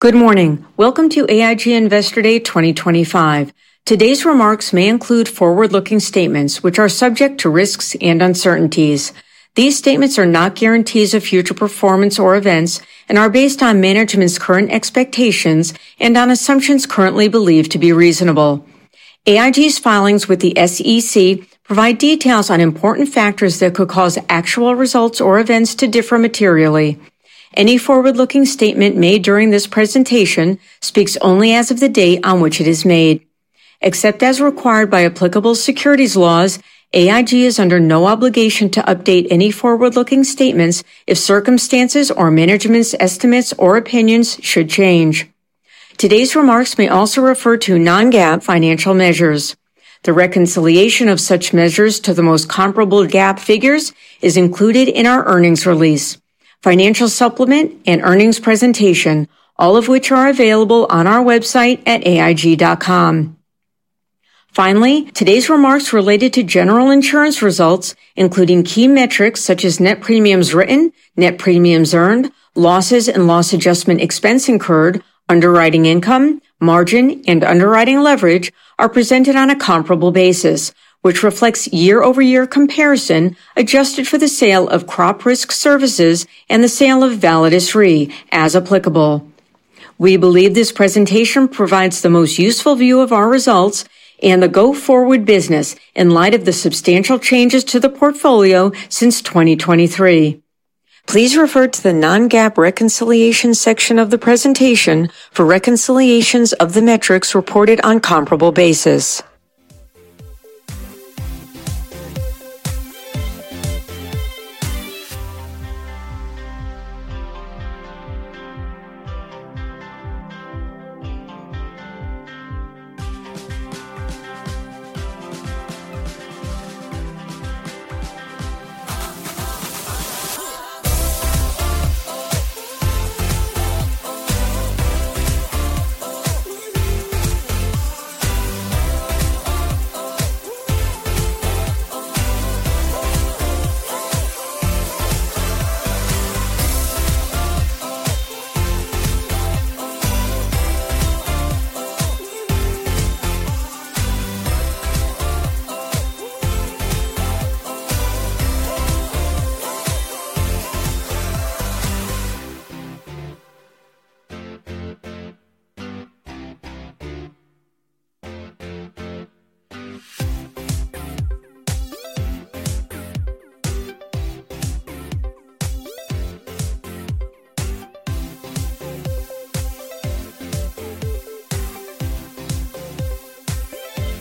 Good morning. Welcome to AIG Investor Day 2025. Today's remarks may include forward-looking statements, which are subject to risks and uncertainties. These statements are not guarantees of future performance or events, and are based on management's current expectations and on assumptions currently believed to be reasonable. AIG's filings with the SEC provide details on important factors that could cause actual results or events to differ materially. Any forward-looking statement made during this presentation speaks only as of the date on which it is made. Except as required by applicable securities laws, AIG is under no obligation to update any forward-looking statements if circumstances or management's estimates or opinions should change. Today's remarks may also refer to non-GAAP financial measures. The reconciliation of such measures to the most comparable GAAP figures is included in our earnings release, financial supplement, and earnings presentation, all of which are available on our website at aig.com. Finally, today's remarks related to General Insurance results, including key metrics such as net premiums written, net premiums earned, losses and loss adjustment expense incurred, underwriting income, margin, and underwriting leverage, are presented on a comparable basis, which reflects year-over-year comparison adjusted for the sale of Crop Risk Services and the sale of Validus Re as applicable. We believe this presentation provides the most useful view of our results and the go-forward business in light of the substantial changes to the portfolio since 2023. Please refer to the non-GAAP reconciliation section of the presentation for reconciliations of the metrics reported on a comparable basis.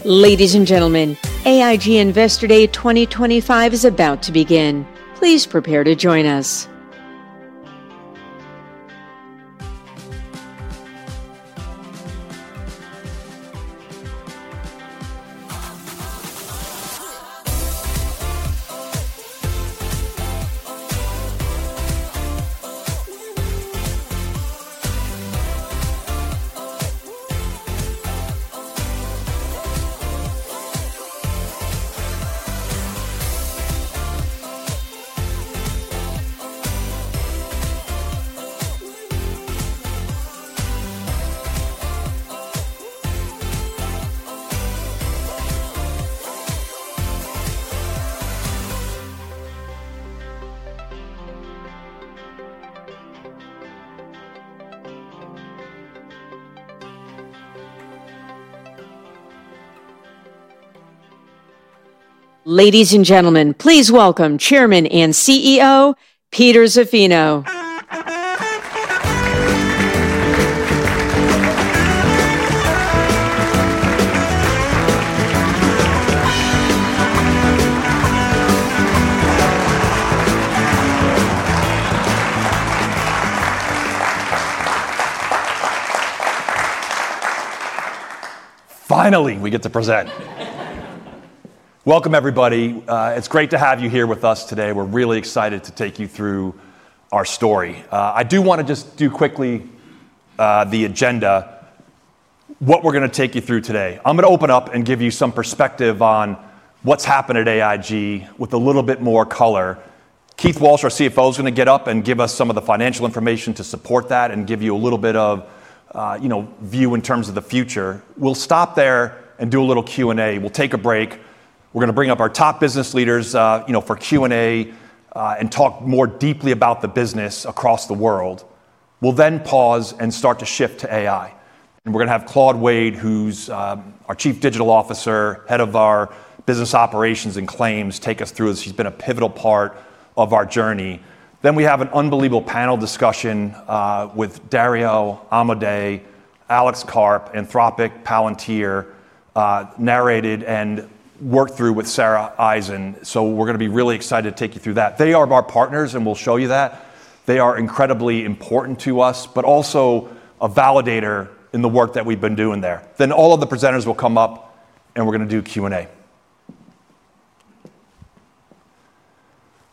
Ladies and gentlemen, AIG Investor Day 2025 is about to begin. Please prepare to join us. Ladies and gentlemen, please welcome Chairman and CEO Peter Zaffino. Finally, we get to present. Welcome, everybody. It's great to have you here with us today. We're really excited to take you through our story. I do want to just do quickly the agenda, what we're going to take you through today. I'm going to open up and give you some perspective on what's happened at AIG with a little bit more color. Keith Walsh, our CFO, is going to get up and give us some of the financial information to support that and give you a little bit of view in terms of the future. We'll stop there and do a little Q&A. We'll take a break. We're going to bring up our top business leaders for Q&A and talk more deeply about the business across the world. We'll then pause and start to shift to AI. We're going to have Claude Wade, who's our Chief Digital Officer, Head of our Business Operations and Claims, take us through this. He's been a pivotal part of our journey. We have an unbelievable panel discussion with Dario Amodei, Alex Karp, Anthropic, Palantir, narrated, and worked through with Sara Eisen. We're going to be really excited to take you through that. They are our partners, and we'll show you that. They are incredibly important to us, but also a validator in the work that we've been doing there. All of the presenters will come up, and we're going to do Q&A.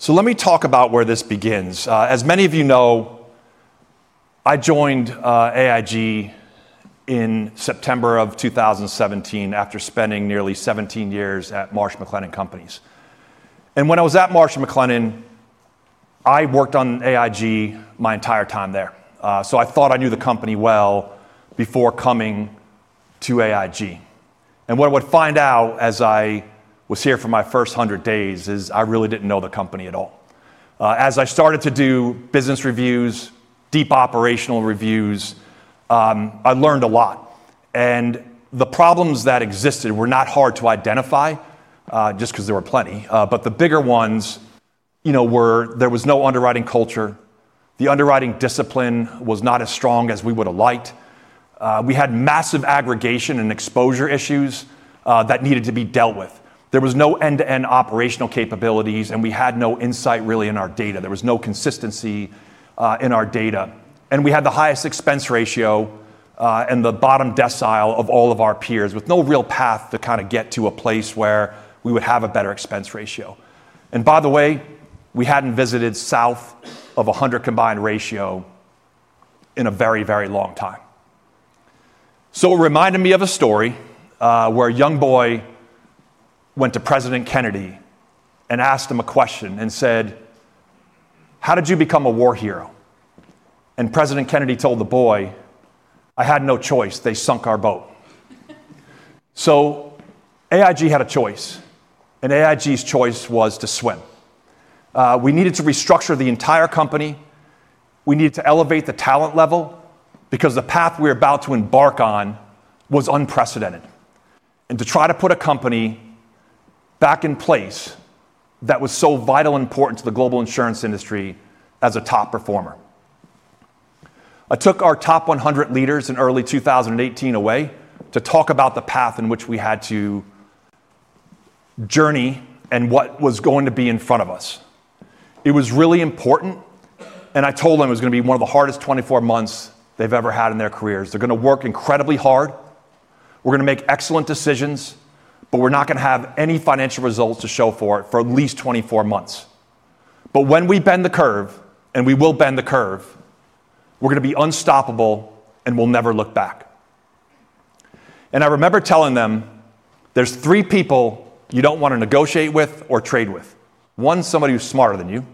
Let me talk about where this begins. As many of you know, I joined AIG in September of 2017 after spending nearly 17 years at Marsh & McLennan Companies. When I was at Marsh & McLennan, I worked on AIG my entire time there. I thought I knew the company well before coming to AIG. What I would find out as I was here for my first 100 days is I really did not know the company at all. As I started to do business reviews, deep operational reviews, I learned a lot. The problems that existed were not hard to identify, just because there were plenty. The bigger ones were there was no underwriting culture. The underwriting discipline was not as strong as we would have liked. We had massive aggregation and exposure issues that needed to be dealt with. There was no end-to-end operational capabilities, and we had no insight really in our data. There was no consistency in our data. We had the highest expense ratio and the bottom decile of all of our peers, with no real path to kind of get to a place where we would have a better expense ratio. By the way, we had not visited south of a 100 combined ratio in a very, very long time. It reminded me of a story where a young boy went to President Kennedy and asked him a question and said, "How did you become a war hero?" President Kennedy told the boy, "I had no choice. They sunk our boat." AIG had a choice, and AIG's choice was to swim. We needed to restructure the entire company. We needed to elevate the talent level because the path we were about to embark on was unprecedented. To try to put a company back in place that was so vital and important to the global insurance industry as a top performer. I took our top 100 leaders in early 2018 away to talk about the path in which we had to journey and what was going to be in front of us. It was really important, and I told them it was going to be one of the hardest 24 months they've ever had in their careers. They're going to work incredibly hard. We're going to make excellent decisions, but we're not going to have any financial results to show for it for at least 24 months. When we bend the curve, and we will bend the curve, we're going to be unstoppable and we'll never look back. I remember telling them, "There's three people you don't want to negotiate with or trade with. One, somebody who's smarter than you.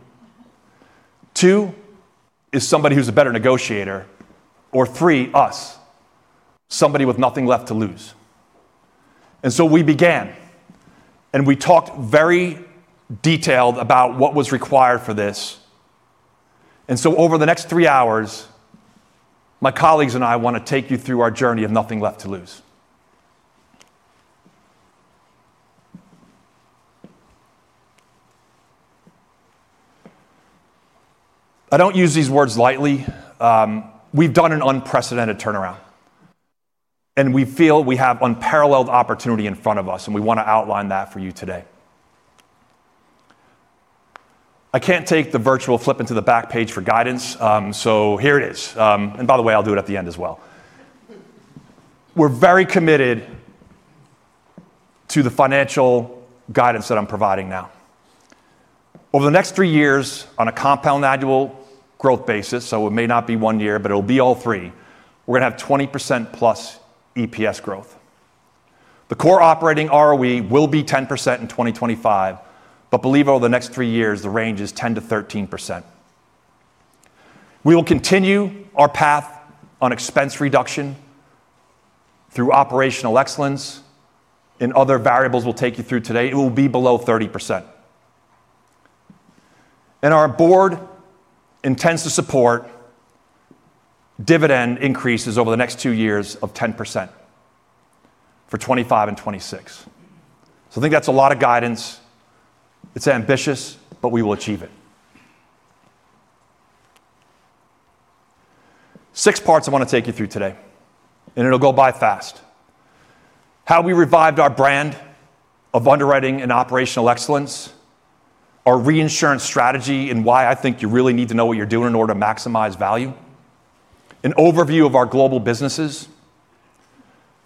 Two, is somebody who's a better negotiator. Three, us, somebody with nothing left to lose. We began, and we talked very detailed about what was required for this. Over the next three hours, my colleagues and I want to take you through our journey of nothing left to lose. I do not use these words lightly. We have done an unprecedented turnaround, and we feel we have unparalleled opportunity in front of us, and we want to outline that for you today. I cannot take the virtual flip into the back page for guidance, so here it is. By the way, I will do it at the end as well. We are very committed to the financial guidance that I am providing now. Over the next three years, on a compound annual growth basis, so it may not be one year, but it will be all three, we are going to have 20% plus EPS growth. The core operating ROE will be 10% in 2025, but believe over the next three years, the range is 10-13%. We will continue our path on expense reduction through operational excellence, and other variables we will take you through today. It will be below 30%. Our board intends to support dividend increases over the next two years of 10% for 2025 and 2026. I think that is a lot of guidance. It is ambitious, but we will achieve it. Six parts I want to take you through today, and it will go by fast. How we revived our brand of underwriting and operational excellence, our reinsurance strategy and why I think you really need to know what you're doing in order to maximize value, an overview of our global businesses,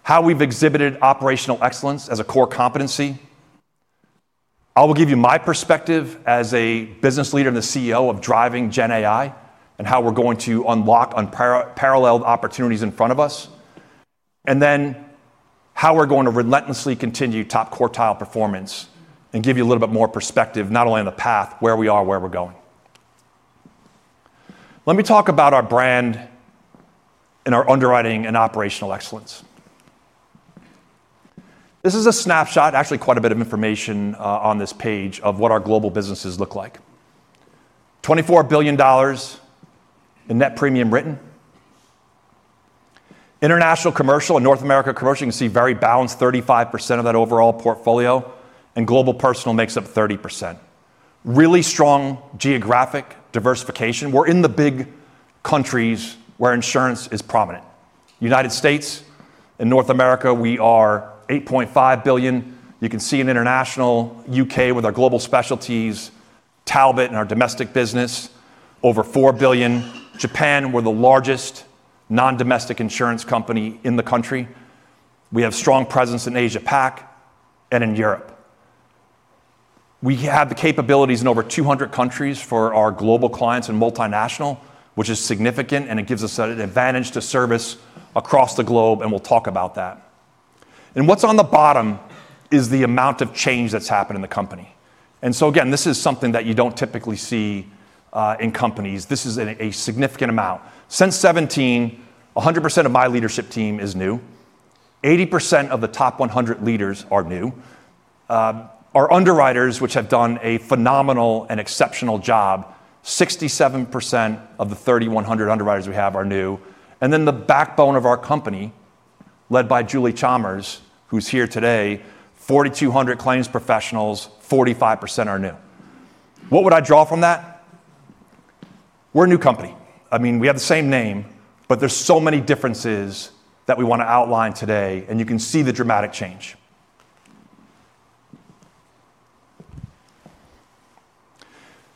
how we've exhibited operational excellence as a core competency. I will give you my perspective as a business leader and the CEO of Driving Gen AI and how we're going to unlock unparalleled opportunities in front of us. How we're going to relentlessly continue top quartile performance and give you a little bit more perspective, not only on the path, where we are, where we're going. Let me talk about our brand and our underwriting and operational excellence. This is a snapshot, actually quite a bit of information on this page of what our global businesses look like. $24 billion in net premium written. International commercial and North America commercial, you can see very balanced, 35% of that overall portfolio. Global personal makes up 30%. Really strong geographic diversification. We're in the big countries where insurance is prominent. United States and North America, we are $8.5 billion. You can see in international, U.K. with our global specialties, Talbot in our domestic business, over $4 billion. Japan, we're the largest non-domestic insurance company in the country. We have strong presence in Asia-Pacific and in Europe. We have the capabilities in over 200 countries for our global clients and multinational, which is significant, and it gives us an advantage to service across the globe, and we'll talk about that. What's on the bottom is the amount of change that's happened in the company. This is something that you don't typically see in companies. This is a significant amount. Since 2017, 100% of my leadership team is new. 80% of the top 100 leaders are new. Our underwriters, which have done a phenomenal and exceptional job, 67% of the 3,100 underwriters we have are new. The backbone of our company, led by Julie Chalmers, who's here today, 4,200 claims professionals, 45% are new. What would I draw from that? We're a new company. I mean, we have the same name, but there are so many differences that we want to outline today, and you can see the dramatic change.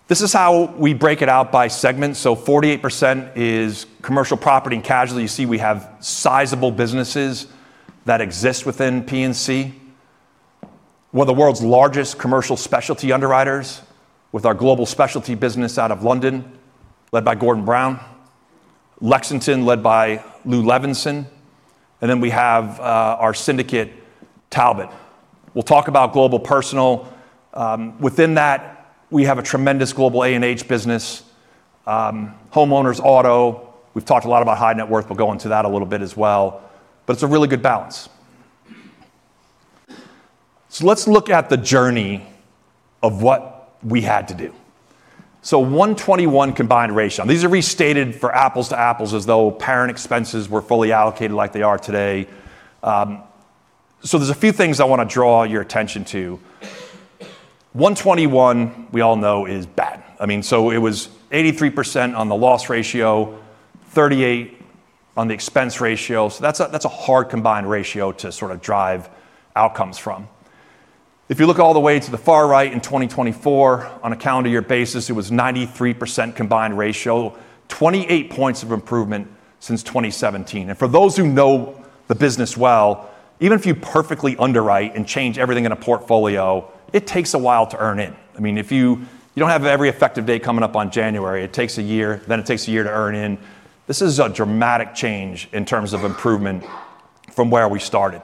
This is how we break it out by segment. 48% is commercial property and casualty. You see we have sizable businesses that exist within P&C. We're the world's largest commercial specialty underwriters with our global specialty business out of London, led by Gordon Brown. Lexington, led by Lou Levinson. We have our syndicate, Talbot. We'll talk about global personal. Within that, we have a tremendous global A&H business, homeowners, auto. We've talked a lot about high net worth. We'll go into that a little bit as well. It's a really good balance. Let's look at the journey of what we had to do. 121% combined ratio. These are restated for apples to apples as though parent expenses were fully allocated like they are today. There are a few things I want to draw your attention to. 121%, we all know, is bad. I mean, it was 83% on the loss ratio, 38% on the expense ratio. That's a hard combined ratio to sort of drive outcomes from. If you look all the way to the far right in 2024, on a calendar year basis, it was 93% combined ratio, 28 percentage points of improvement since 2017. For those who know the business well, even if you perfectly underwrite and change everything in a portfolio, it takes a while to earn in. I mean, if you do not have every effective day coming up on January, it takes a year, then it takes a year to earn in. This is a dramatic change in terms of improvement from where we started.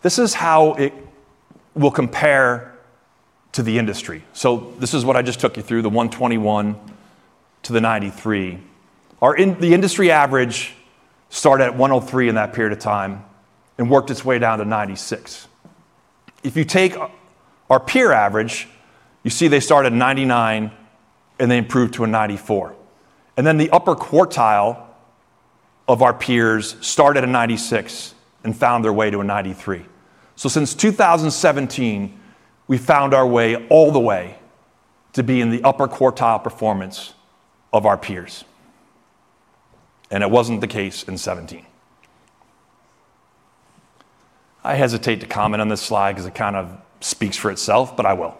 This is how it will compare to the industry. This is what I just took you through, the 121 to the 93. The industry average started at 103 in that period of time and worked its way down to 96. If you take our peer average, you see they started at 99 and they improved to a 94. The upper quartile of our peers started at 96 and found their way to a 93. Since 2017, we found our way all the way to be in the upper quartile performance of our peers. It was not the case in 2017. I hesitate to comment on this slide because it kind of speaks for itself, but I will.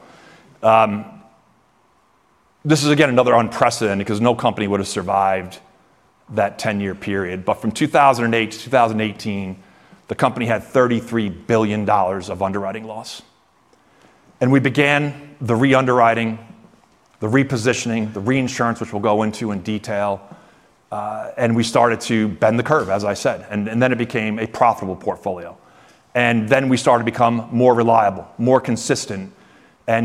This is again another unprecedented because no company would have survived that 10-year period. From 2008 to 2018, the company had $33 billion of underwriting loss. We began the re-underwriting, the repositioning, the reinsurance, which we will go into in detail. We started to bend the curve, as I said. It became a profitable portfolio. We started to become more reliable, more consistent.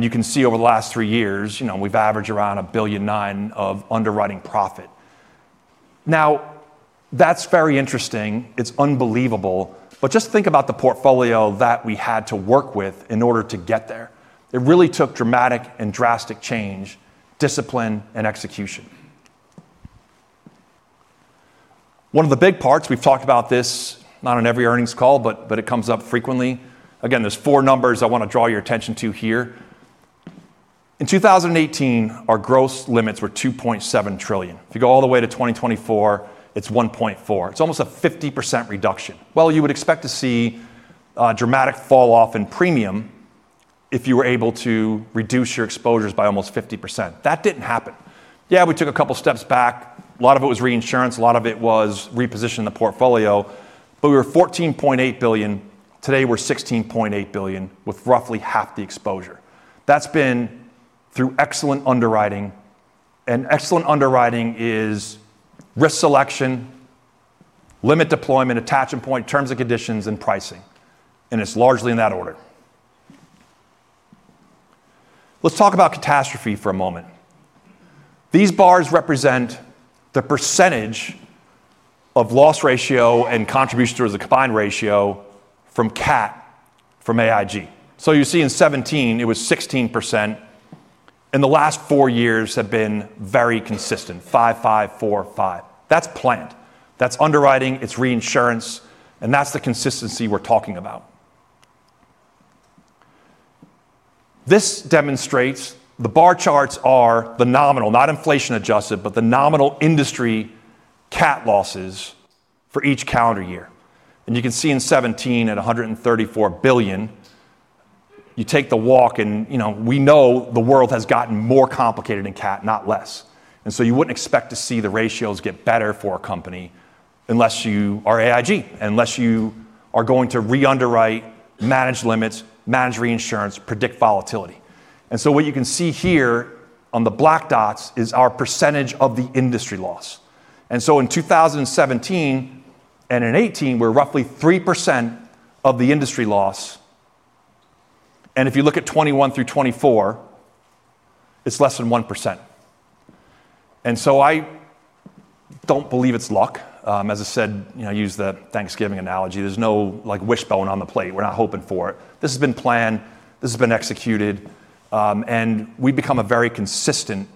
You can see over the last three years, we have averaged around $1.9 billion of underwriting profit. That is very interesting. It is unbelievable. Just think about the portfolio that we had to work with in order to get there. It really took dramatic and drastic change, discipline, and execution. One of the big parts, we've talked about this, not on every earnings call, but it comes up frequently. Again, there are four numbers I want to draw your attention to here. In 2018, our gross limits were $2.7 trillion. If you go all the way to 2024, it's $1.4 trillion. It's almost a 50% reduction. You would expect to see a dramatic falloff in premium if you were able to reduce your exposures by almost 50%. That did not happen. Yeah, we took a couple of steps back. A lot of it was reinsurance. A lot of it was repositioning the portfolio. We were at $14.8 billion. Today, we are $16.8 billion with roughly half the exposure. That has been through excellent underwriting. Excellent underwriting is risk selection, limit deployment, attachment point, terms and conditions, and pricing. It is largely in that order. Let's talk about catastrophe for a moment. These bars represent the percentage of loss ratio and contribution towards the combined ratio from CAT from AIG. You see in 2017, it was 16%. The last four years have been very consistent, 5%, 5%, 4%, 5%. That is planned. That is underwriting. It is reinsurance. That is the consistency we are talking about. This demonstrates the bar charts are the nominal, not inflation adjusted, but the nominal industry CAT losses for each calendar year. You can see in 2017 at $134 billion. You take the walk and we know the world has gotten more complicated in CAT, not less. You wouldn't expect to see the ratios get better for a company unless you are AIG, unless you are going to re-underwrite, manage limits, manage reinsurance, predict volatility. What you can see here on the black dots is our percentage of the industry loss. In 2017 and in 2018, we're roughly 3% of the industry loss. If you look at 2021 through 2024, it's less than 1%. I don't believe it's luck. As I said, I use the Thanksgiving analogy. There's no wishbone on the plate. We're not hoping for it. This has been planned. This has been executed. We've become a very consistent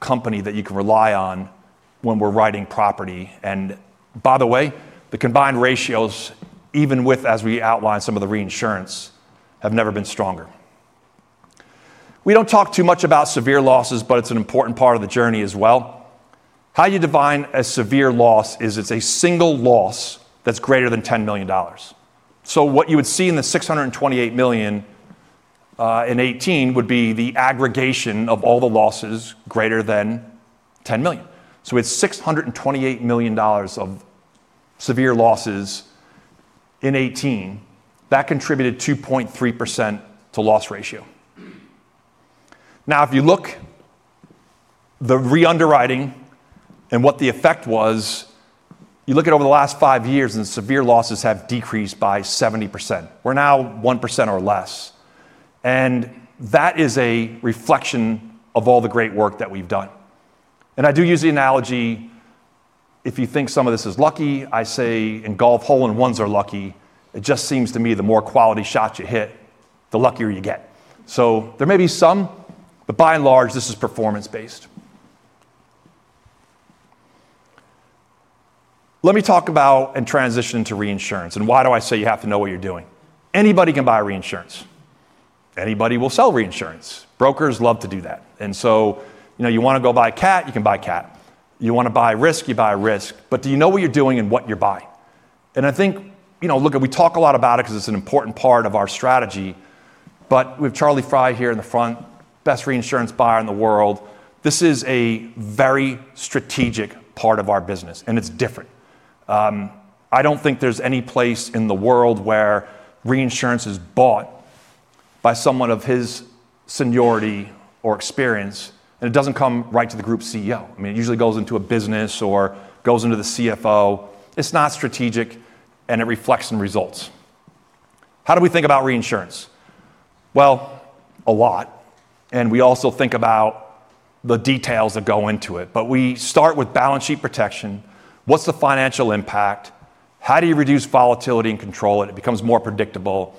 company that you can rely on when we're writing property. By the way, the combined ratios, even with, as we outlined, some of the reinsurance, have never been stronger. We do not talk too much about severe losses, but it is an important part of the journey as well. How you define a severe loss is it is a single loss that is greater than $10 million. What you would see in the $628 million in 2018 would be the aggregation of all the losses greater than $10 million. We had $628 million of severe losses in 2018. That contributed 2.3% to loss ratio. Now, if you look at the re-underwriting and what the effect was, you look at over the last five years and severe losses have decreased by 70%. We are now 1% or less. That is a reflection of all the great work that we have done. I do use the analogy. If you think some of this is lucky, I say, and Golf Hole-in-Ones are lucky. It just seems to me the more quality shots you hit, the luckier you get. There may be some, but by and large, this is performance-based. Let me talk about and transition to reinsurance. Why do I say you have to know what you're doing? Anybody can buy reinsurance. Anybody will sell reinsurance. Brokers love to do that. You want to go buy CAT, you can buy CAT. You want to buy risk, you buy risk. Do you know what you're doing and what you're buying? I think, look, we talk a lot about it because it's an important part of our strategy. With Charlie Fry here in the front, best reinsurance buyer in the world, this is a very strategic part of our business, and it's different. I don't think there's any place in the world where reinsurance is bought by someone of his seniority or experience, and it doesn't come right to the group CEO. I mean, it usually goes into a business or goes into the CFO. It's not strategic, and it reflects in results. How do we think about reinsurance? A lot. We also think about the details that go into it. We start with balance sheet protection. What's the financial impact? How do you reduce volatility and control it? It becomes more predictable.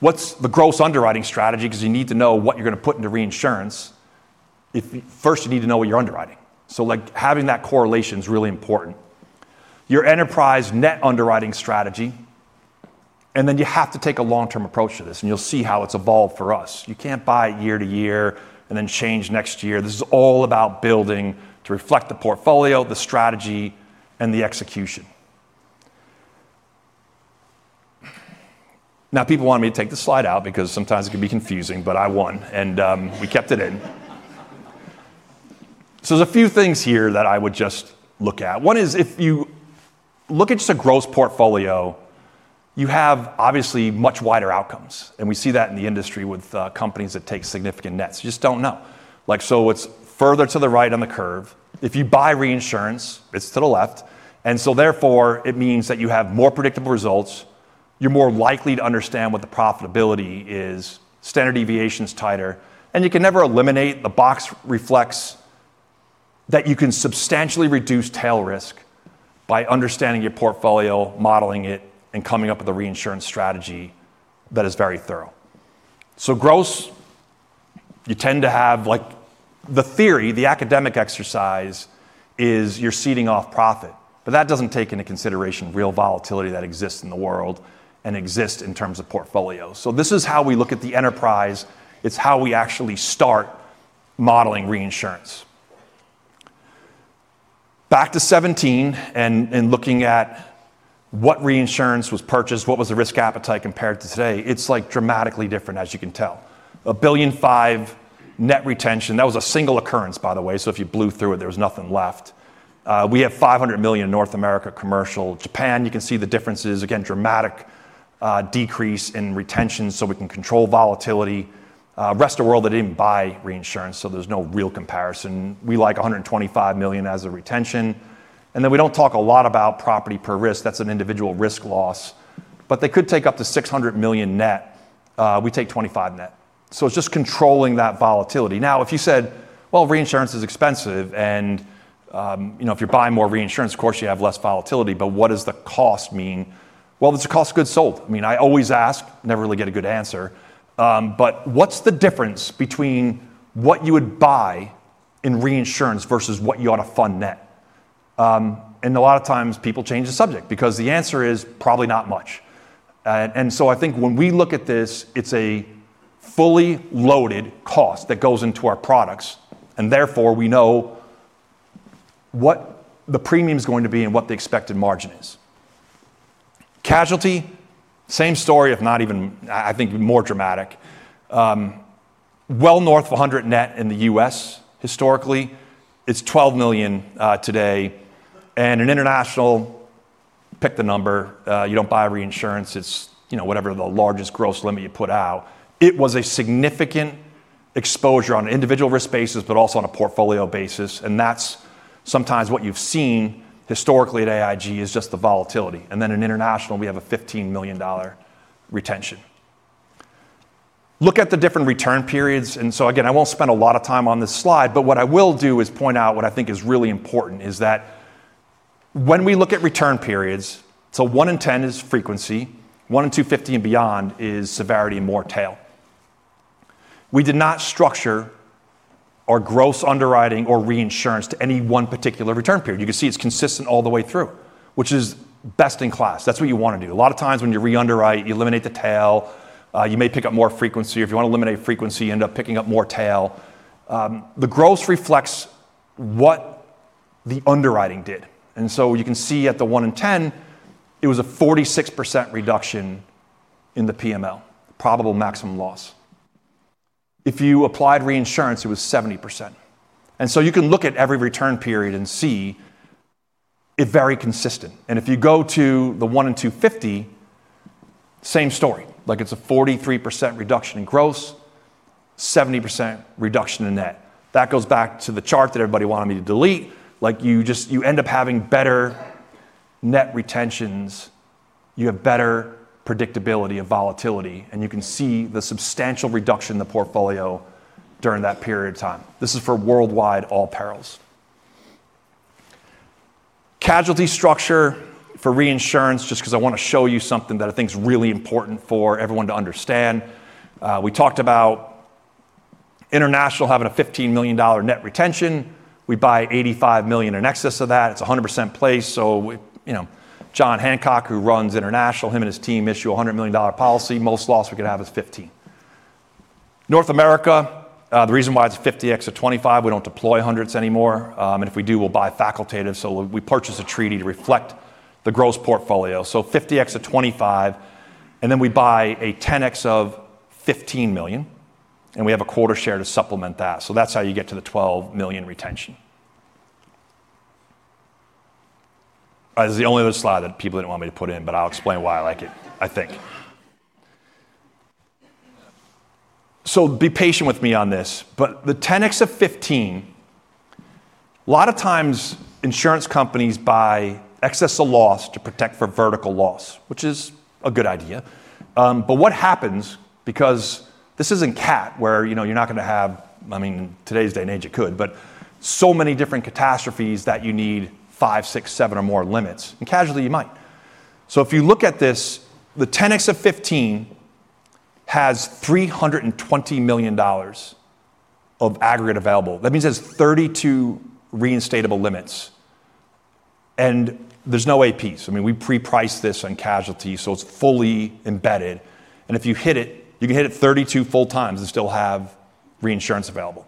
What's the gross underwriting strategy? Because you need to know what you're going to put into reinsurance. First, you need to know what you're underwriting. Having that correlation is really important. Your enterprise net underwriting strategy. You have to take a long-term approach to this, and you'll see how it's evolved for us. You can't buy it year to year and then change next year. This is all about building to reflect the portfolio, the strategy, and the execution. Now, people want me to take the slide out because sometimes it can be confusing, but I won, and we kept it in. There are a few things here that I would just look at. One is if you look at just a gross portfolio, you have obviously much wider outcomes. We see that in the industry with companies that take significant nets. You just don't know. It is further to the right on the curve. If you buy reinsurance, it is to the left. Therefore, it means that you have more predictable results. You are more likely to understand what the profitability is. Standard deviation is tighter. You can never eliminate the box. It reflects that you can substantially reduce tail risk by understanding your portfolio, modeling it, and coming up with a reinsurance strategy that is very thorough. Gross, you tend to have the theory, the academic exercise is you're seeding off profit. That does not take into consideration real volatility that exists in the world and exists in terms of portfolio. This is how we look at the enterprise. It is how we actually start modeling reinsurance. Back to 2017 and looking at what reinsurance was purchased, what was the risk appetite compared to today, it is dramatically different, as you can tell. $1.5 billion net retention. That was a single occurrence, by the way. If you blew through it, there was nothing left. We have $500 million in North America commercial. Japan, you can see the difference is, again, dramatic decrease in retention so we can control volatility. Rest of the world, they did not buy reinsurance, so there is no real comparison. We like $125 million as a retention. We do not talk a lot about property per risk. That is an individual risk loss. They could take up to $600 million net. We take $25 million net. It is just controlling that volatility. If you said, "Reinsurance is expensive, and if you are buying more reinsurance, of course, you have less volatility. What does the cost mean?" It is a cost goods sold. I mean, I always ask. Never really get a good answer. What is the difference between what you would buy in reinsurance versus what you ought to fund net? A lot of times, people change the subject because the answer is probably not much. I think when we look at this, it's a fully loaded cost that goes into our products. Therefore, we know what the premium is going to be and what the expected margin is. Casualty, same story, if not even, I think, more dramatic. Well north of 100 net in the U.S. historically. It's $12 million today. In international, pick the number. You don't buy reinsurance. It's whatever the largest gross limit you put out. It was a significant exposure on an individual risk basis, but also on a portfolio basis. That's sometimes what you've seen historically at AIG, just the volatility. In international, we have a $15 million retention. Look at the different return periods. I won't spend a lot of time on this slide. What I will do is point out what I think is really important is that when we look at return periods, so 1 in 10 is frequency. 1 in 250 and beyond is severity and more tail. We did not structure our gross underwriting or reinsurance to any one particular return period. You can see it is consistent all the way through, which is best in class. That is what you want to do. A lot of times when you re-underwrite, you eliminate the tail. You may pick up more frequency. If you want to eliminate frequency, you end up picking up more tail. The gross reflects what the underwriting did. You can see at the 1 in 10, it was a 46% reduction in the PML, probable maximum loss. If you applied reinsurance, it was 70%. You can look at every return period and see it's very consistent. If you go to the 1 in 250, same story. It's a 43% reduction in gross, 70% reduction in net. That goes back to the chart that everybody wanted me to delete. You end up having better net retentions. You have better predictability of volatility. You can see the substantial reduction in the portfolio during that period of time. This is for worldwide all perils. Casualty structure for reinsurance, just because I want to show you something that I think is really important for everyone to understand. We talked about international having a $15 million net retention. We buy $85 million in excess of that. It's 100% place. John Hancock, who runs international, him and his team issue a $100 million policy. Most loss we could have is $15 million. North America, the reason why it's 50x of 25, we don't deploy hundreds anymore. If we do, we'll buy facultative. We purchase a treaty to reflect the gross portfolio. So 50x of 25. We buy a 10x of $15 million. We have a quarter share to supplement that. That's how you get to the $12 million retention. That's the only other slide that people didn't want me to put in, but I'll explain why I like it, I think. Be patient with me on this. The 10x of 15, a lot of times insurance companies buy excessive loss to protect for vertical loss, which is a good idea. What happens because this is not CAT where you are not going to have, I mean, in today's day and age it could, but so many different catastrophes that you need five, six, seven, or more limits. And casually, you might. If you look at this, the 10x of 15 has $320 million of aggregate available. That means there are 32 reinstatable limits. There are no APs. I mean, we pre-priced this on casualty, so it is fully embedded. If you hit it, you can hit it 32 full times and still have reinsurance available.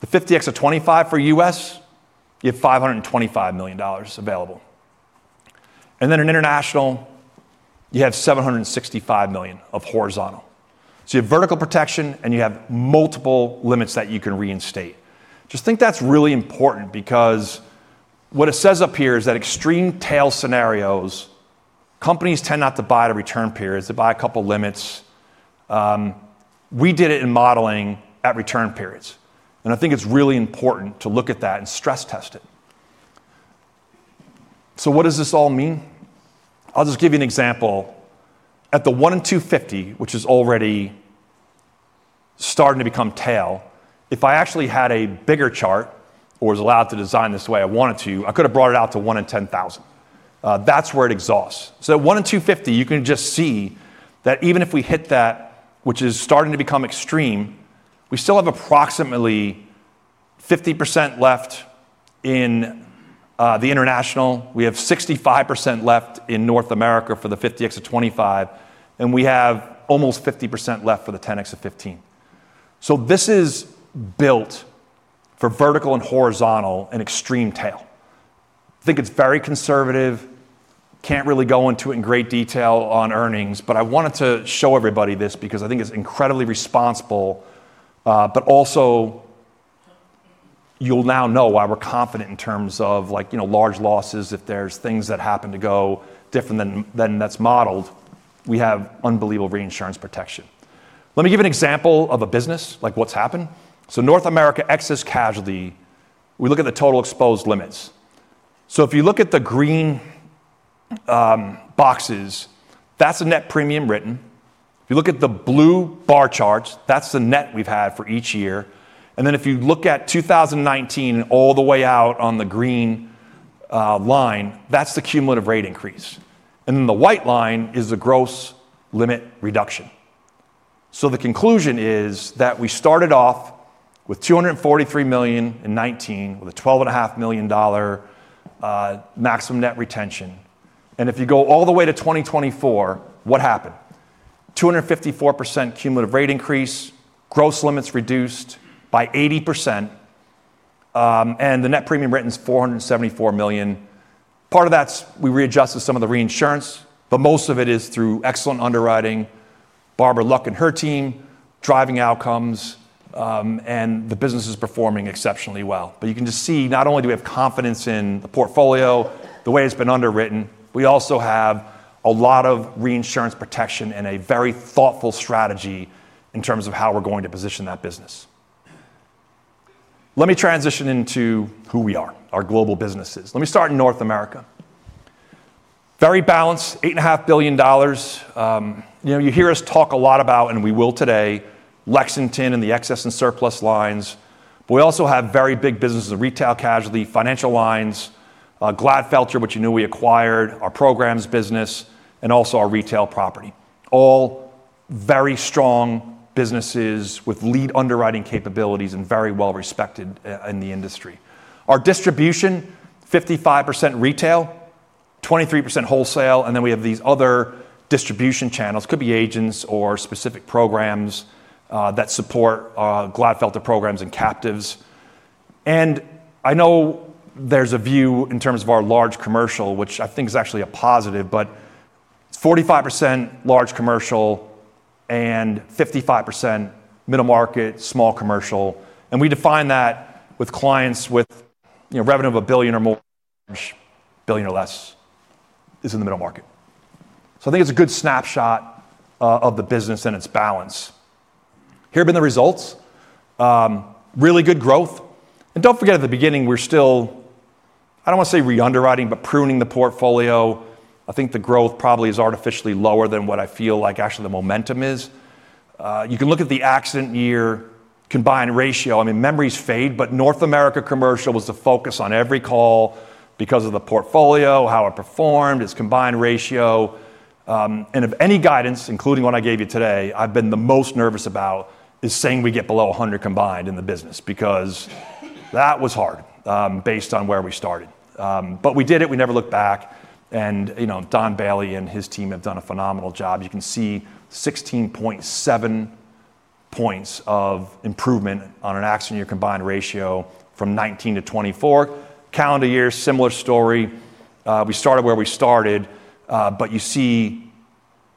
The 50x of 25 for US, you have $525 million available. In international, you have $765 million of horizontal. You have vertical protection, and you have multiple limits that you can reinstate. Just think that's really important because what it says up here is that extreme tail scenarios, companies tend not to buy at a return period. They buy a couple of limits. We did it in modeling at return periods. I think it's really important to look at that and stress test it. What does this all mean? I'll just give you an example. At the 1 in 250, which is already starting to become tail, if I actually had a bigger chart or was allowed to design this the way I wanted to, I could have brought it out to 1 in 10,000. That's where it exhausts. At 1 in 250, you can just see that even if we hit that, which is starting to become extreme, we still have approximately 50% left in the international. We have 65% left in North America for the 50x of 25. We have almost 50% left for the 10x of 15. This is built for vertical and horizontal and extreme tail. I think it's very conservative. Can't really go into it in great detail on earnings, but I wanted to show everybody this because I think it's incredibly responsible. You'll now know why we're confident in terms of large losses. If there's things that happen to go different than that's modeled, we have unbelievable reinsurance protection. Let me give an example of a business, like what's happened. North America excess casualty, we look at the total exposed limits. If you look at the green boxes, that's a net premium written. If you look at the blue bar charts, that's the net we've had for each year. If you look at 2019 all the way out on the green line, that's the cumulative rate increase. The white line is the gross limit reduction. The conclusion is that we started off with $243 million in 2019 with a $12.5 million maximum net retention. If you go all the way to 2024, what happened? 254% cumulative rate increase, gross limits reduced by 80%. The net premium written is $474 million. Part of that is we readjusted some of the reinsurance, but most of it is through excellent underwriting, Barbara Luck and her team, driving outcomes, and the business is performing exceptionally well. You can just see not only do we have confidence in the portfolio, the way it's been underwritten, we also have a lot of reinsurance protection and a very thoughtful strategy in terms of how we're going to position that business. Let me transition into who we are, our global businesses. Let me start in North America. Very balanced, $8.5 billion. You hear us talk a lot about, and we will today, Lexington and the excess and surplus lines. We also have very big businesses, retail casualty, financial lines, Gladfelter, which you knew we acquired, our programs business, and also our retail property. All very strong businesses with lead underwriting capabilities and very well respected in the industry. Our distribution, 55% retail, 23% wholesale. We have these other distribution channels. Could be agents or specific programs that support Gladfelter programs and captives. I know there is a view in terms of our large commercial, which I think is actually a positive, but 45% large commercial and 55% middle market, small commercial. We define that with clients with revenue of a billion or more, a billion or less is in the middle market. I think it is a good snapshot of the business and its balance. Here have been the results. Really good growth. Do not forget at the beginning, we are still, I do not want to say re-underwriting, but pruning the portfolio. I think the growth probably is artificially lower than what I feel like actually the momentum is. You can look at the accident year combined ratio. I mean, memories fade, but North America commercial was the focus on every call because of the portfolio, how it performed, its combined ratio. And of any guidance, including what I gave you today, I've been the most nervous about is saying we get below 100 combined in the business because that was hard based on where we started. We did it. We never looked back. Don Bailey and his team have done a phenomenal job. You can see 16.7 percentage points of improvement on an accident year combined ratio from 2019-2024. Calendar year, similar story. We started where we started, but you see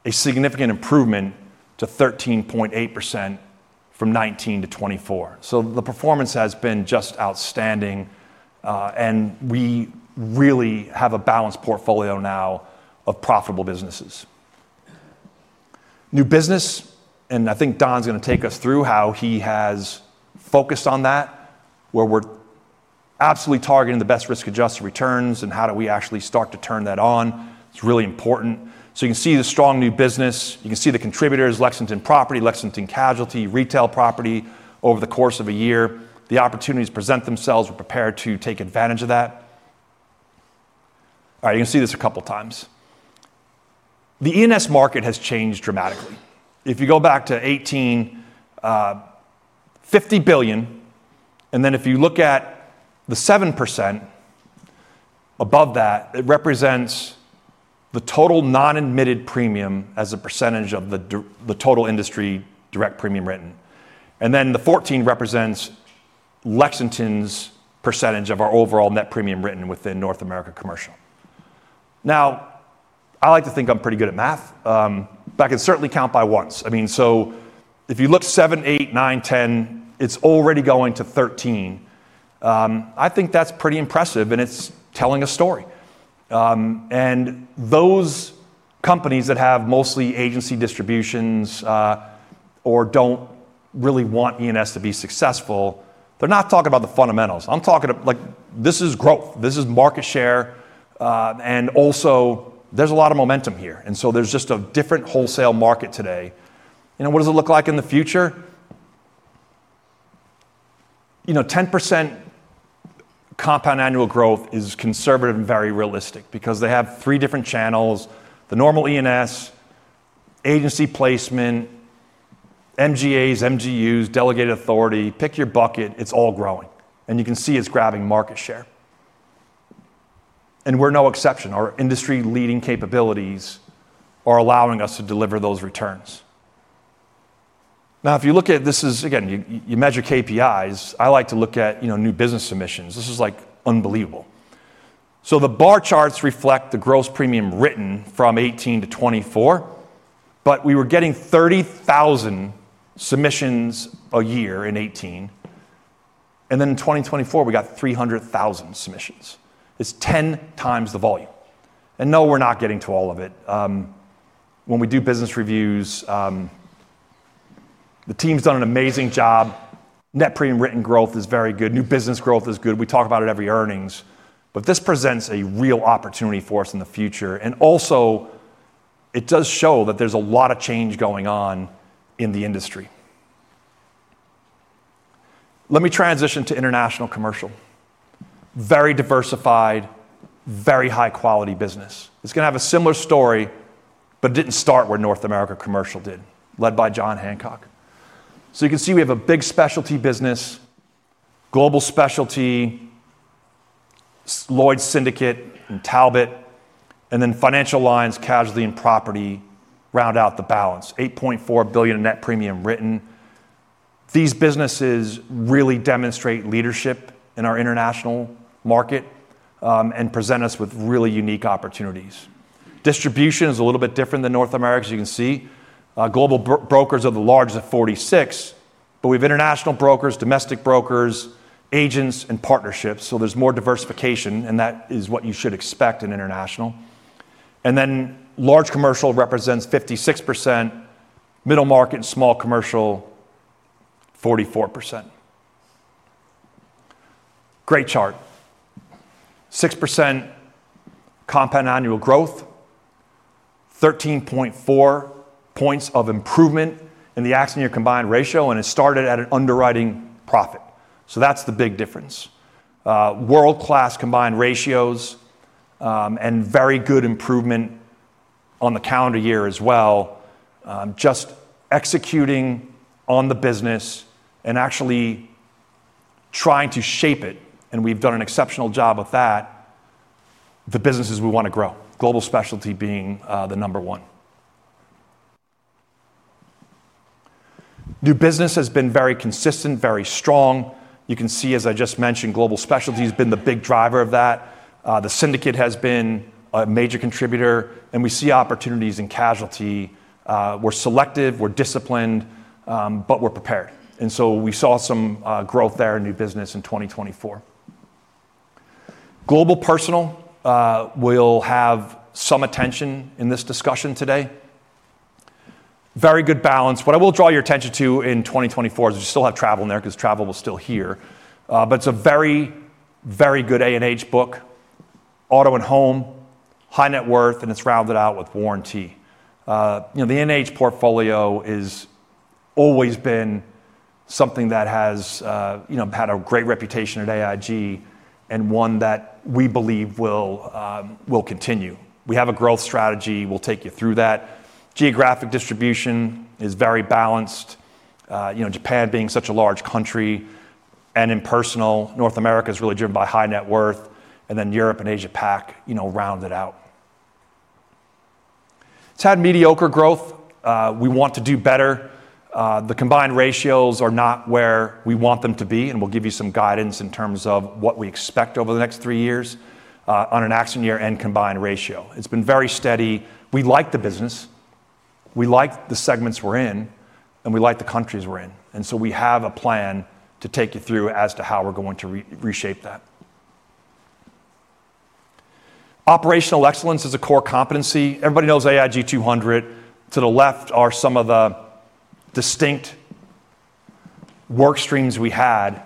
a significant improvement to 13.8% from 2019 to 2024. The performance has been just outstanding. We really have a balanced portfolio now of profitable businesses. New business. I think Don's going to take us through how he has focused on that, where we're absolutely targeting the best risk-adjusted returns and how do we actually start to turn that on. It's really important. You can see the strong new business. You can see the contributors, Lexington property, Lexington casualty, retail property over the course of a year. The opportunities present themselves. We're prepared to take advantage of that. All right. You can see this a couple of times. The E&S market has changed dramatically. If you go back to 2018, $50 billion. If you look at the 7% above that, it represents the total non-admitted premium as a percentage of the total industry direct premium written. The 14 represents Lexington's percentage of our overall net premium written within North America commercial. I like to think I'm pretty good at math. I can certainly count by ones. I mean, if you look 7, 8, 9, 10, it's already going to 13. I think that's pretty impressive. It's telling a story. Those companies that have mostly agency distributions or do not really want E&S to be successful are not talking about the fundamentals. I am talking about this is growth. This is market share. There is a lot of momentum here. There is just a different wholesale market today. What does it look like in the future? 10% compound annual growth is conservative and very realistic because they have three different channels: the normal E&S, agency placement, MGAs, MGUs, delegated authority. Pick your bucket. It is all growing. You can see it is grabbing market share. We are no exception. Our industry-leading capabilities are allowing us to deliver those returns. If you look at this, again, you measure KPIs. I like to look at new business submissions. This is unbelievable. The bar charts reflect the gross premium written from 2018-2024. We were getting 30,000 submissions a year in 2018. In 2024, we got 300,000 submissions. It is 10 times the volume. No, we are not getting to all of it. When we do business reviews, the team's done an amazing job. Net premium written growth is very good. New business growth is good. We talk about it every earnings. This presents a real opportunity for us in the future. It does show that there is a lot of change going on in the industry. Let me transition to international commercial. Very diversified, very high-quality business. It is going to have a similar story, but it did not start where North America commercial did, led by John Hancock. You can see we have a big specialty business, global specialty, Lloyd Syndicate and Talbot, and then financial lines, casualty and property round out the balance. $8.4 billion net premium written. These businesses really demonstrate leadership in our international market and present us with really unique opportunities. Distribution is a little bit different than North America, as you can see. Global brokers of the large is at 46%. We have international brokers, domestic brokers, agents, and partnerships. There is more diversification. That is what you should expect in international. Large commercial represents 56%, middle market and small commercial 44%. Great chart. 6% compound annual growth, 13.4 percentage points of improvement in the accident year combined ratio. It started at an underwriting profit. That is the big difference. World-class combined ratios and very good improvement on the calendar year as well. Just executing on the business and actually trying to shape it. We have done an exceptional job with that. The businesses we want to grow. Global specialty being the number one. New business has been very consistent, very strong. You can see, as I just mentioned, global specialty has been the big driver of that. The syndicate has been a major contributor. We see opportunities in casualty. We're selective. We're disciplined, but we're prepared. We saw some growth there in new business in 2024. Global personal will have some attention in this discussion today. Very good balance. What I will draw your attention to in 2024 is we still have travel in there because travel was still here. It is a very, very good A&H book, Auto & Home, high net worth, and it is rounded out with warranty. The A&H portfolio has always been something that has had a great reputation at AIG and one that we believe will continue. We have a growth strategy. We'll take you through that. Geographic distribution is very balanced, Japan being such a large country. In personal, North America is really driven by high net worth. Europe and Asia-Pac round it out. It has had mediocre growth. We want to do better. The combined ratios are not where we want them to be. We will give you some guidance in terms of what we expect over the next three years on an accident year and combined ratio. It has been very steady. We like the business. We like the segments we are in. We like the countries we are in. We have a plan to take you through as to how we are going to reshape that. Operational excellence is a core competency. Everybody knows AIG 200. To the left are some of the distinct work streams we had.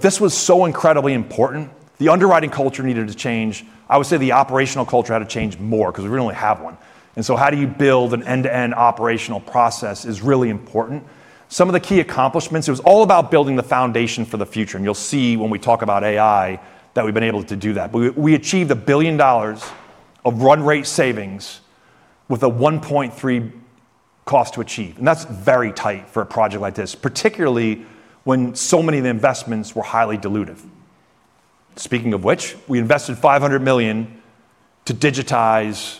This was so incredibly important. The underwriting culture needed to change. I would say the operational culture had to change more because we really only have one. How do you build an end-to-end operational process is really important. Some of the key accomplishments, it was all about building the foundation for the future. You will see when we talk about AI that we have been able to do that. We achieved $1 billion of run rate savings with a $1.3 billion cost to achieve. That is very tight for a project like this, particularly when so many of the investments were highly dilutive. Speaking of which, we invested $500 million to digitize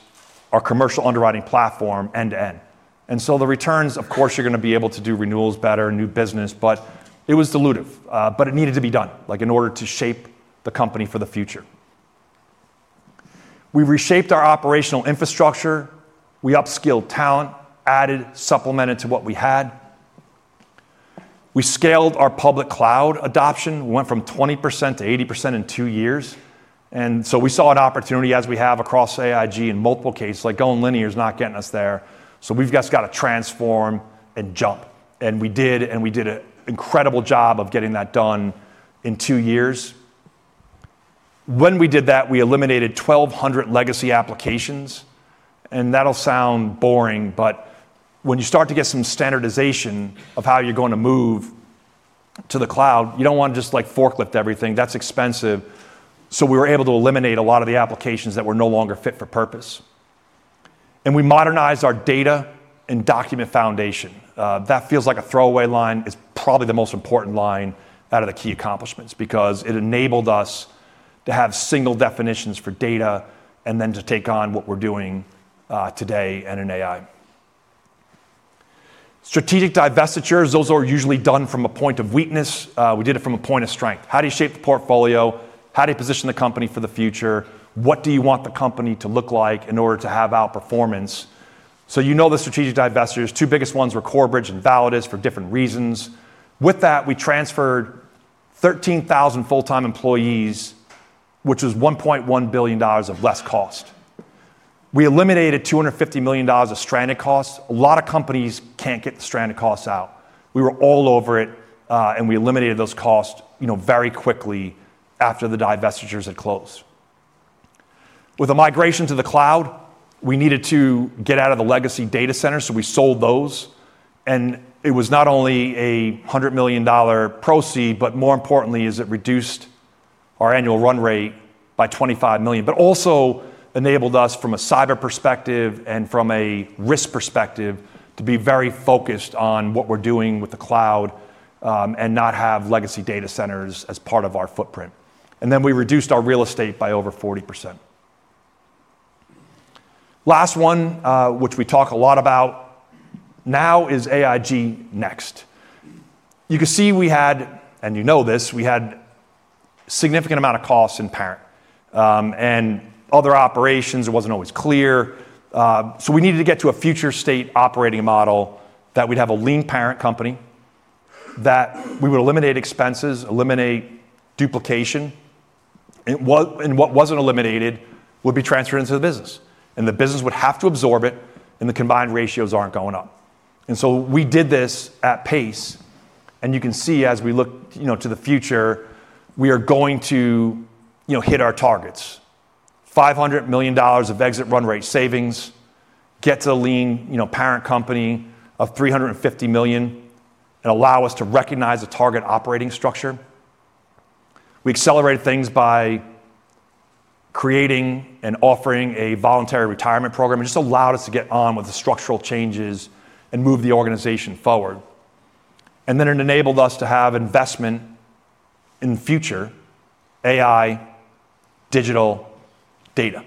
our commercial underwriting platform end-to-end. The returns, of course, you are going to be able to do renewals better, new business, but it was dilutive. It needed to be done in order to shape the company for the future. We reshaped our operational infrastructure. We upskilled talent, added, supplemented to what we had. We scaled our public cloud adoption. We went from 20% to 80% in two years. We saw an opportunity as we have across AIG in multiple cases. Like going linear is not getting us there. We have just got to transform and jump. And we did. We did an incredible job of getting that done in two years. When we did that, we eliminated 1,200 legacy applications. That will sound boring, but when you start to get some standardization of how you are going to move to the cloud, you do not want to just forklift everything. That is expensive. We were able to eliminate a lot of the applications that were no longer fit for purpose. We modernized our data and document foundation. That feels like a throwaway line. It's probably the most important line out of the key accomplishments because it enabled us to have single definitions for data and then to take on what we're doing today in AI. Strategic divestitures, those are usually done from a point of weakness. We did it from a point of strength. How do you shape the portfolio? How do you position the company for the future? What do you want the company to look like in order to have outperformance? You know the strategic divestitures. Two biggest ones were Corebridge and Validus for different reasons. With that, we transferred 13,000 full-time employees, which was $1.1 billion of less cost. We eliminated $250 million of stranded costs. A lot of companies can't get the stranded costs out. We were all over it. We eliminated those costs very quickly after the divestitures had closed. With the migration to the cloud, we needed to get out of the legacy data centers. We sold those. It was not only a $100 million proceed, but more importantly, it reduced our annual run rate by $25 million. It also enabled us from a cyber perspective and from a risk perspective to be very focused on what we're doing with the cloud and not have legacy data centers as part of our footprint. We reduced our real estate by over 40%. Last one, which we talk a lot about now, is AIG Next. You can see we had, and you know this, we had a significant amount of costs in parent and other operations. It wasn't always clear. We needed to get to a future state operating model that we'd have a lean parent company that we would eliminate expenses, eliminate duplication. What was not eliminated would be transferred into the business. The business would have to absorb it. The combined ratios are not going up. We did this at pace. You can see as we look to the future, we are going to hit our targets: $500 million of exit run rate savings, get to a lean parent company of $350 million, and allow us to recognize a target operating structure. We accelerated things by creating and offering a voluntary retirement program. It just allowed us to get on with the structural changes and move the organization forward. It enabled us to have investment in future AI digital data.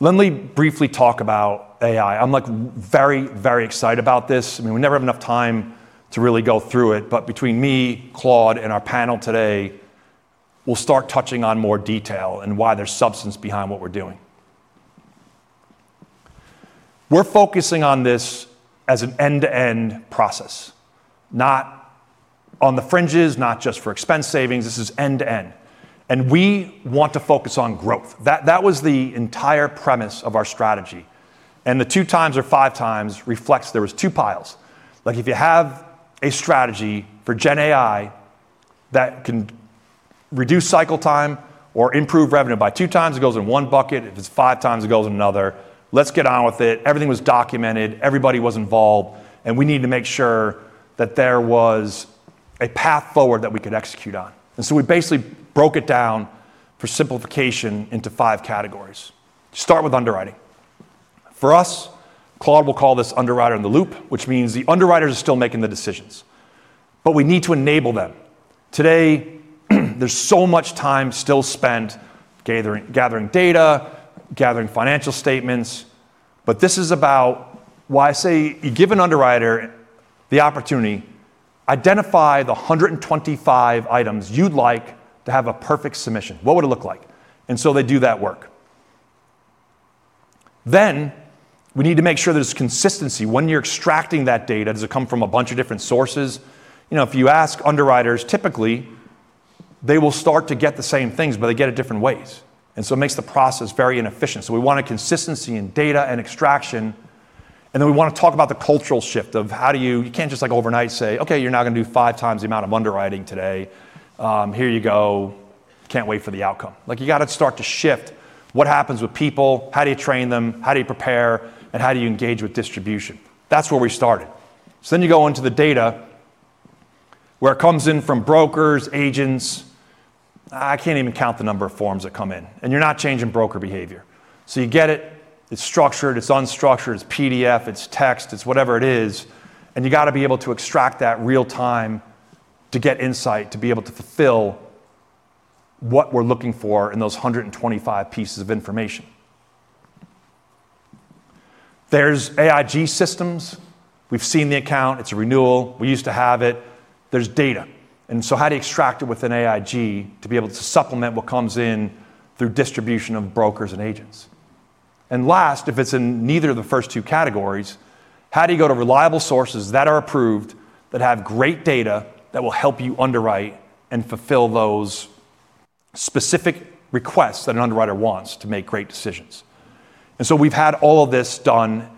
Let me briefly talk about AI. I am very, very excited about this. I mean, we never have enough time to really go through it. Between me, Claude, and our panel today, we'll start touching on more detail and why there's substance behind what we're doing. We're focusing on this as an end-to-end process, not on the fringes, not just for expense savings. This is end-to-end. We want to focus on growth. That was the entire premise of our strategy. The two times or five times reflects there were two piles. Like if you have a strategy for Gen AI that can reduce cycle time or improve revenue by two times, it goes in one bucket. If it's five times, it goes in another. Let's get on with it. Everything was documented. Everybody was involved. We needed to make sure that there was a path forward that we could execute on. We basically broke it down for simplification into five categories. Start with underwriting. For us, Claude will call this underwriter in the loop, which means the underwriters are still making the decisions. We need to enable them. Today, there's so much time still spent gathering data, gathering financial statements. This is about why I say you give an underwriter the opportunity to identify the 125 items you'd like to have a perfect submission. What would it look like? They do that work. We need to make sure there's consistency when you're extracting that data. Does it come from a bunch of different sources? If you ask underwriters, typically, they will start to get the same things, but they get it different ways. It makes the process very inefficient. We want consistency in data and extraction. We want to talk about the cultural shift of how do you—you can't just overnight say, "Okay, you're not going to do five times the amount of underwriting today. Here you go. Can't wait for the outcome." You got to start to shift what happens with people, how do you train them, how do you prepare, and how do you engage with distribution. That's where we started. You go into the data where it comes in from brokers, agents. I can't even count the number of forms that come in. You're not changing broker behavior. You get it. It's structured. It's unstructured. It's PDF. It's text. It's whatever it is. You got to be able to extract that real time to get insight, to be able to fulfill what we're looking for in those 125 pieces of information. There's AIG systems. We've seen the account. It's a renewal. We used to have it. There's data. How do you extract it within AIG to be able to supplement what comes in through distribution of brokers and agents? Last, if it's in neither of the first two categories, how do you go to reliable sources that are approved, that have great data that will help you underwrite and fulfill those specific requests that an underwriter wants to make great decisions? We've had all of this done.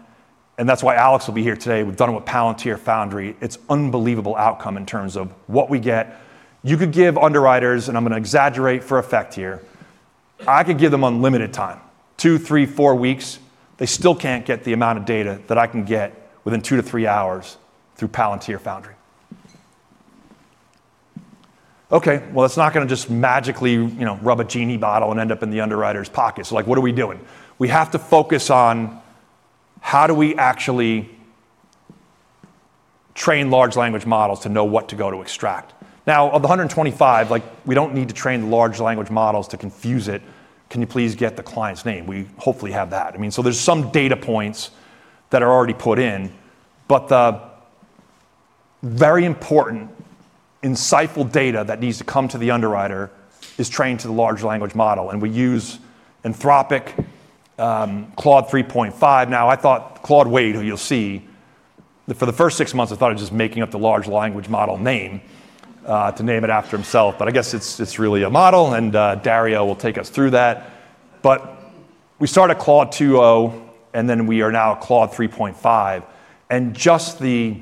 That's why Alex will be here today. We've done it with Palantir Foundry. It's an unbelievable outcome in terms of what we get. You could give underwriters—and I'm going to exaggerate for effect here—I could give them unlimited time, two, three, four weeks. They still can't get the amount of data that I can get within two to three hours through Palantir Foundry. Okay. That is not going to just magically rub a genie bottle and end up in the underwriter's pocket. What are we doing? We have to focus on how do we actually train large language models to know what to go to extract. Now, of the 125, we do not need to train large language models to confuse it. Can you please get the client's name? We hopefully have that. I mean, there are some data points that are already put in. The very important insightful data that needs to come to the underwriter is trained to the large language model. We use Anthropic, Claude 3.5. Now, I thought Claude Wade, who you'll see, for the first six months, I thought he was just making up the large language model name to name it after himself. I guess it's really a model. Dario will take us through that. We started at Claude 2.0, and we are now at Claude 3.5. Just the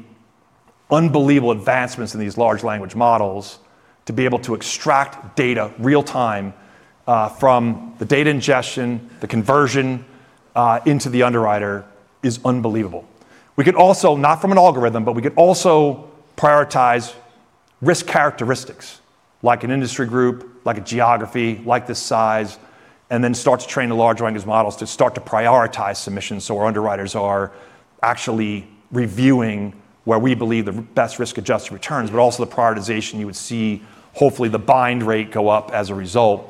unbelievable advancements in these large language models to be able to extract data real time from the data ingestion, the conversion into the underwriter is unbelievable. We could also—not from an algorithm, but we could also prioritize risk characteristics like an industry group, like a geography, like the size, and then start to train the large language models to start to prioritize submissions so our underwriters are actually reviewing where we believe the best risk-adjusted returns, but also the prioritization you would see, hopefully, the bind rate go up as a result.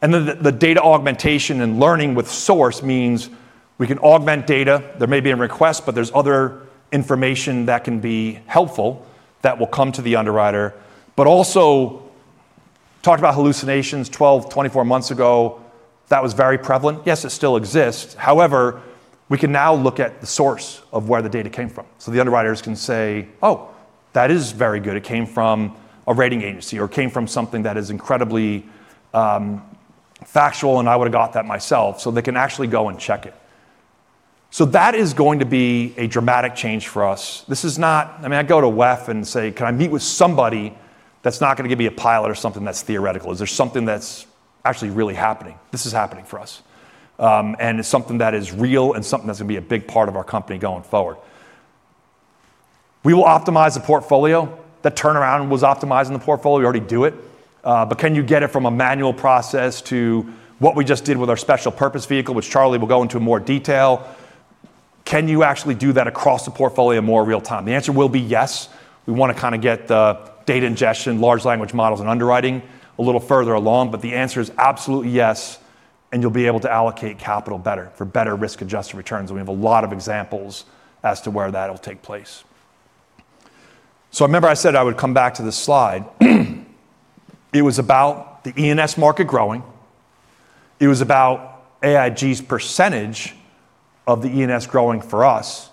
The data augmentation and learning with source means we can augment data. There may be a request, but there is other information that can be helpful that will come to the underwriter. I also talked about hallucinations 12, 24 months ago. That was very prevalent. Yes, it still exists. However, we can now look at the source of where the data came from. The underwriters can say, "Oh, that is very good. It came from a rating agency or came from something that is incredibly factual, and I would have got that myself. They can actually go and check it. That is going to be a dramatic change for us. This is not—I mean, I go to WEF and say, "Can I meet with somebody that's not going to give me a pilot or something that's theoretical? Is there something that's actually really happening?" This is happening for us. It is something that is real and something that's going to be a big part of our company going forward. We will optimize the portfolio. That turnaround was optimized in the portfolio. We already do it. Can you get it from a manual process to what we just did with our special purpose vehicle, which Charlie will go into more detail? Can you actually do that across the portfolio more real time? The answer will be yes. We want to kind of get the data ingestion, large language models, and underwriting a little further along. The answer is absolutely yes. You will be able to allocate capital better for better risk-adjusted returns. We have a lot of examples as to where that will take place. I remember I said I would come back to this slide. It was about the E&S market growing. It was about AIG's percentage of the E&S growing for us.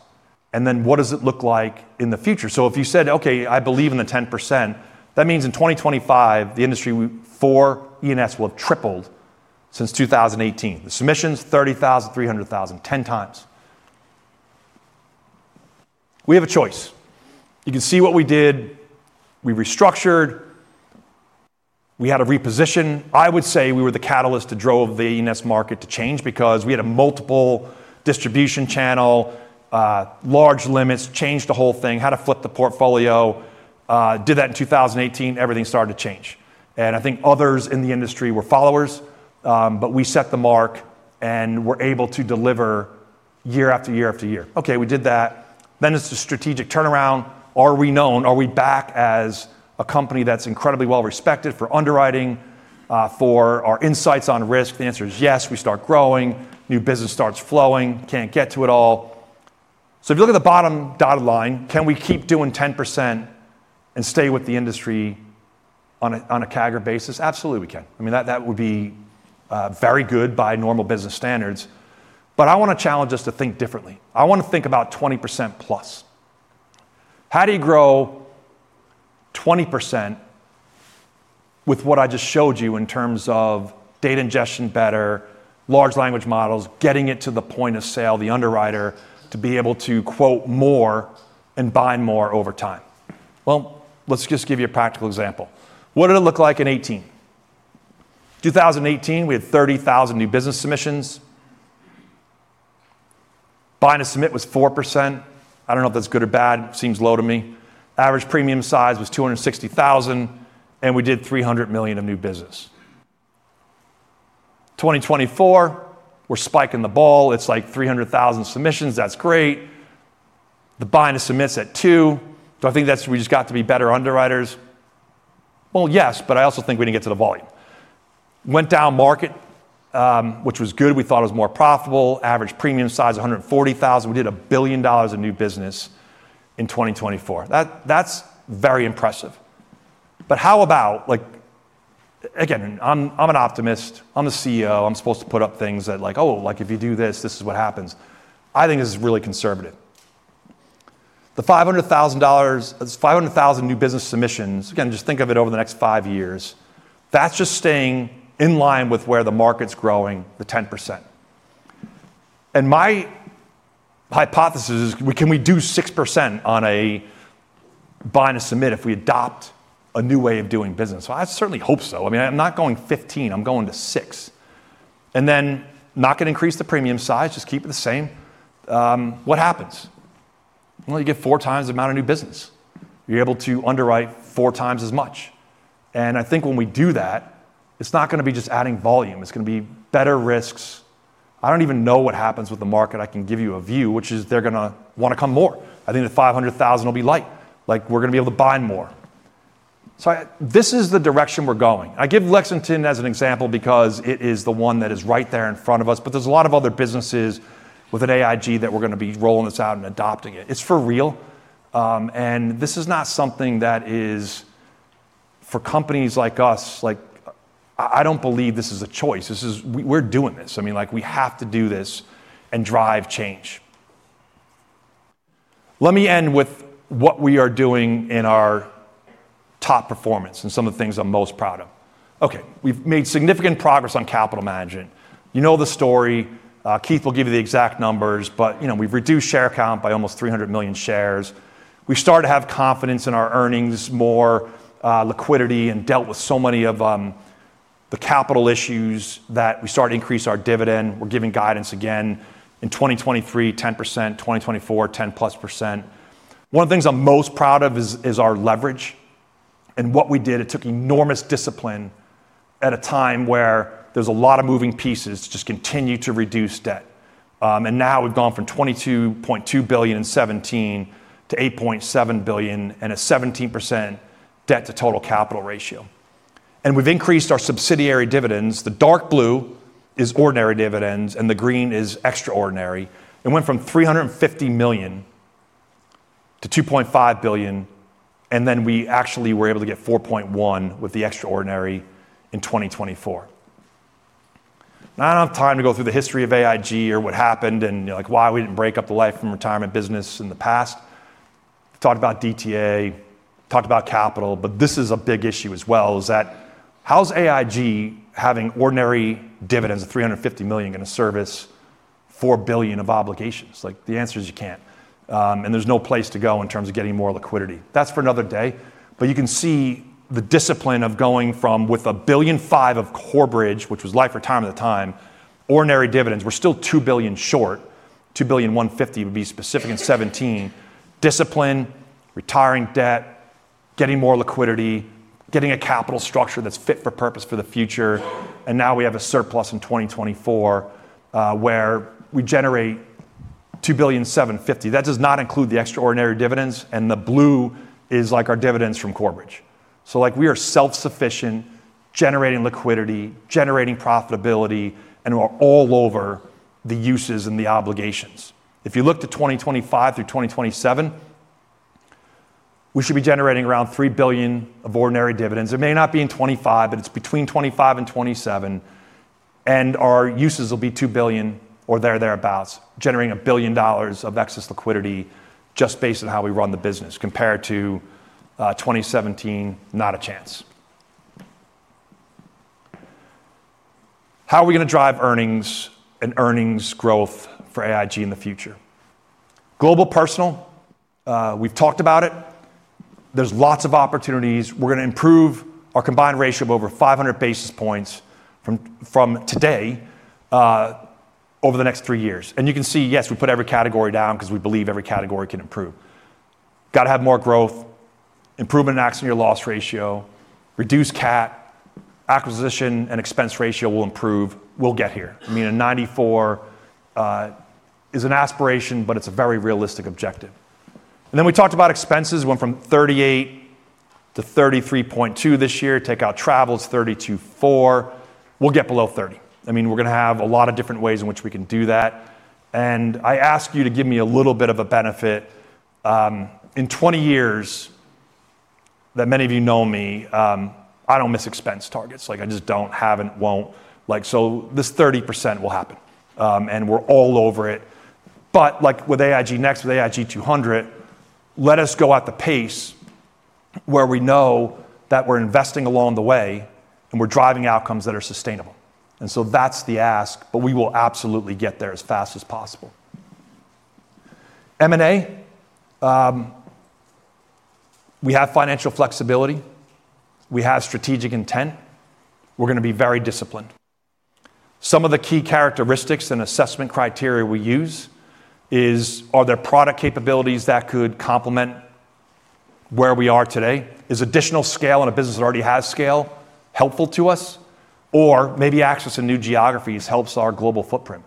What does it look like in the future? If you said, "Okay, I believe in the 10%," that means in 2025, the industry for E&S will have tripled since 2018. The submissions, 30,000, 300,000, 10 times. We have a choice. You can see what we did. We restructured. We had a reposition. I would say we were the catalyst that drove the E&S market to change because we had a multiple distribution channel, large limits, changed the whole thing, had to flip the portfolio. Did that in 2018. Everything started to change. I think others in the industry were followers. We set the mark and were able to deliver year after year after year. Okay, we did that. It is the strategic turnaround. Are we known? Are we back as a company that's incredibly well-respected for underwriting, for our insights on risk? The answer is yes. We start growing. New business starts flowing. Can't get to it all. If you look at the bottom dotted line, can we keep doing 10% and stay with the industry on a CAGR basis? Absolutely, we can. I mean, that would be very good by normal business standards. I want to challenge us to think differently. I want to think about 20% plus. How do you grow 20% with what I just showed you in terms of data ingestion better, large language models, getting it to the point of sale, the underwriter, to be able to "more" and bind more over time? Let me just give you a practical example. What did it look like in 2018? In 2018, we had 30,000 new business submissions. Buying a submit was 4%. I do not know if that is good or bad. Seems low to me. Average premium size was $260,000. And we did $300 million of new business. In 2024, we are spiking the ball. It is like 300,000 submissions. That is great. The buying of submits at two. Do I think that is—we just got to be better underwriters? Yes, but I also think we did not get to the volume. Went down market, which was good. We thought it was more profitable. Average premium size $140,000. We did $1 billion of new business in 2024. That's very impressive. How about—again, I'm an optimist. I'm a CEO. I'm supposed to put up things that like, "Oh, if you do this, this is what happens." I think this is really conservative. The 500,000 new business submissions, again, just think of it over the next five years. That's just staying in line with where the market's growing, the 10%. My hypothesis is, can we do 6% on a buying a submit if we adopt a new way of doing business? I certainly hope so. I mean, I'm not going 15. I'm going to 6. Not going to increase the premium size, just keep it the same. What happens? You get four times the amount of new business. You're able to underwrite four times as much. I think when we do that, it's not going to be just adding volume. It's going to be better risks. I don't even know what happens with the market. I can give you a view, which is they're going to want to come more. I think the $500,000 will be light. We're going to be able to bind more. This is the direction we're going. I give Lexington as an example because it is the one that is right there in front of us. There are a lot of other businesses within AIG that we're going to be rolling this out and adopting it. It's for real. This is not something that is for companies like us. I don't believe this is a choice. We're doing this. I mean, we have to do this and drive change. Let me end with what we are doing in our top performance and some of the things I'm most proud of. Okay. We've made significant progress on capital management. You know the story. Keith will give you the exact numbers. But we've reduced share count by almost 300 million shares. We started to have confidence in our earnings more, liquidity, and dealt with so many of the capital issues that we started to increase our dividend. We're giving guidance again. In 2023, 10%. 2024, 10-plus %. One of the things I'm most proud of is our leverage. And what we did, it took enormous discipline at a time where there's a lot of moving pieces to just continue to reduce debt. Now we've gone from $22.2 billion in 2017 to $8.7 billion and a 17% debt-to-total capital ratio. We've increased our subsidiary dividends. The dark blue is ordinary dividends, and the green is extraordinary. It went from $350 million to $2.5 billion. Then we actually were able to get $4.1 billion with the extraordinary in 2024. Now I don't have time to go through the history of AIG or what happened and why we didn't break up the life and retirement business in the past. We talked about DTA, talked about capital. This is a big issue as well, is that how's AIG having ordinary dividends of $350 million going to service $4 billion of obligations? The answer is you can't. There's no place to go in terms of getting more liquidity. That's for another day. You can see the discipline of going from with $1.5 billion of Corebridge, which was life retirement at the time, ordinary dividends. We're still $2 billion short. $2 billion 150 would be specific in 2017. Discipline, retiring debt, getting more liquidity, getting a capital structure that's fit for purpose for the future. Now we have a surplus in 2024 where we generate $2 billion 750. That does not include the extraordinary dividends. The blue is our dividends from Corebridge. We are self-sufficient, generating liquidity, generating profitability, and we're all over the uses and the obligations. If you look to 2025 through 2027, we should be generating around $3 billion of ordinary dividends. It may not be in 2025, but it's between 2025 and 2027. Our uses will be $2 billion or thereabouts, generating $1 billion of excess liquidity just based on how we run the business compared to 2017, not a chance. How are we going to drive earnings and earnings growth for AIG in the future? Global personal, we've talked about it. There's lots of opportunities. We're going to improve our combined ratio of over 500 basis points from today over the next three years. You can see, yes, we put every category down because we believe every category can improve. Got to have more growth, improve an accidental loss ratio, reduce CAT, acquisition and expense ratio will improve. We'll get here. I mean, a 94 is an aspiration, but it's a very realistic objective. We talked about expenses. We went from 38 to 33.2 this year. Take out travel is 32.4. We'll get below 30. I mean, we're going to have a lot of different ways in which we can do that. I ask you to give me a little bit of a benefit. In 20 years, that many of you know me, I don't miss expense targets. I just don't, haven't, won't. This 30% will happen. We're all over it. With AIG Next, with AIG 200, let us go at the pace where we know that we're investing along the way and we're driving outcomes that are sustainable. That's the ask, but we will absolutely get there as fast as possible. M&A, we have financial flexibility. We have strategic intent. We're going to be very disciplined. Some of the key characteristics and assessment criteria we use is, are there product capabilities that could complement where we are today? Is additional scale in a business that already has scale helpful to us? Maybe access to new geographies helps our global footprint?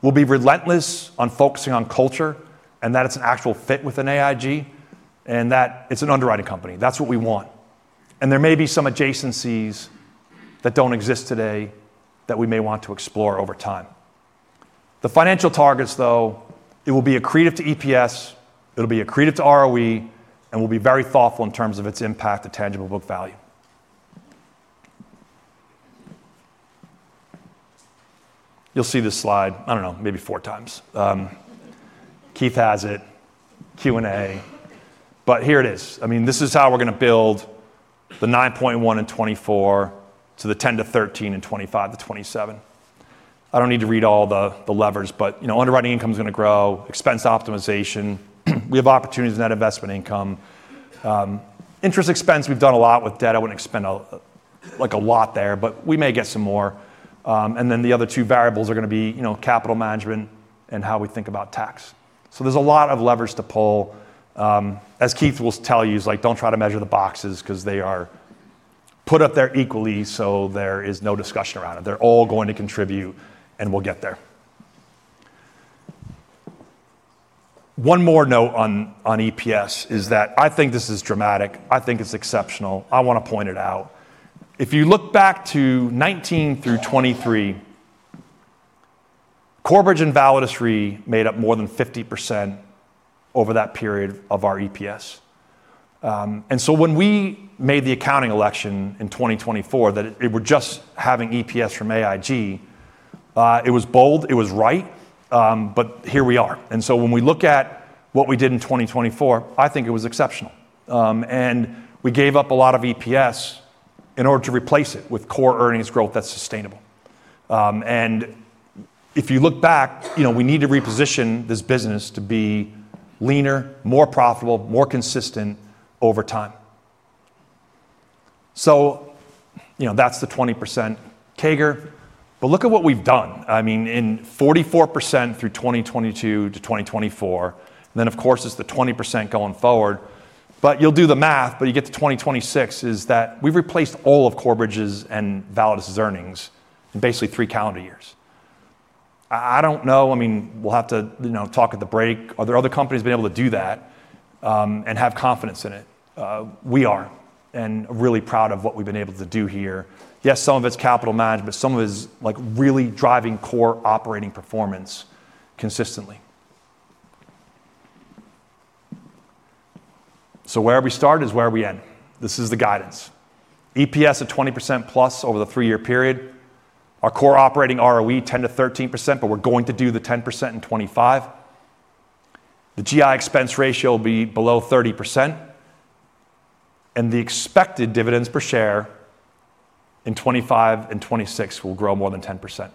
We'll be relentless on focusing on culture and that it's an actual fit within AIG and that it's an underwriting company. That's what we want. There may be some adjacencies that do not exist today that we may want to explore over time. The financial targets, though, it will be accretive to EPS. It will be accretive to ROE, and we will be very thoughtful in terms of its impact to tangible book value. You will see this slide. I do not know, maybe four times. Keith has it, Q&A. Here it is. I mean, this is how we are going to build the $9.1 billion in 2024 to the $10 billion-$13 billion in 2025 to 2027. I do not need to read all the levers, but underwriting income is going to grow, expense optimization. We have opportunities in that investment income. Interest expense, we have done a lot with debt. I would not expend a lot there, but we may get some more. The other two variables are going to be capital management and how we think about tax. There is a lot of levers to pull. As Keith will tell you, do not try to measure the boxes because they are put up there equally, so there is no discussion around it. They are all going to contribute, and we will get there. One more note on EPS is that I think this is dramatic. I think it is exceptional. I want to point it out. If you look back to 2019 through 2023, Corebridge and Validus Re made up more than 50% over that period of our EPS. When we made the accounting election in 2024, that we are just having EPS from AIG, it was bold. It was right. Here we are. When we look at what we did in 2024, I think it was exceptional. We gave up a lot of EPS in order to replace it with core earnings growth that is sustainable. If you look back, we need to reposition this business to be leaner, more profitable, more consistent over time. That's the 20% CAGR. Look at what we've done. I mean, in 44% through 2022 to 2024, and then of course it's the 20% going forward. You'll do the math, but you get to 2026 is that we've replaced all of Corebridge's and Validus's earnings in basically three calendar years. I don't know. I mean, we'll have to talk at the break. Are there other companies been able to do that and have confidence in it? We are and are really proud of what we've been able to do here. Yes, some of it's capital management, but some of it's really driving core operating performance consistently. Where we start is where we end. This is the guidance. EPS at 20% plus over the three-year period. Our core operating ROE, 10-13%, but we're going to do the 10% in 2025. The GI expense ratio will be below 30%. The expected dividends per share in 2025 and 2026 will grow more than 10%.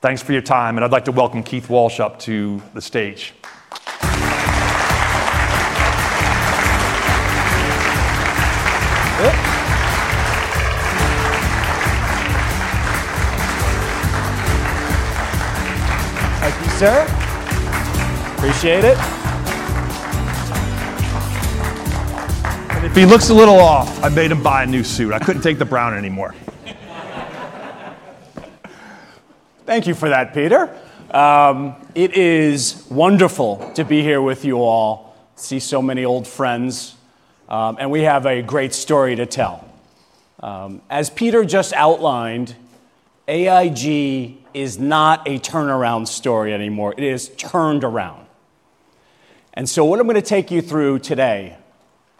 Thanks for your time. I'd like to welcome Keith Walsh up to the stage. Thank you, sir. Appreciate it. He looks a little off. I made him buy a new suit. I couldn't take the brown anymore. Thank you for that, Peter. It is wonderful to be here with you all, see so many old friends, and we have a great story to tell. As Peter just outlined, AIG is not a turnaround story anymore. It is turned around. What I'm going to take you through today,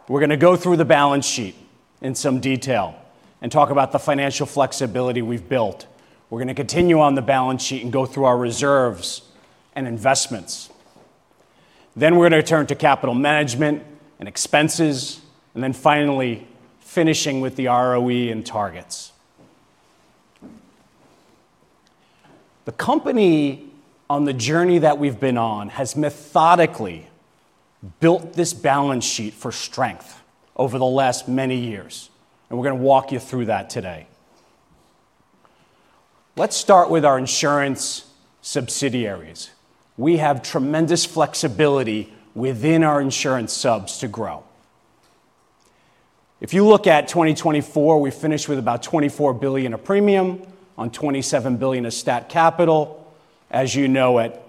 we're going to go through the balance sheet in some detail and talk about the financial flexibility we've built. We're going to continue on the balance sheet and go through our reserves and investments. Then we're going to turn to capital management and expenses, and then finally finishing with the ROE and targets. The company on the journey that we've been on has methodically built this balance sheet for strength over the last many years. We're going to walk you through that today. Let's start with our insurance subsidiaries. We have tremendous flexibility within our insurance subs to grow. If you look at 2024, we finished with about $24 billion of premium on $27 billion of stat capital. As you know, at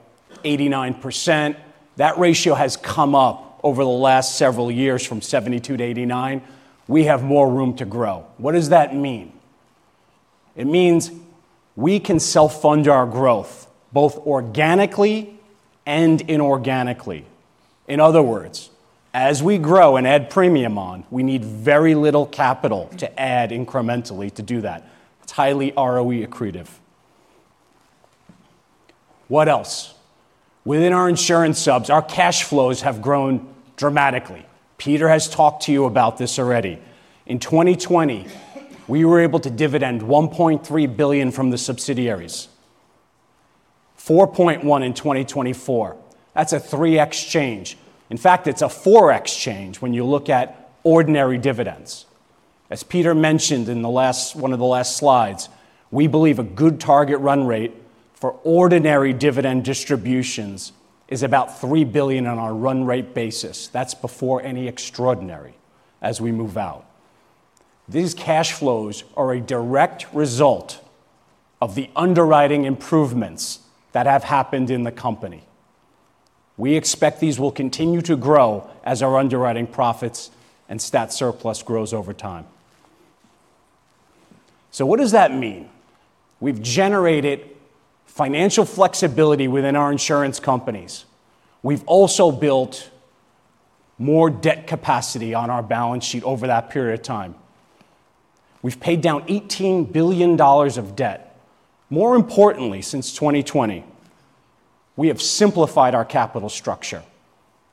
89%, that ratio has come up over the last several years from 72%-89%. We have more room to grow. What does that mean? It means we can self-fund our growth both organically and inorganically. In other words, as we grow and add premium on, we need very little capital to add incrementally to do that. It's highly ROE accretive. What else? Within our insurance subs, our cash flows have grown dramatically. Peter has talked to you about this already. In 2020, we were able to dividend $1.3 billion from the subsidiaries. $4.1 billion in 2024. That's a 3x change. In fact, it's a 4x change when you look at ordinary dividends. As Peter mentioned in one of the last slides, we believe a good target run rate for ordinary dividend distributions is about $3 billion on our run rate basis. That's before any extraordinary as we move out. These cash flows are a direct result of the underwriting improvements that have happened in the company. We expect these will continue to grow as our underwriting profits and stat surplus grows over time. What does that mean? We've generated financial flexibility within our insurance companies. We've also built more debt capacity on our balance sheet over that period of time. We've paid down $18 billion of debt. More importantly, since 2020, we have simplified our capital structure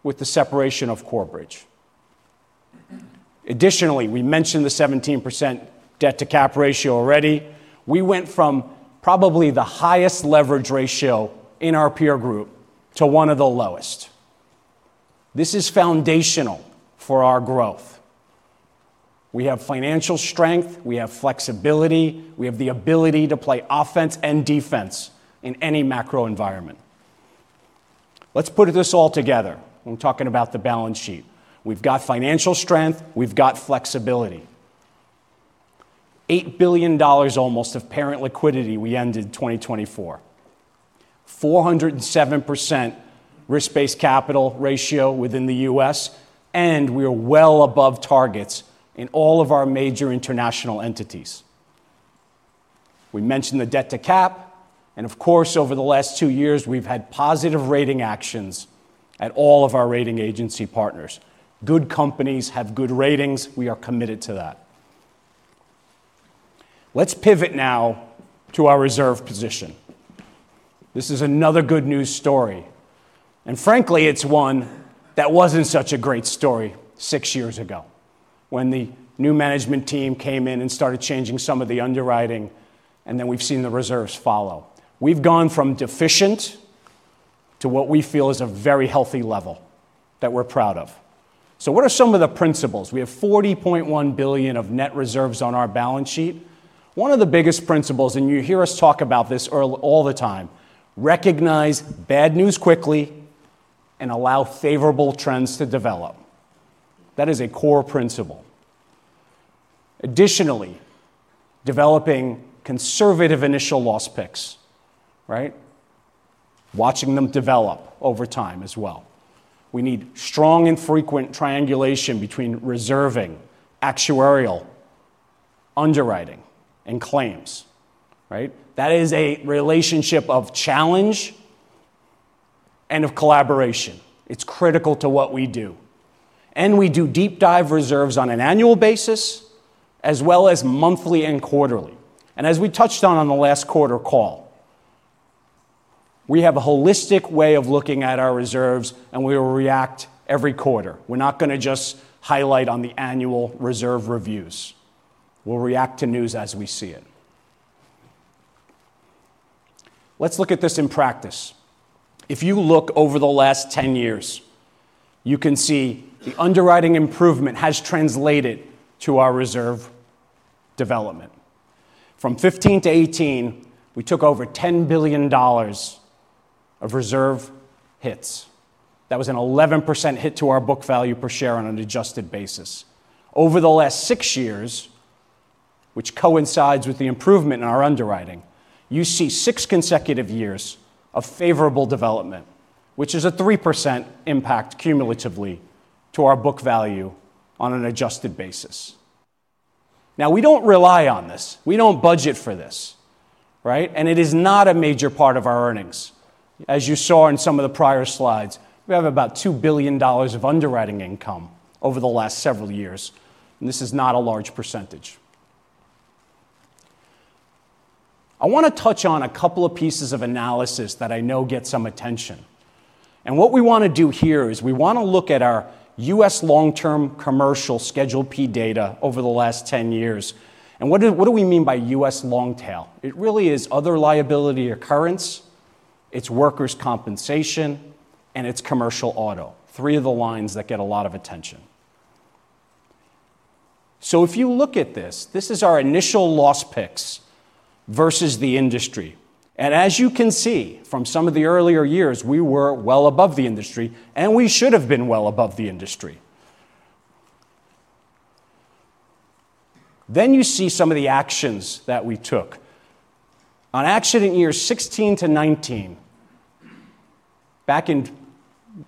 with the separation of Corebridge. Additionally, we mentioned the 17% debt-to-cap ratio already. We went from probably the highest leverage ratio in our peer group to one of the lowest. This is foundational for our growth. We have financial strength. We have flexibility. We have the ability to play offense and defense in any macro environment. Let's put this all together. I'm talking about the balance sheet. We've got financial strength. We've got flexibility. $8 billion almost of parent liquidity we ended 2024. 407% risk-based capital ratio within the U.S. We are well above targets in all of our major international entities. We mentioned the debt-to-cap. Of course, over the last two years, we've had positive rating actions at all of our rating agency partners. Good companies have good ratings. We are committed to that. Let's pivot now to our reserve position. This is another good news story. Frankly, it's one that wasn't such a great story six years ago when the new management team came in and started changing some of the underwriting. We've seen the reserves follow. We've gone from deficient to what we feel is a very healthy level that we're proud of. What are some of the principles? We have $40.1 billion of net reserves on our balance sheet. One of the biggest principles, and you hear us talk about this all the time, is recognize bad news quickly and allow favorable trends to develop. That is a core principle. Additionally, developing conservative initial loss picks, right? Watching them develop over time as well. We need strong and frequent triangulation between reserving, actuarial, underwriting, and claims, right? That is a relationship of challenge and of collaboration. It's critical to what we do. We do deep dive reserves on an annual basis as well as monthly and quarterly. As we touched on on the last quarter call, we have a holistic way of looking at our reserves, and we will react every quarter. We're not going to just highlight on the annual reserve reviews. We'll react to news as we see it. Let's look at this in practice. If you look over the last 10 years, you can see the underwriting improvement has translated to our reserve development. From 2015-2018, we took over $10 billion of reserve hits. That was an 11% hit to our book value per share on an adjusted basis. Over the last six years, which coincides with the improvement in our underwriting, you see six consecutive years of favorable development, which is a 3% impact cumulatively to our book value on an adjusted basis. Now, we do not rely on this. We do not budget for this, right? It is not a major part of our earnings. As you saw in some of the prior slides, we have about $2 billion of underwriting income over the last several years. This is not a large percentage. I want to touch on a couple of pieces of analysis that I know get some attention. What we want to do here is we want to look at our U.S. long-term commercial Schedule P data over the last 10 years. What do we mean by US long tail? It really is other liability occurrence. It is workers' compensation, and it is commercial auto. Three of the lines that get a lot of attention. If you look at this, this is our initial loss picks versus the industry. As you can see from some of the earlier years, we were well above the industry, and we should have been well above the industry. You see some of the actions that we took. On accident years 2016 to 2019, back in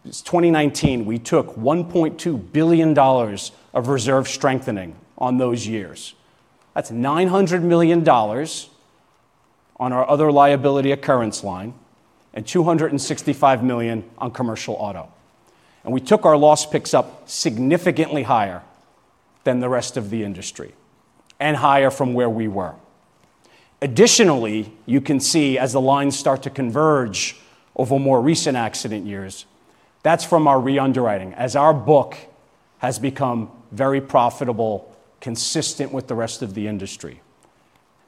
2019, we took $1.2 billion of reserve strengthening on those years. That is $900 million on our other liability occurrence line and $265 million on commercial auto. We took our loss picks up significantly higher than the rest of the industry and higher from where we were. Additionally, you can see as the lines start to converge over more recent accident years, that's from our re-underwriting as our book has become very profitable, consistent with the rest of the industry.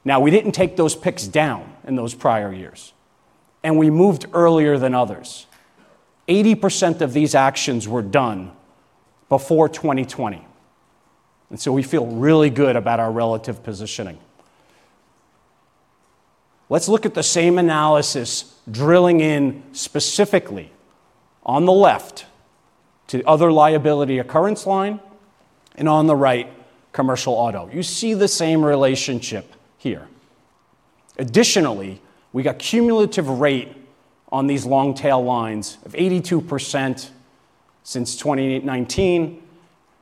Now, we didn't take those picks down in those prior years, and we moved earlier than others. 80% of these actions were done before 2020. We feel really good about our relative positioning. Let's look at the same analysis drilling in specifically on the left to other liability occurrence line and on the right commercial auto. You see the same relationship here. Additionally, we got cumulative rate on these long tail lines of 82% since 2019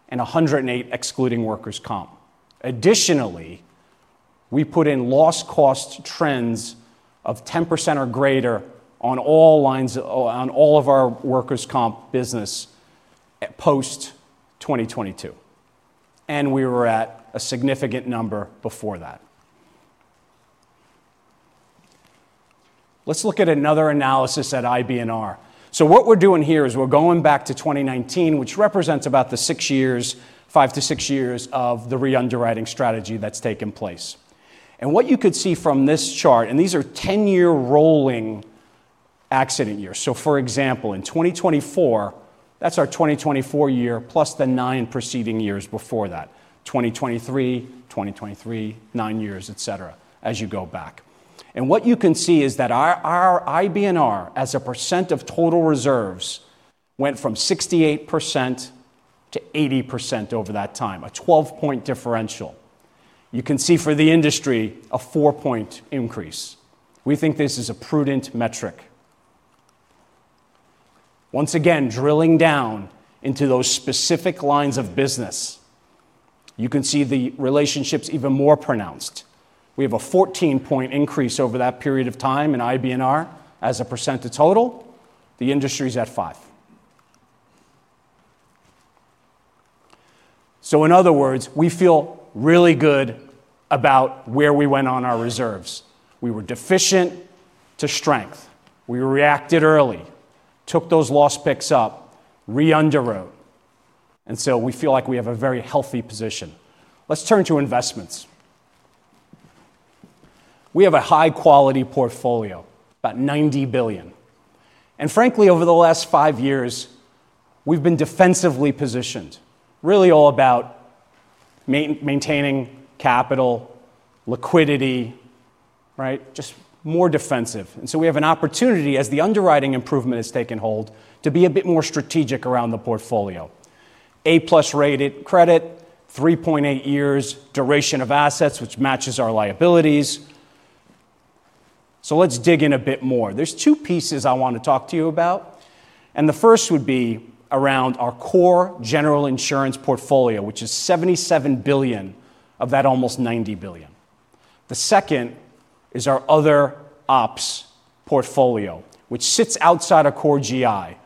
and 108% excluding workers' comp. Additionally, we put in loss cost trends of 10% or greater on all lines on all of our workers' comp business post-2022. We were at a significant number before that. Let's look at another analysis at IBNR. What we're doing here is we're going back to 2019, which represents about the six years, five to six years of the re-underwriting strategy that's taken place. What you could see from this chart, and these are 10-year rolling accident years. For example, in 2024, that's our 2024 year plus the nine preceding years before that, 2023, 2023, nine years, etc., as you go back. What you can see is that our IBNR as a percent of total reserves went from 68% to 80% over that time, a 12-point differential. You can see for the industry a 4-point increase. We think this is a prudent metric. Once again, drilling down into those specific lines of business, you can see the relationships even more pronounced. We have a 14-point increase over that period of time in IBNR as a percent of total. The industry is at 5%. In other words, we feel really good about where we went on our reserves. We were deficient to strength. We reacted early, took those loss picks up, re-underwrote. We feel like we have a very healthy position. Let's turn to investments. We have a high-quality portfolio, about $90 billion. Frankly, over the last five years, we've been defensively positioned, really all about maintaining capital, liquidity, right? Just more defensive. We have an opportunity as the underwriting improvement has taken hold to be a bit more strategic around the portfolio. A-plus rated credit, 3.8 years duration of assets, which matches our liabilities. Let's dig in a bit more. There are two pieces I want to talk to you about. The first would be around our core general insurance portfolio, which is $77 billion of that almost $90 billion. The second is our other ops portfolio, which sits outside of core GI.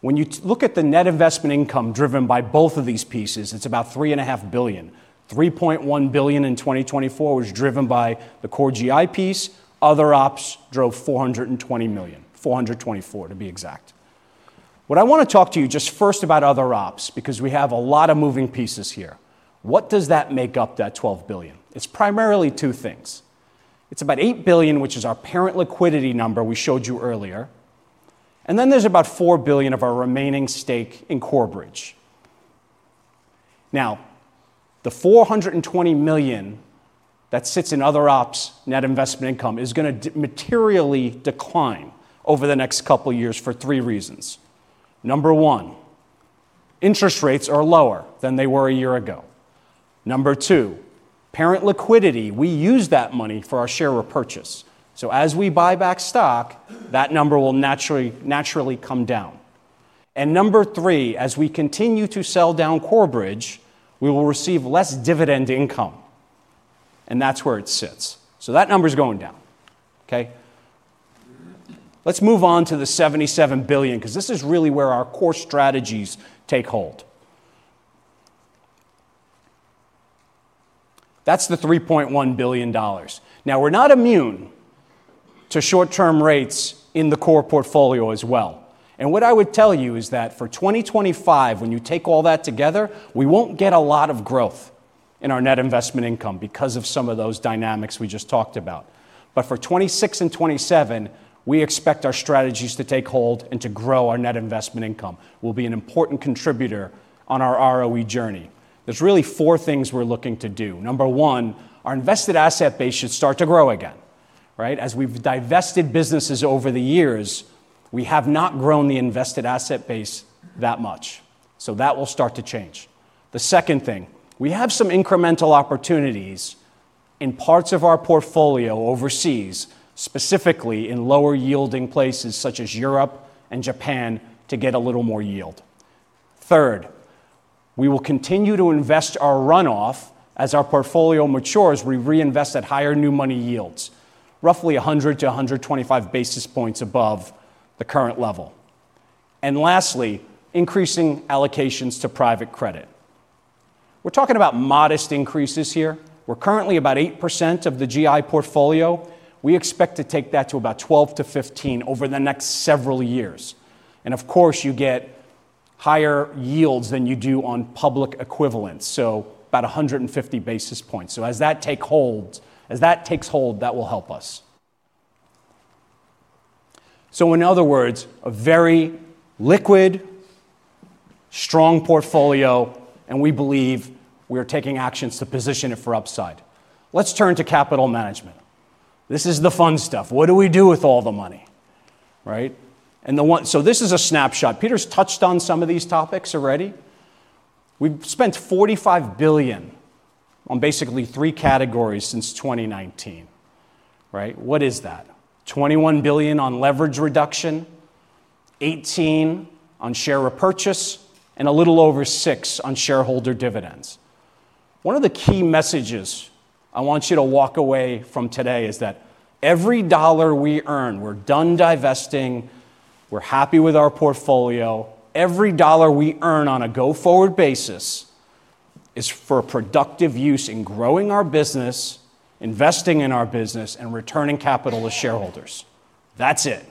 When you look at the net investment income driven by both of these pieces, it's about $3.5 billion. $3.1 billion in 2024 was driven by the core GI piece. Other ops drove $420 million, $424 million to be exact. What I want to talk to you just first about other ops because we have a lot of moving pieces here. What does that make up that $12 billion? It's primarily two things. It's about $8 billion, which is our parent liquidity number we showed you earlier. And then there's about $4 billion of our remaining stake in Corebridge. Now, the $420 million that sits in other ops net investment income is going to materially decline over the next couple of years for three reasons. Number one, interest rates are lower than they were a year ago. Number two, parent liquidity, we use that money for our share repurchase. As we buy back stock, that number will naturally come down. Number three, as we continue to sell down Corebridge, we will receive less dividend income. That is where it sits. That number is going down, okay? Let's move on to the $77 billion because this is really where our core strategies take hold. That is the $3.1 billion. We are not immune to short-term rates in the core portfolio as well. What I would tell you is that for 2025, when you take all that together, we won't get a lot of growth in our net investment income because of some of those dynamics we just talked about. For 2026 and 2027, we expect our strategies to take hold and to grow our net investment income. We'll be an important contributor on our ROE journey. There are really four things we're looking to do. Number one, our invested asset base should start to grow again, right? As we've divested businesses over the years, we have not grown the invested asset base that much. That will start to change. The second thing, we have some incremental opportunities in parts of our portfolio overseas, specifically in lower-yielding places such as Europe and Japan to get a little more yield. Third, we will continue to invest our runoff. As our portfolio matures, we reinvest at higher new money yields, roughly 100 to 125 basis points above the current level. Lastly, increasing allocations to private credit. We are talking about modest increases here. We are currently about 8% of the GI portfolio. We expect to take that to about 12%-15% over the next several years. Of course, you get higher yields than you do on public equivalents, so about 150 basis points. As that takes hold, that will help us. In other words, a very liquid, strong portfolio, and we believe we are taking actions to position it for upside. Let's turn to capital management. This is the fun stuff. What do we do with all the money, right? This is a snapshot. Peter's touched on some of these topics already. We have spent $45 billion on basically three categories since 2019, right? What is that? $21 billion on leverage reduction, $18 billion on share repurchase, and a little over $6 billion on shareholder dividends. One of the key messages I want you to walk away from today is that every dollar we earn, we're done divesting, we're happy with our portfolio. Every dollar we earn on a go-forward basis is for productive use in growing our business, investing in our business, and returning capital to shareholders. That's it.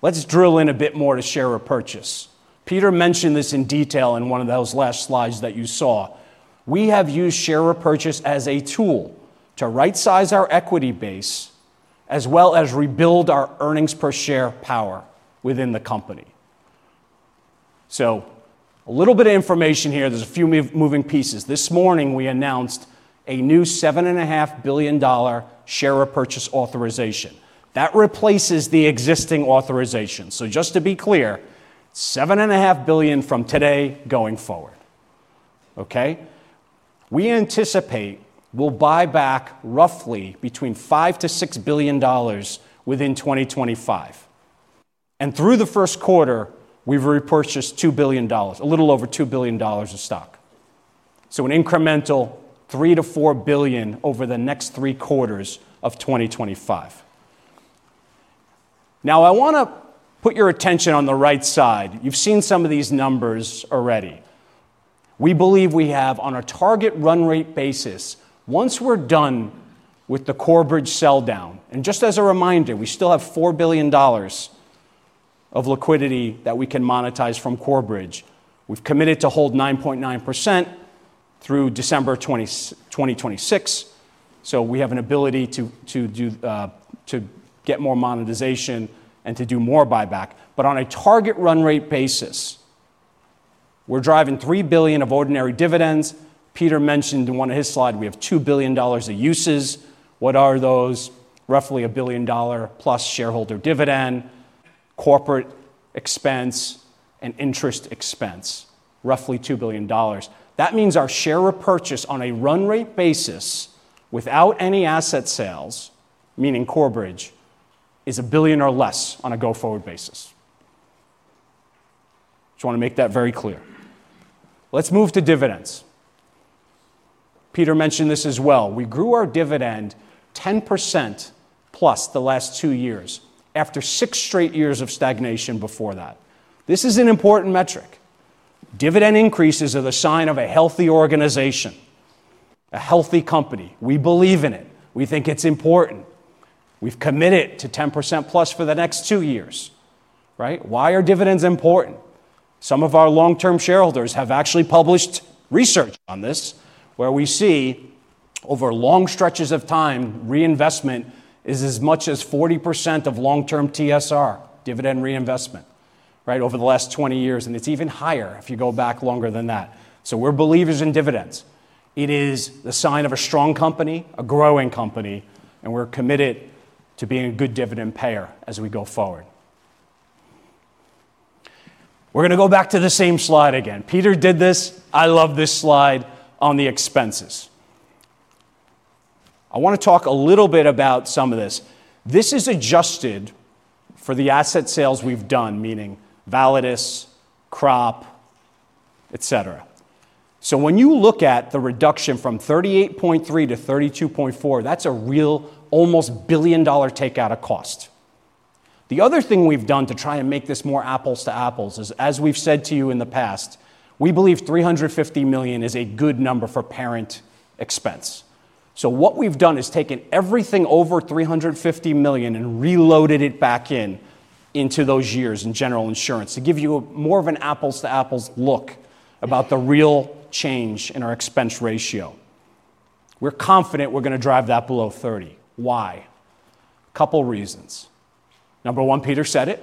Let's drill in a bit more to share repurchase. Peter mentioned this in detail in one of those last slides that you saw. We have used share repurchase as a tool to right-size our equity base as well as rebuild our earnings per share power within the company. So a little bit of information here. There's a few moving pieces. This morning, we announced a new $7.5 billion share repurchase authorization. That replaces the existing authorization. Just to be clear, $7.5 billion from today going forward, okay? We anticipate we'll buy back roughly between $5-$6 billion within 2025. Through the first quarter, we've repurchased $2 billion, a little over $2 billion of stock. An incremental $3-$4 billion over the next three quarters of 2025. Now, I want to put your attention on the right side. You've seen some of these numbers already. We believe we have on a target run rate basis, once we're done with the Corebridge sell down, and just as a reminder, we still have $4 billion of liquidity that we can monetize from Corebridge. We've committed to hold 9.9% through December 2026. We have an ability to get more monetization and to do more buyback. On a target run rate basis, we're driving $3 billion of ordinary dividends. Peter mentioned in one of his slides, we have $2 billion of uses. What are those? Roughly a billion dollar plus shareholder dividend, corporate expense, and interest expense, roughly $2 billion. That means our share repurchase on a run rate basis without any asset sales, meaning Corebridge, is a billion or less on a go-forward basis. Just want to make that very clear. Let's move to dividends. Peter mentioned this as well. We grew our dividend 10% plus the last two years after six straight years of stagnation before that. This is an important metric. Dividend increases are the sign of a healthy organization, a healthy company. We believe in it. We think it's important. We've committed to 10% plus for the next two years, right? Why are dividends important? Some of our long-term shareholders have actually published research on this where we see over long stretches of time, reinvestment is as much as 40% of long-term TSR, dividend reinvestment, right, over the last 20 years. It is even higher if you go back longer than that. We are believers in dividends. It is the sign of a strong company, a growing company, and we are committed to being a good dividend payer as we go forward. We are going to go back to the same slide again. Peter did this. I love this slide on the expenses. I want to talk a little bit about some of this. This is adjusted for the asset sales we have done, meaning Validus, crop, etc. When you look at the reduction from $38.3 billion to $32.4 billion, that is a real almost billion-dollar takeout of cost. The other thing we've done to try and make this more apples to apples is, as we've said to you in the past, we believe $350 million is a good number for parent expense. What we've done is taken everything over $350 million and reloaded it back into those years in General Insurance to give you more of an apples to apples look about the real change in our expense ratio. We're confident we're going to drive that below 30%. Why? A couple of reasons. Number one, Peter said it,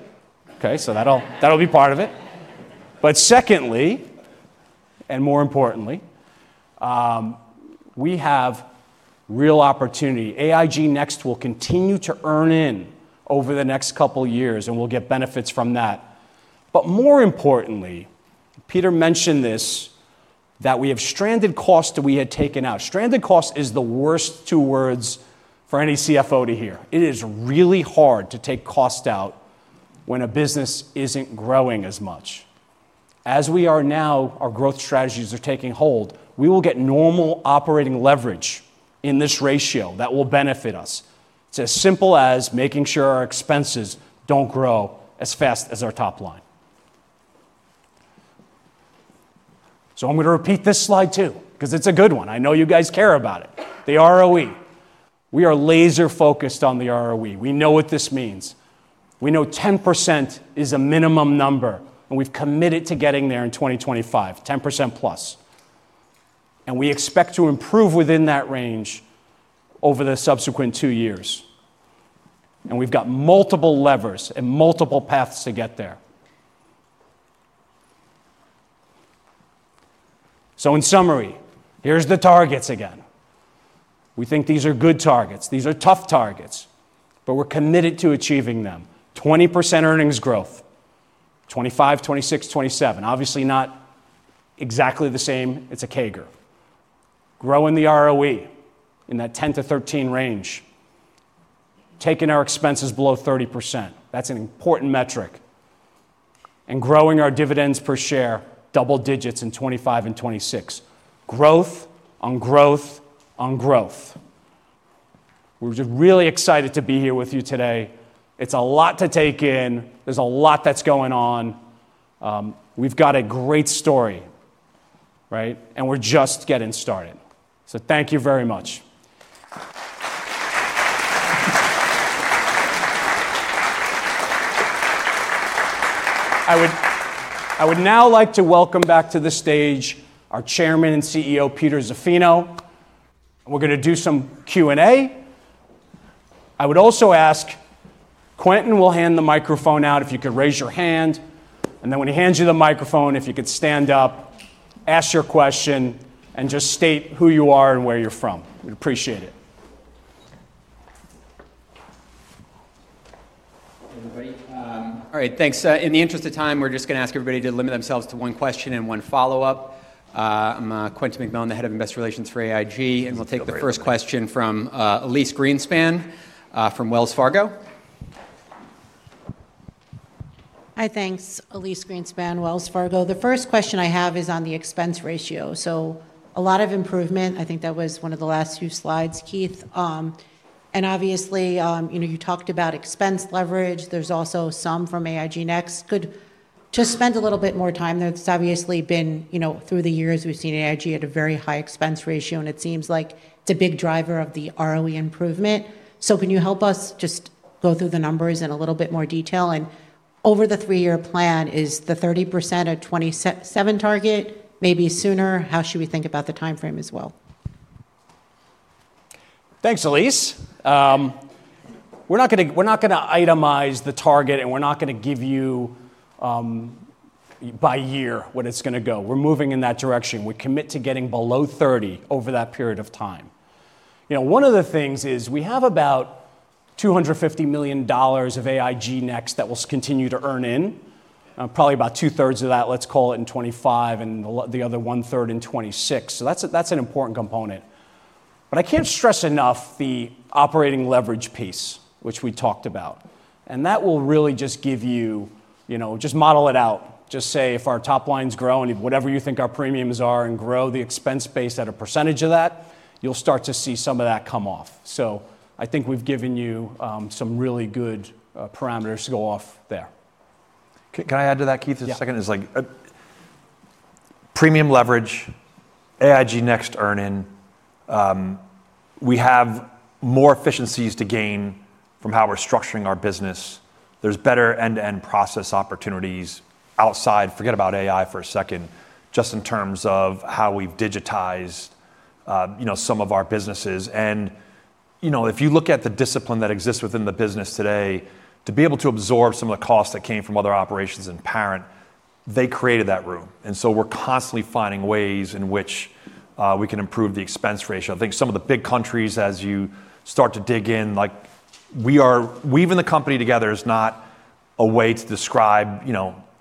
okay? That'll be part of it. Secondly, and more importantly, we have real opportunity. AIG Next will continue to earn in over the next couple of years, and we'll get benefits from that. More importantly, Peter mentioned this, that we have stranded costs that we had taken out. Stranded cost is the worst two words for any CFO to hear. It is really hard to take costs out when a business isn't growing as much. As we are now, our growth strategies are taking hold. We will get normal operating leverage in this ratio that will benefit us. It's as simple as making sure our expenses don't grow as fast as our top line. I'm going to repeat this slide too because it's a good one. I know you guys care about it. The ROE. We are laser-focused on the ROE. We know what this means. We know 10% is a minimum number, and we've committed to getting there in 2025, 10% plus. We expect to improve within that range over the subsequent two years. We've got multiple levers and multiple paths to get there. In summary, here's the targets again. We think these are good targets. These are tough targets, but we're committed to achieving them. 20% earnings growth, 2025, 2026, 2027. Obviously not exactly the same. It's a K-curve. Growing the ROE in that 10-13% range, taking our expenses below 30%. That's an important metric. And growing our dividends per share, double digits in 2025 and 2026. Growth on growth on growth. We're just really excited to be here with you today. It's a lot to take in. There's a lot that's going on. We've got a great story, right? And we're just getting started. Thank you very much. I would now like to welcome back to the stage our Chairman and CEO, Peter Zaffino. We're going to do some Q&A. I would also ask Quentin, we'll hand the microphone out if you could raise your hand. And then when he hands you the microphone, if you could stand up, ask your question, and just state who you are and where you're from. We'd appreciate it. All right. Thanks. In the interest of time, we're just going to ask everybody to limit themselves to one question and one follow-up. I'm Quentin McMillan, the head of investor relations for AIG. And we'll take the first question from Elyse Greenspan from Wells Fargo. Hi, thanks, Elyse Greenspan, Wells Fargo. The first question I have is on the expense ratio. So a lot of improvement. I think that was one of the last few slides, Keith. And obviously, you talked about expense leverage. There's also some from AIG Next. Could you just spend a little bit more time? There's obviously been through the years, we've seen AIG at a very high expense ratio, and it seems like it's a big driver of the ROE improvement. Can you help us just go through the numbers in a little bit more detail? Over the three-year plan, is the 30% a 2027 target? Maybe sooner? How should we think about the timeframe as well? Thanks, Elyse. We're not going to itemize the target, and we're not going to give you by year what it's going to go. We're moving in that direction. We commit to getting below 30% over that period of time. One of the things is we have about $250 million of AIG Next that will continue to earn in. Probably about two-thirds of that, let's call it in 2025, and the other one-third in 2026. That's an important component. I can't stress enough the operating leverage piece, which we talked about. That will really just give you, just model it out. Just say if our top lines grow and whatever you think our premiums are and grow the expense base at a percentage of that, you'll start to see some of that come off. I think we've given you some really good parameters to go off there. Can I add to that, Keith, a second? It's like premium leverage, AIG Next earn in. We have more efficiencies to gain from how we're structuring our business. There's better end-to-end process opportunities outside. Forget about AI for a second, just in terms of how we've digitized some of our businesses. If you look at the discipline that exists within the business today, to be able to absorb some of the costs that came from other operations and parent, they created that room. We are constantly finding ways in which we can improve the expense ratio. I think some of the big countries, as you start to dig in, like we are weaving the company together is not a way to describe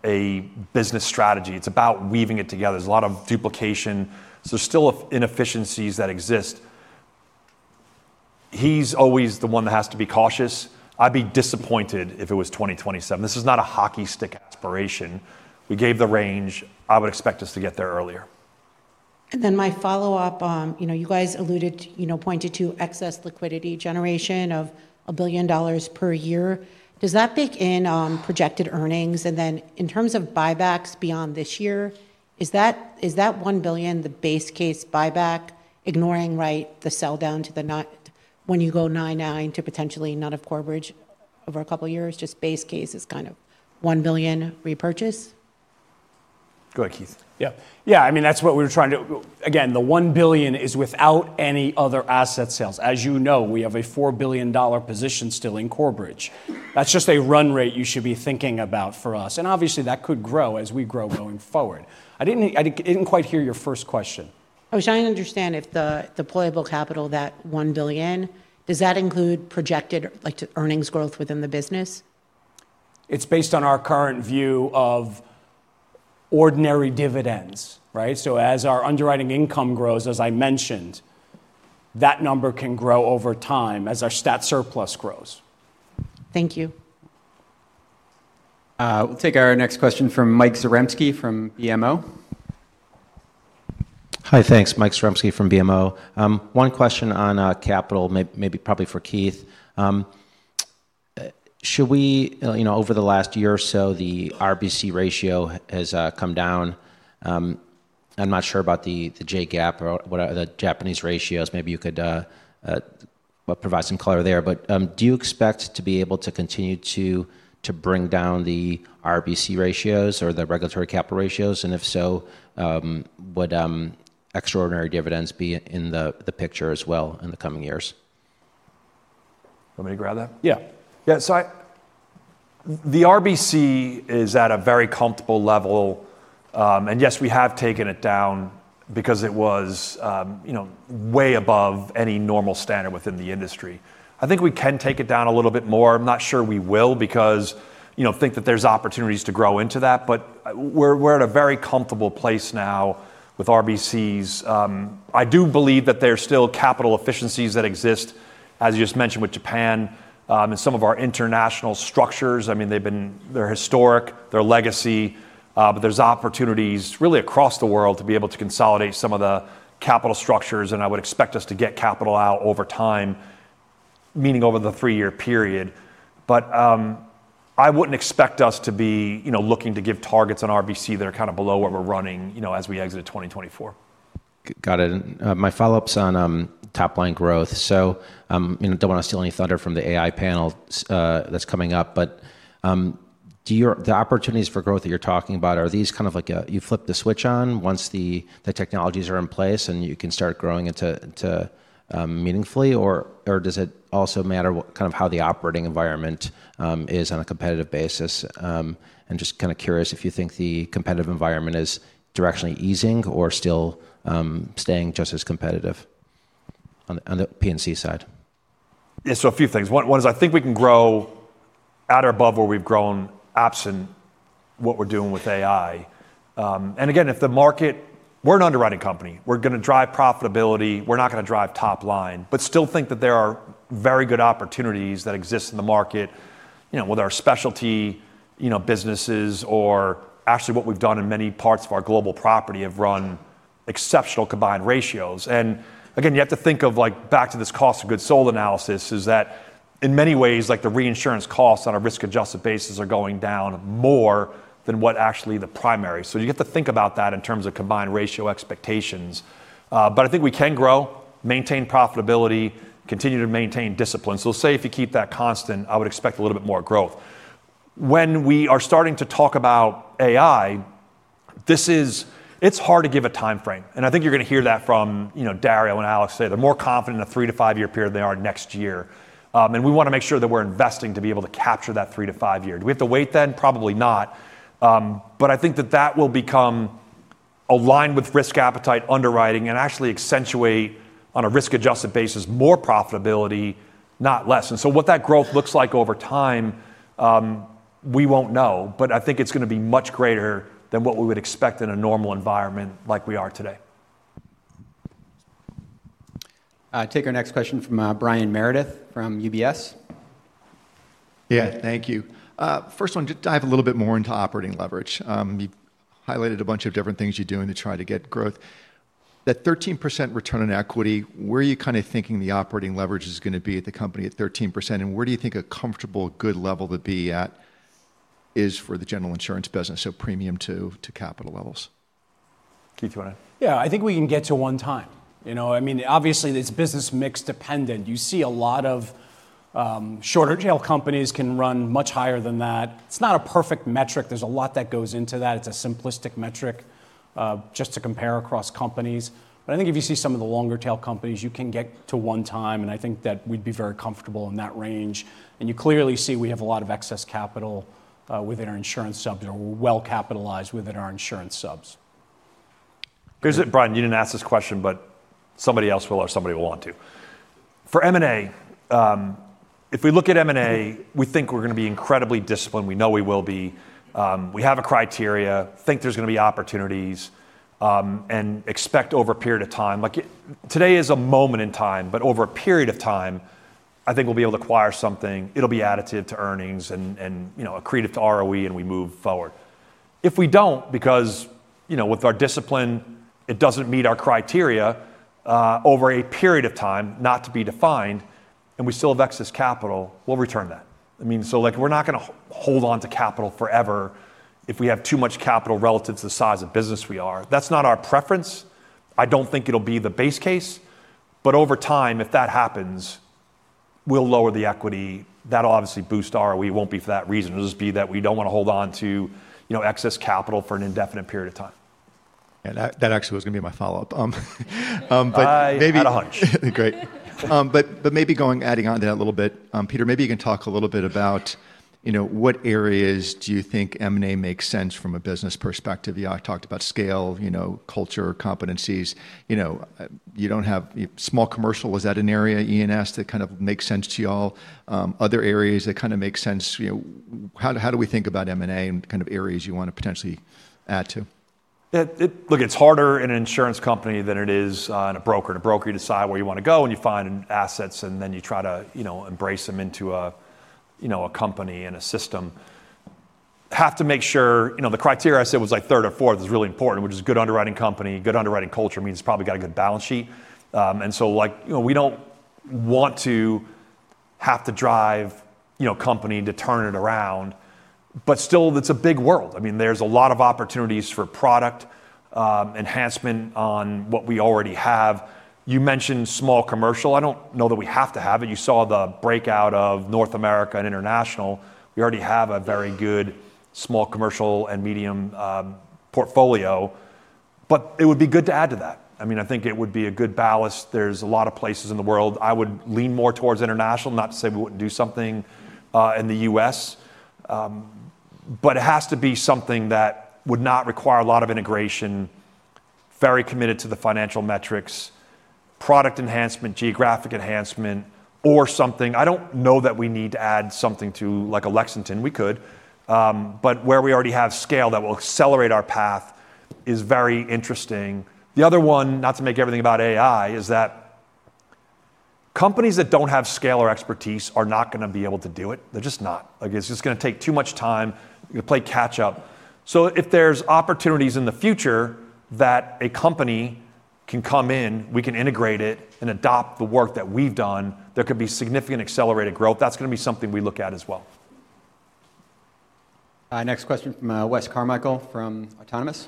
a business strategy. It is about weaving it together. There is a lot of duplication. There are still inefficiencies that exist. He is always the one that has to be cautious. I would be disappointed if it was 2027. This is not a hockey stick aspiration. We gave the range. I would expect us to get there earlier. My follow-up, you guys alluded, pointed to excess liquidity generation of $1 billion per year. Does that bake in projeced earnings? In terms of buybacks beyond this year, is that $1 billion the base case buyback, ignoring, right, the sell down to when you go nine nine to potentially none of corporate over a couple of years, just base case is kind of $1 billion repurchase? Go ahead, Keith. Yeah. Yeah. I mean, that's what we were trying to, again, the $1 billion is without any other asset sales. As you know, we have a $4 billion position still in corporate. That's just a run rate you should be thinking about for us. Obviously, that could grow as we grow going forward. I did not quite hear your first question. I was trying to understand if the deployable capital, that $1 billion, does that include projected earnings growth within the business? It is based on our current view of ordinary dividends, right? As our underwriting income grows, as I mentioned, that number can grow over time as our stat surplus grows. Thank you. We'll take our next question from Mike Zaremski from BMO. Hi, thanks. Mike Zaremski from BMO. One question on capital, maybe probably for Keith. Should we, over the last year or so, the RBC ratio has come down? I'm not sure about the J gap or what are the Japanese ratios. Maybe you could provide some color there. Do you expect to be able to continue to bring down the RBC ratios or the regulatory capital ratios? If so, would extraordinary dividends be in the picture as well in the coming years? Want me to grab that? Yeah. Yeah. The RBC is at a very comfortable level. Yes, we have taken it down because it was way above any normal standard within the industry. I think we can take it down a little bit more. I'm not sure we will because I think that there's opportunities to grow into that. We're at a very comfortable place now with RBCs. I do believe that there are still capital efficiencies that exist, as you just mentioned with Japan and some of our international structures. I mean, they've been there historic, their legacy. There's opportunities really across the world to be able to consolidate some of the capital structures. I would expect us to get capital out over time, meaning over the three-year period. I wouldn't expect us to be looking to give targets on RBC that are kind of below where we're running as we exit 2024. Got it. My follow-up's on top line growth. I don't want to steal any thunder from the AI panel that's coming up. The opportunities for growth that you're talking about, are these kind of like you flip the switch on once the technologies are in place and you can start growing into meaningfully? Or does it also matter kind of how the operating environment is on a competitive basis? Just kind of curious if you think the competitive environment is directionally easing or still staying just as competitive on the P&C side. Yeah. A few things. One is I think we can grow at or above where we've grown apps and what we're doing with AI. Again, if the market, we're an underwriting company. We're going to drive profitability. We're not going to drive top line, but still think that there are very good opportunities that exist in the market with our specialty businesses or actually what we've done in many parts of our global property have run exceptional combined ratios. You have to think of back to this cost of goods sold analysis is that in many ways, the reinsurance costs on a risk-adjusted basis are going down more than what actually the primary. You have to think about that in terms of combined ratio expectations. I think we can grow, maintain profitability, continue to maintain discipline. Say if you keep that constant, I would expect a little bit more growth. When we are starting to talk about AI, it's hard to give a timeframe. I think you're going to hear that from Dario and Alex today. They're more confident in a three to five-year period than they are next year. We want to make sure that we're investing to be able to capture that three to five year. Do we have to wait then? Probably not. I think that that will become aligned with risk appetite, underwriting, and actually accentuate on a risk-adjusted basis more profitability, not less. What that growth looks like over time, we won't know. I think it's going to be much greater than what we would expect in a normal environment like we are today. Take our next question from Brian Meredith from UBS. Yeah. Thank you. First one, just dive a little bit more into operating leverage. You've highlighted a bunch of different things you're doing to try to get growth. That 13% return on equity, where are you kind of thinking the operating leverage is going to be at the company at 13%? And where do you think a comfortable good level to be at is for the general insurance business, so premium to capital levels? Keith, you want to? Yeah. I think we can get to one time. I mean, obviously, it's business mix dependent. You see a lot of shorter-tail companies can run much higher than that. It's not a perfect metric. There's a lot that goes into that. It's a simplistic metric just to compare across companies. But I think if you see some of the longer-tail companies, you can get to one time. And I think that we'd be very comfortable in that range. And you clearly see we have a lot of excess capital within our insurance subs or well capitalized within our insurance subs. Is it, Brian. You did not ask this question, but somebody else will or somebody will want to. For M&A, if we look at M&A, we think we are going to be incredibly disciplined. We know we will be. We have a criteria, think there is going to be opportunities, and expect over a period of time. Today is a moment in time, but over a period of time, I think we will be able to acquire something. It will be additive to earnings and accretive to ROE, and we move forward. If we do not, because with our discipline, it does not meet our criteria over a period of time not to be defined, and we still have excess capital, we will return that. I mean, we are not going to hold on to capital forever if we have too much capital relative to the size of business we are. That is not our preference. I don't think it'll be the base case. Over time, if that happens, we'll lower the equity. That'll obviously boost ROE. It won't be for that reason. It'll just be that we don't want to hold on to excess capital for an indefinite period of time. That actually was going to be my follow-up. Maybe I had a hunch. Great. Maybe going, adding on to that a little bit, Peter, maybe you can talk a little bit about what areas do you think M&A makes sense from a business perspective? You talked about scale, culture, competencies. You don't have small commercial. Is that an area, E&S, that kind of makes sense to y'all? Other areas that kind of make sense? How do we think about M&A and kind of areas you want to potentially add to? Look, it's harder in an insurance company than it is in a broker. In a broker, you decide where you want to go and you find assets, and then you try to embrace them into a company and a system. Have to make sure the criteria I said was like third or fourth is really important, which is good underwriting company. Good underwriting culture means it's probably got a good balance sheet. We do not want to have to drive company to turn it around. Still, it's a big world. I mean, there's a lot of opportunities for product enhancement on what we already have. You mentioned small commercial. I do not know that we have to have it. You saw the breakout of North America and international. We already have a very good small commercial and medium portfolio. It would be good to add to that. I mean, I think it would be a good balance. There's a lot of places in the world. I would lean more towards international, not to say we wouldn't do something in the U.S. It has to be something that would not require a lot of integration, very committed to the financial metrics, product enhancement, geographic enhancement, or something. I don't know that we need to add something to Lexington. We could. Where we already have scale that will accelerate our path is very interesting. The other one, not to make everything about AI, is that companies that don't have scale or expertise are not going to be able to do it. They're just not. It's just going to take too much time to play catch-up. If there's opportunities in the future that a company can come in, we can integrate it and adopt the work that we've done, there could be significant accelerated growth. That's going to be something we look at as well Next question from Wes Carmichael from Autonomous.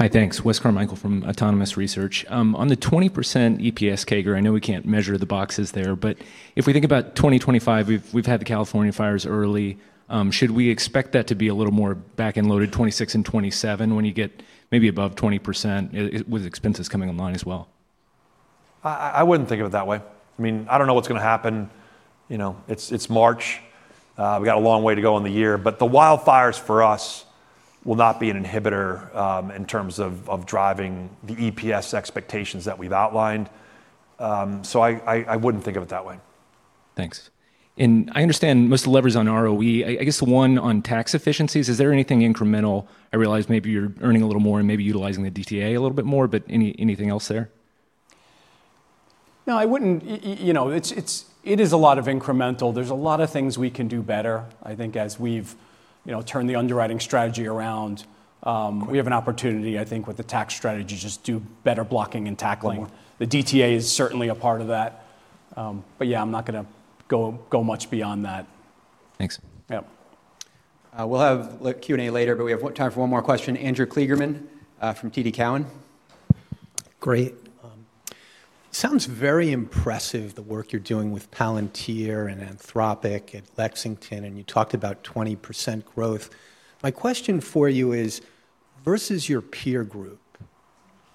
Hi, thanks. Wes Carmichael from Autonomous Research. On the 20% EPS CAGR, I know we can't measure the boxes there. But if we think about 2025, we've had the California fires early. Should we expect that to be a little more back and loaded 26 and 27 when you get maybe above 20% with expenses coming online as well? I wouldn't think of it that way. I mean, I don't know what's going to happen. It's March. We've got a long way to go in the year. The wildfires for us will not be an inhibitor in terms of driving the EPS expectations that we've outlined. I wouldn't think of it that way. Thanks. I understand most of the leverage is on ROE. I guess the one on tax efficiencies, is there anything incremental? I realize maybe you're earning a little more and maybe utilizing the DTA a little bit more, but anything else there? No, I wouldn't. It is a lot of incremental. There are a lot of things we can do better. I think as we've turned the underwriting strategy around, we have an opportunity, I think, with the tax strategy to just do better blocking and tackling. The DTA is certainly a part of that. But yeah, I'm not going to go much beyond that. Thanks. We'll have Q&A later, but we have time for one more question. Andrew Kligerman from TD Cowan. Great. Sounds very impressive the work you're doing with Palantir and Anthropic at Lexington. You talked about 20% growth. My question for you is, versus your peer group,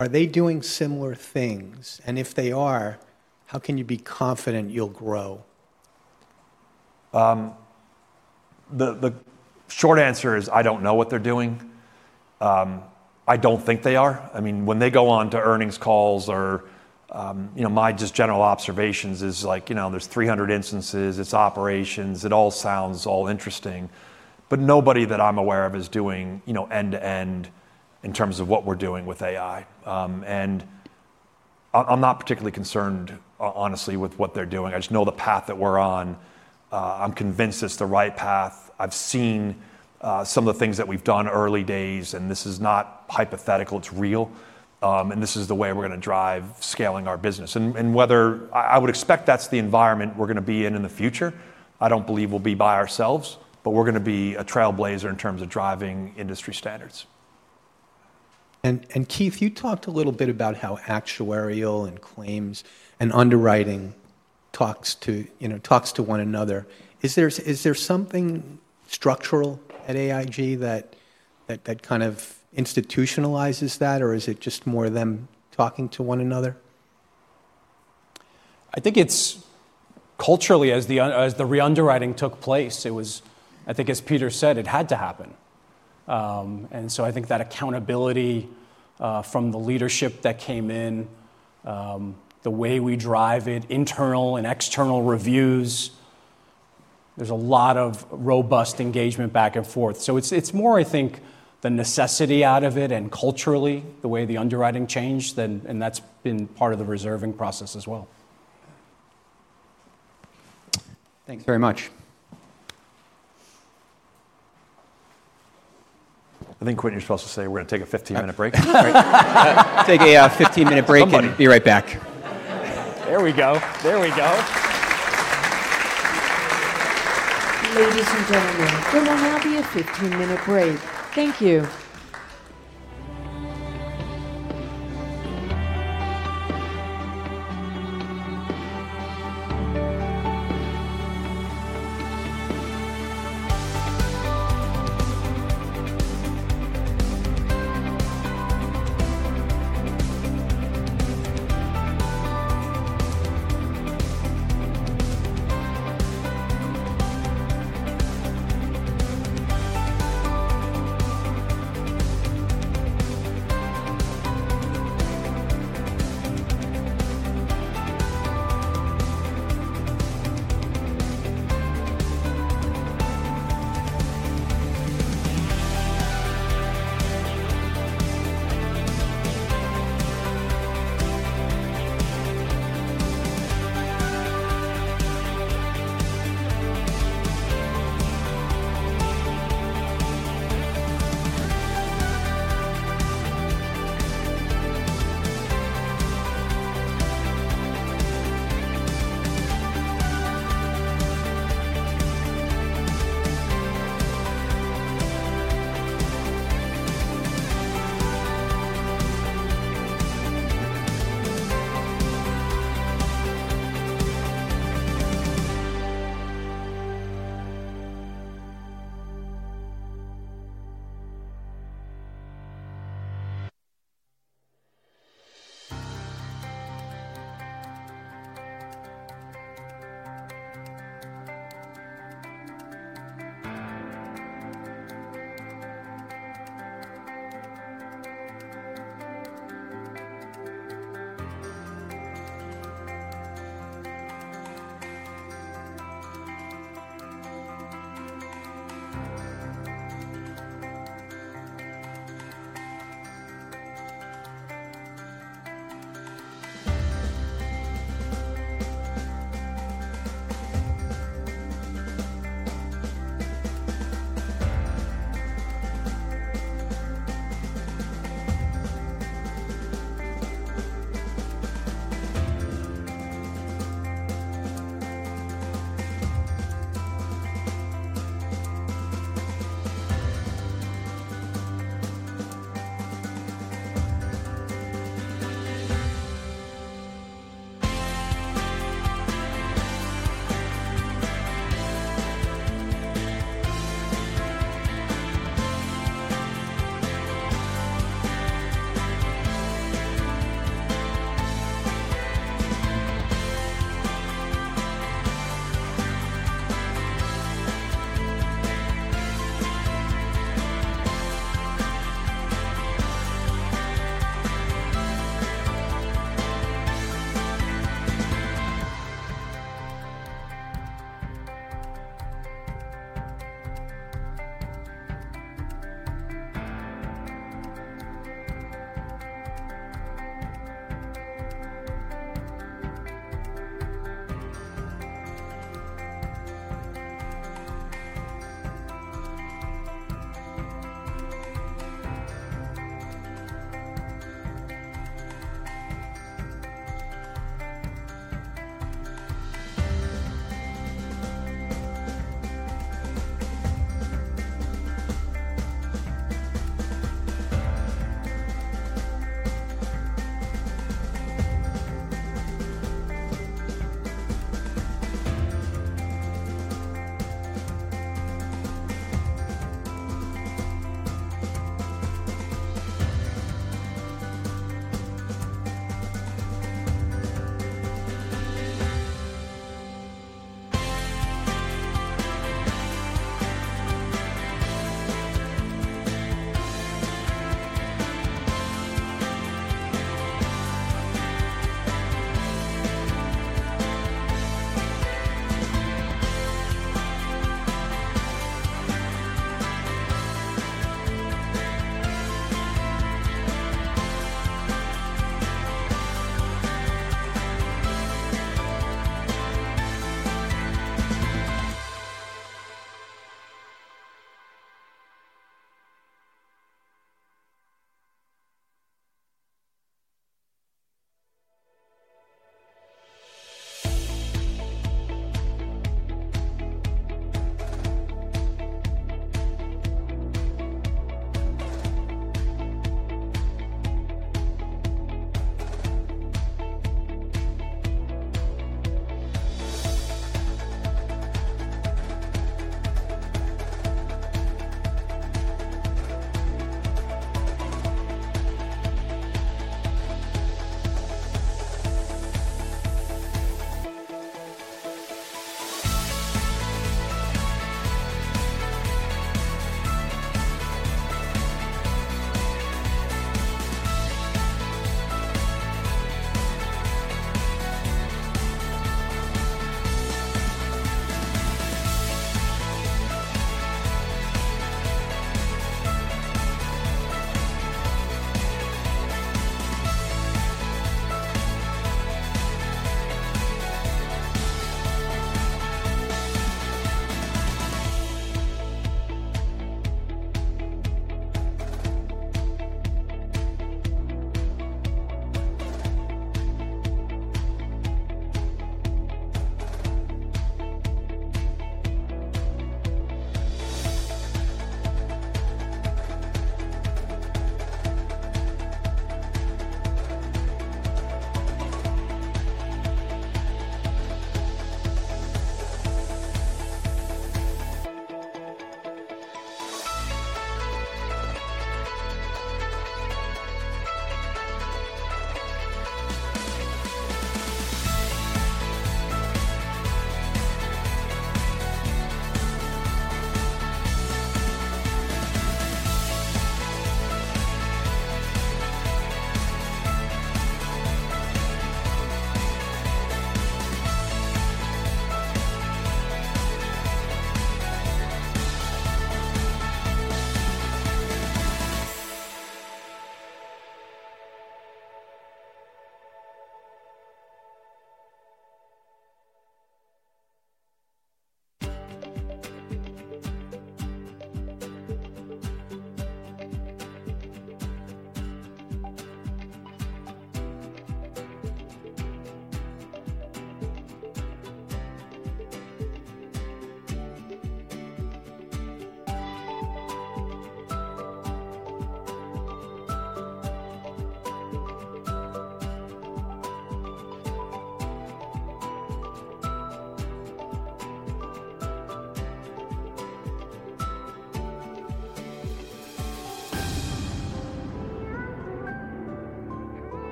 are they doing similar things? If they are, how can you be confident you'll grow? The short answer is I don't know what they're doing. I don't think they are. I mean, when they go on to earnings calls or my just general observations is there's 300 instances, it's operations. It all sounds all interesting. Nobody that I'm aware of is doing end-to-end in terms of what we're doing with AI. I'm not particularly concerned, honestly, with what they're doing. I just know the path that we're on. I'm convinced it's the right path. I've seen some of the things that we've done early days. This is not hypothetical. It's real. This is the way we're going to drive scaling our business. I would expect that's the environment we're going to be in in the future. I don't believe we'll be by ourselves, but we're going to be a trailblazer in terms of driving industry standards. Keith, you talked a little bit about how actuarial and claims and underwriting talks to one another. Is there something structural at AIG that kind of institutionalizes that, or is it just more of them talking to one another? I think it's culturally, as the re-underwriting took place, it was, I think, as Peter said, it had to happen. I think that accountability from the leadership that came in, the way we drive it, internal and external reviews, there's a lot of robust engagement back and forth. It is more, I think, the necessity out of it and culturally, the way the underwriting changed, and that has been part of the reserving process as well. Thanks very much. I think Quentin was supposed to say we are going to take a 15-minute break. Take a 15-minute break and be right back. There we go. There we go. Ladies and gentlemen, we will now have a 15-minute break. Thank you.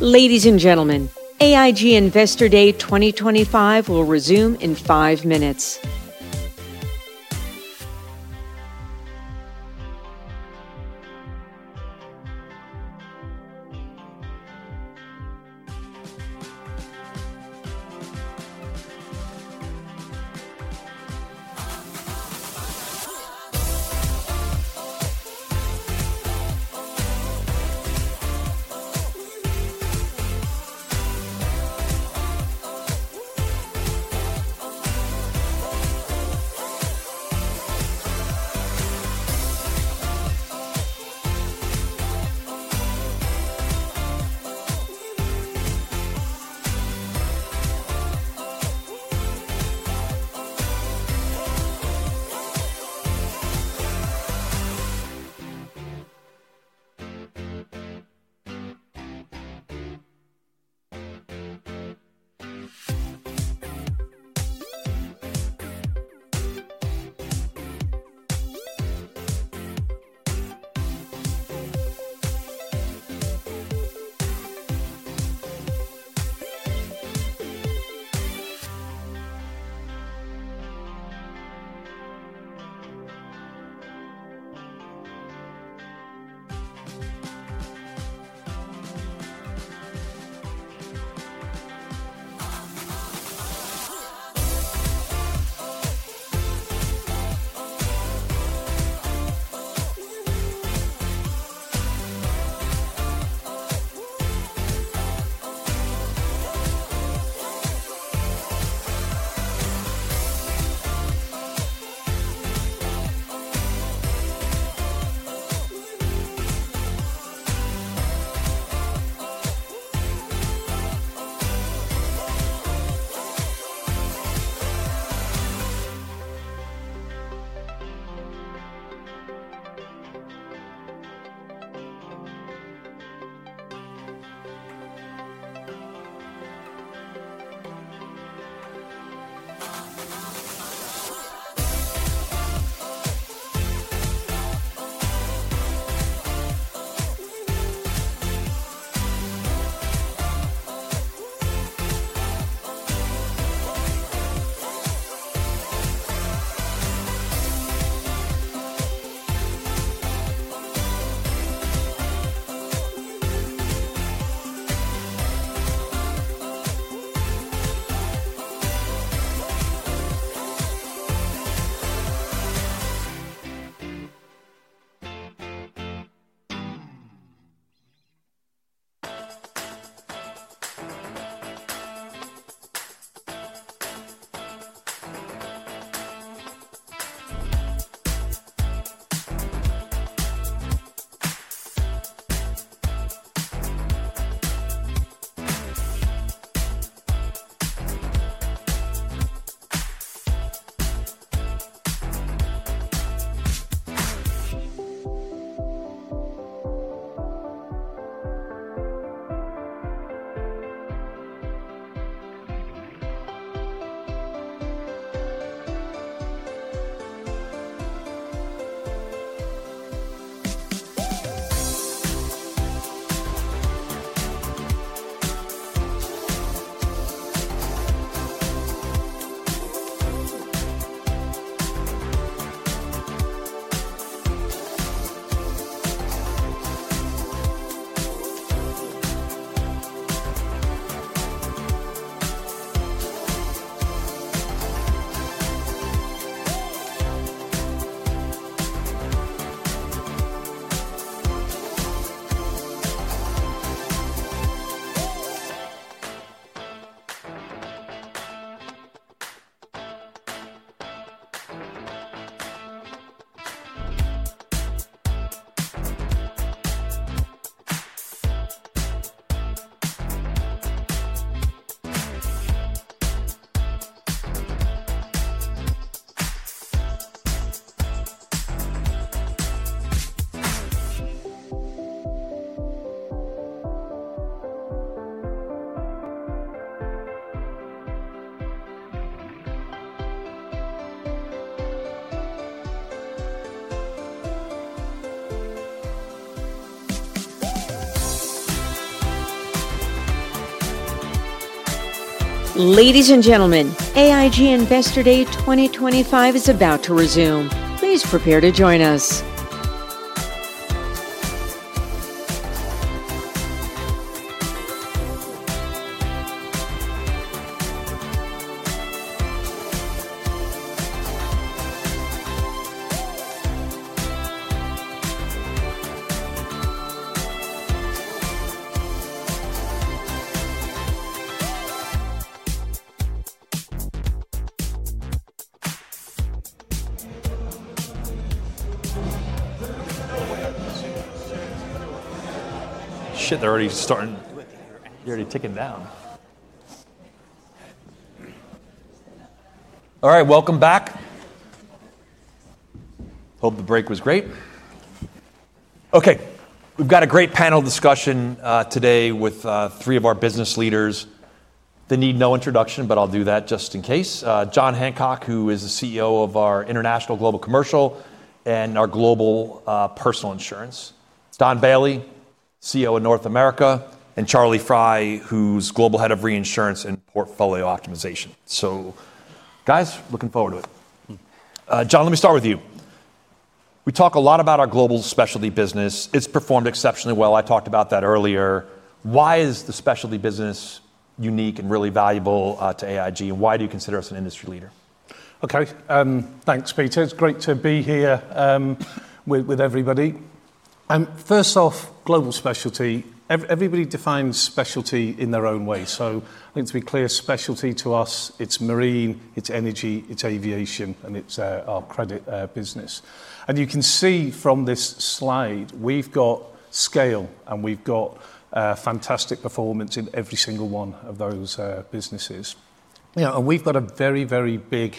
Ladies and gentlemen, AIG Investor Day 2025 will resume in five minutes. Ladies and gentlemen, AIG Investor Day 2025 is about to resume. Please prepare to join us. Shit, they are already starting; they are already ticking down. All right, welcome back. Hope the break was great. Okay, we have got a great panel discussion today with three of our business leaders. They need no introduction, but I will do that just in case. John Hancock, who is the CEO of our International Global Commercial and our Global Personal Insurance. Don Bailey, CEO of North America. Charlie Fry, who's Global Head of Reinsurance and Portfolio Optimization. Guys, looking forward to it. John, let me start with you. We talk a lot about our global specialty business. It's performed exceptionally well. I talked about that earlier. Why is the specialty business unique and really valuable to AIG, and why do you consider us an industry leader? Okay, thanks, Peter. It's great to be here with everybody. First off, global specialty. Everybody defines specialty in their own way. I think to be clear, specialty to us, it's marine, it's energy, it's aviation, and it's our credit business. You can see from this slide, we've got scale and we've got fantastic performance in every single one of those businesses. Yeah, and we've got a very, very big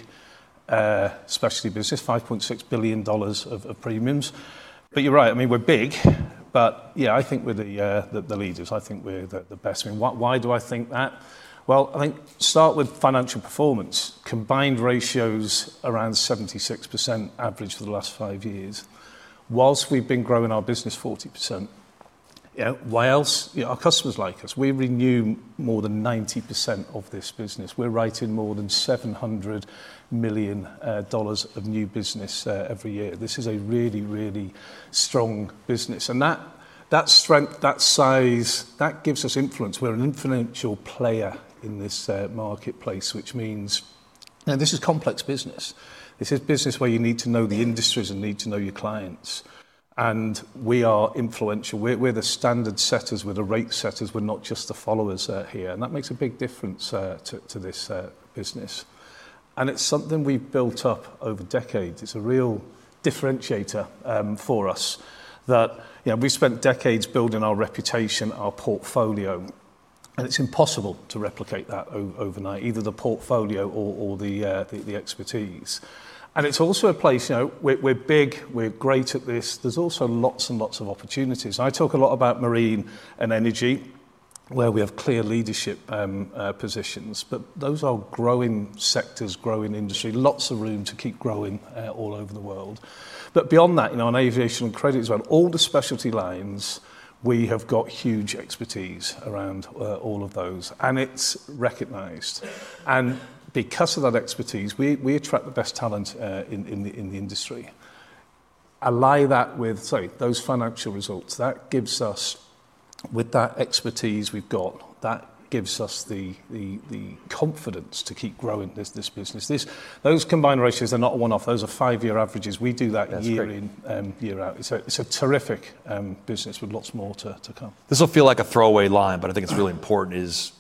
specialty business, $5.6 billion of premiums. You're right, I mean, we're big, but yeah, I think we're the leaders. I think we're the best. I mean, why do I think that? I think start with financial performance. Combined ratios around 76% average for the last five years. Whilst we've been growing our business 40%, yeah, why else? Our customers like us. We renew more than 90% of this business. We're writing more than $700 million of new business every year. This is a really, really strong business. That strength, that size, that gives us influence. We're an influential player in this marketplace, which means now this is complex business. This is business where you need to know the industries and need to know your clients. We are influential. We're the standard setters. We're the rate setters. We're not just the followers here. That makes a big difference to this business. It's something we've built up over decades. It's a real differentiator for us that, you know, we've spent decades building our reputation, our portfolio. It's impossible to replicate that overnight, either the portfolio or the expertise. It's also a place, you know, we're big, we're great at this. There's also lots and lots of opportunities. I talk a lot about marine and energy, where we have clear leadership positions. Those are growing sectors, growing industry, lots of room to keep growing all over the world. Beyond that, you know, on aviation and credit as well, all the specialty lines, we have got huge expertise around all of those. It's recognized. Because of that expertise, we attract the best talent in the industry. Ally that with, sorry, those financial results. That gives us, with that expertise we've got, that gives us the confidence to keep growing this business. Those combined ratios are not a one-off. Those are five-year averages. We do that year in, year out. It's a terrific business with lots more to come. This will feel like a throwaway line, but I think it's really important is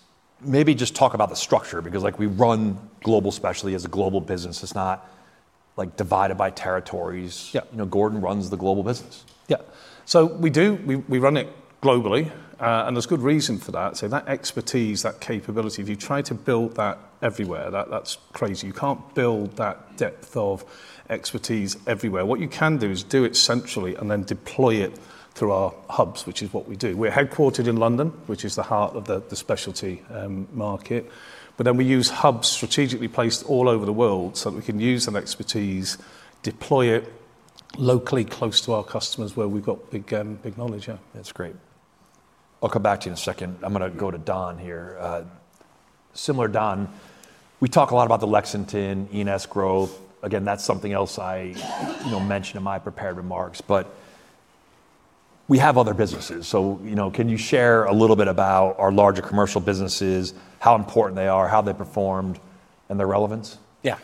maybe just talk about the structure because, like, we run global specialty as a global business. It's not, like, divided by territories. You know, Gordon runs the global business. Yeah. We do, we run it globally. There's good reason for that. That expertise, that capability, if you try to build that everywhere, that's crazy. You can't build that depth of expertise everywhere. What you can do is do it centrally and then deploy it through our hubs, which is what we do. We're headquartered in London, which is the heart of the specialty market. We use hubs strategically placed all over the world so that we can use that expertise, deploy it locally close to our customers where we've got big knowledge. Yeah. That's great. I'll come back to you in a second. I'm going to go to Don here. Similar, Don, we talk a lot about the Lexington, E&S growth. Again, that's something else I, you know, mentioned in my prepared remarks. We have other businesses. You know, can you share a little bit about our larger commercial businesses, how important they are, how they performed, and their relevance? Yeah.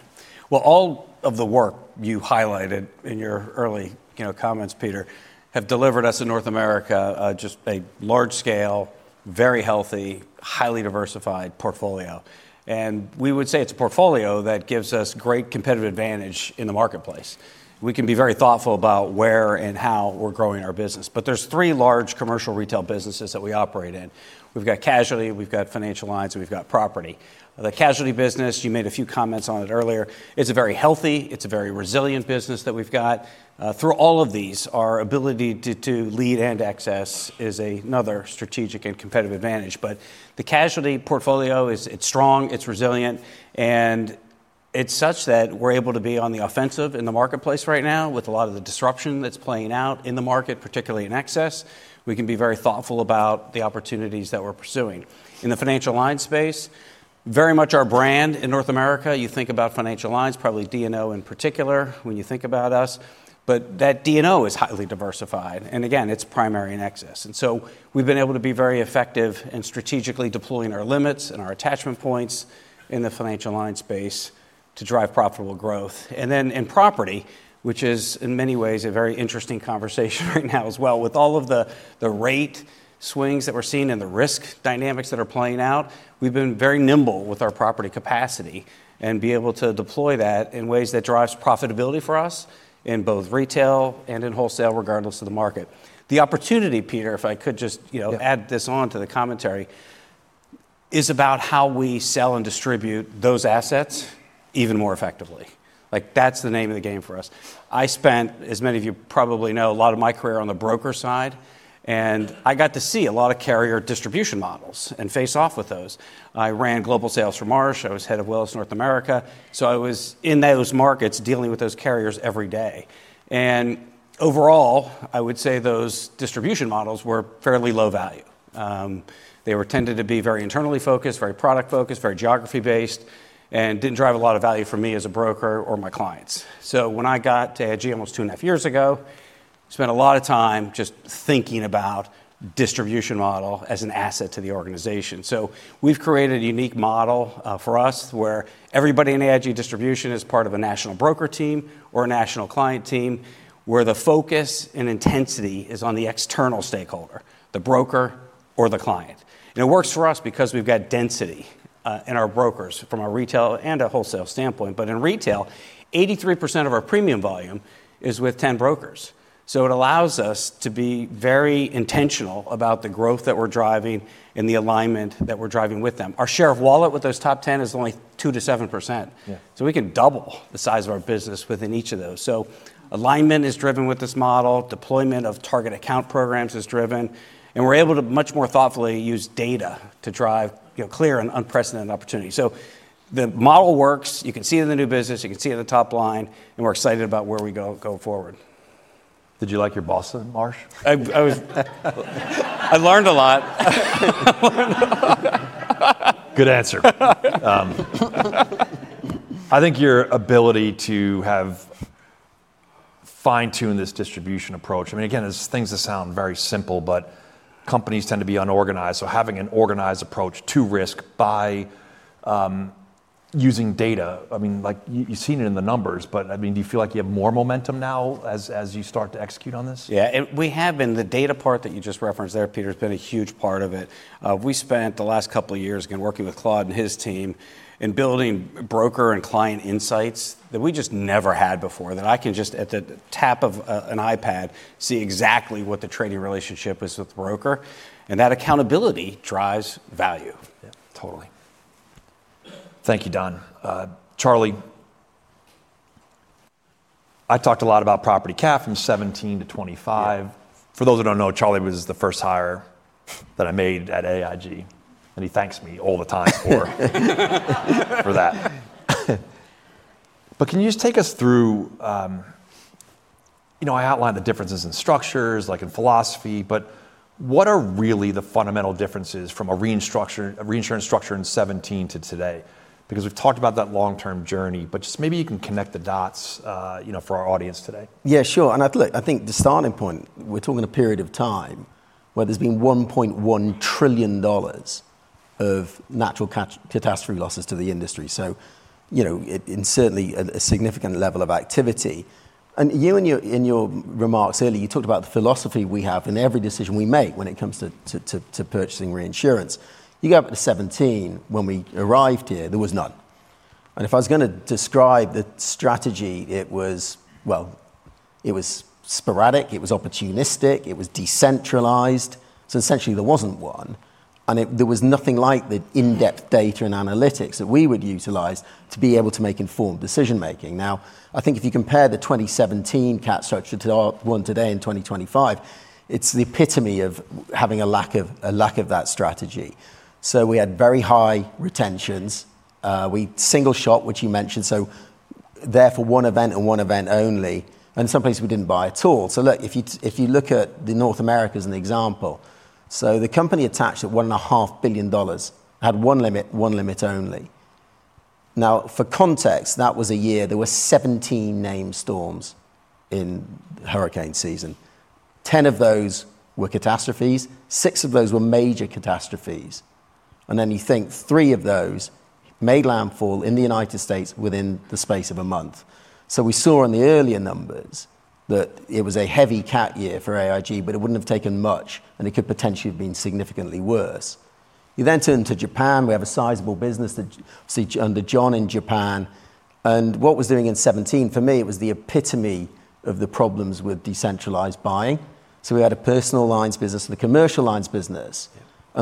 All of the work you highlighted in your early, you know, comments, Peter, have delivered us in North America just a large scale, very healthy, highly diversified portfolio. We would say it's a portfolio that gives us great competitive advantage in the marketplace. We can be very thoughtful about where and how we're growing our business. There's three large commercial retail businesses that we operate in. We've got casualty, we've got financial lines, and we've got property. The casualty business, you made a few comments on it earlier. It's a very healthy, it's a very resilient business that we've got. Through all of these, our ability to lead and access is another strategic and competitive advantage. The casualty portfolio is, it's strong, it's resilient, and it's such that we're able to be on the offensive in the marketplace right now with a lot of the disruption that's playing out in the market, particularly in excess. We can be very thoughtful about the opportunities that we're pursuing. In the financial line space, very much our brand in North America, you think about financial lines, probably D&O in particular when you think about us. That D&O is highly diversified. Again, it's primary in excess. We've been able to be very effective in strategically deploying our limits and our attachment points in the financial line space to drive profitable growth. In property, which is in many ways a very interesting conversation right now as well with all of the rate swings that we're seeing and the risk dynamics that are playing out, we've been very nimble with our property capacity and be able to deploy that in ways that drives profitability for us in both retail and in wholesale, regardless of the market. The opportunity, Peter, if I could just, you know, add this on to the commentary, is about how we sell and distribute those assets even more effectively. Like, that's the name of the game for us. I spent, as many of you probably know, a lot of my career on the broker side, and I got to see a lot of carrier distribution models and face off with those. I ran global sales for Marsh. I was head of Wells North America. I was in those markets dealing with those carriers every day. Overall, I would say those distribution models were fairly low value. They tended to be very internally focused, very product focused, very geography based, and did not drive a lot of value for me as a broker or my clients. When I got to AIG almost two and a half years ago, I spent a lot of time just thinking about the distribution model as an asset to the organization. We have created a unique model for us where everybody in AIG distribution is part of a national broker team or a national client team, where the focus and intensity is on the external stakeholder, the broker or the client. It works for us because we have got density in our brokers from a retail and a wholesale standpoint. In retail, 83% of our premium volume is with 10 brokers. It allows us to be very intentional about the growth that we're driving and the alignment that we're driving with them. Our share of wallet with those top 10 is only 2%-7%. We can double the size of our business within each of those. Alignment is driven with this model. Deployment of target account programs is driven. We're able to much more thoughtfully use data to drive, you know, clear and unprecedented opportunity. The model works. You can see it in the new business. You can see it in the top line. We're excited about where we go forward. Did you like your boss at Marsh? I was, I learned a lot. Good answer. I think your ability to have fine-tuned this distribution approach, I mean, again, there's things that sound very simple, but companies tend to be unorganized. Having an organized approach to risk by using data, I mean, like you've seen it in the numbers, but I mean, do you feel like you have more momentum now as you start to execute on this? Yeah, we have in the data part that you just referenced there, Peter, has been a huge part of it. We spent the last couple of years again working with Claude and his team in building broker and client insights that we just never had before that I can just at the tap of an iPad see exactly what the trading relationship is with the broker. That accountability drives value. Yeah, totally. Thank you, Don. Charlie, I've talked a lot about property cap from 2017-2025. For those who don't know, Charlie was the first hire that I made at AIG. And he thanks me all the time for that. Can you just take us through, you know, I outlined the differences in structures, like in philosophy, but what are really the fundamental differences from a reinsurance structure in 2017 to today? Because we've talked about that long-term journey, but just maybe you can connect the dots, you know, for our audience today. Yeah, sure. I think the starting point, we're talking a period of time where there's been $1.1 trillion of natural catastrophe losses to the industry. You know, it's certainly a significant level of activity. You in your remarks earlier, you talked about the philosophy we have in every decision we make when it comes to purchasing reinsurance. You go up to 17, when we arrived here, there was none. If I was going to describe the strategy, it was, it was sporadic, it was opportunistic, it was decentralized. Essentially there was not one. There was nothing like the in-depth data and analytics that we would utilize to be able to make informed decision-making. Now, I think if you compare the 2017 cat structure to our one today in 2025, it is the epitome of having a lack of that strategy. We had very high retentions. We single-shot, which you mentioned. Therefore one event and one event only. In some places we did not buy at all. If you look at North America as an example, the company attached at $1.5 billion, had one limit, one limit only. Now, for context, that was a year there were 17 named storms in hurricane season. 10 of those were catastrophes. 6 of those were major catastrophes. You think 3 of those made landfall in the United States within the space of a month. We saw in the earlier numbers that it was a heavy cat year for AIG, but it would not have taken much and it could potentially have been significantly worse. You then turn to Japan. We have a sizable business that is under John in Japan. What was happening in 2017, for me, it was the epitome of the problems with decentralized buying. We had a personal lines business and a commercial lines business.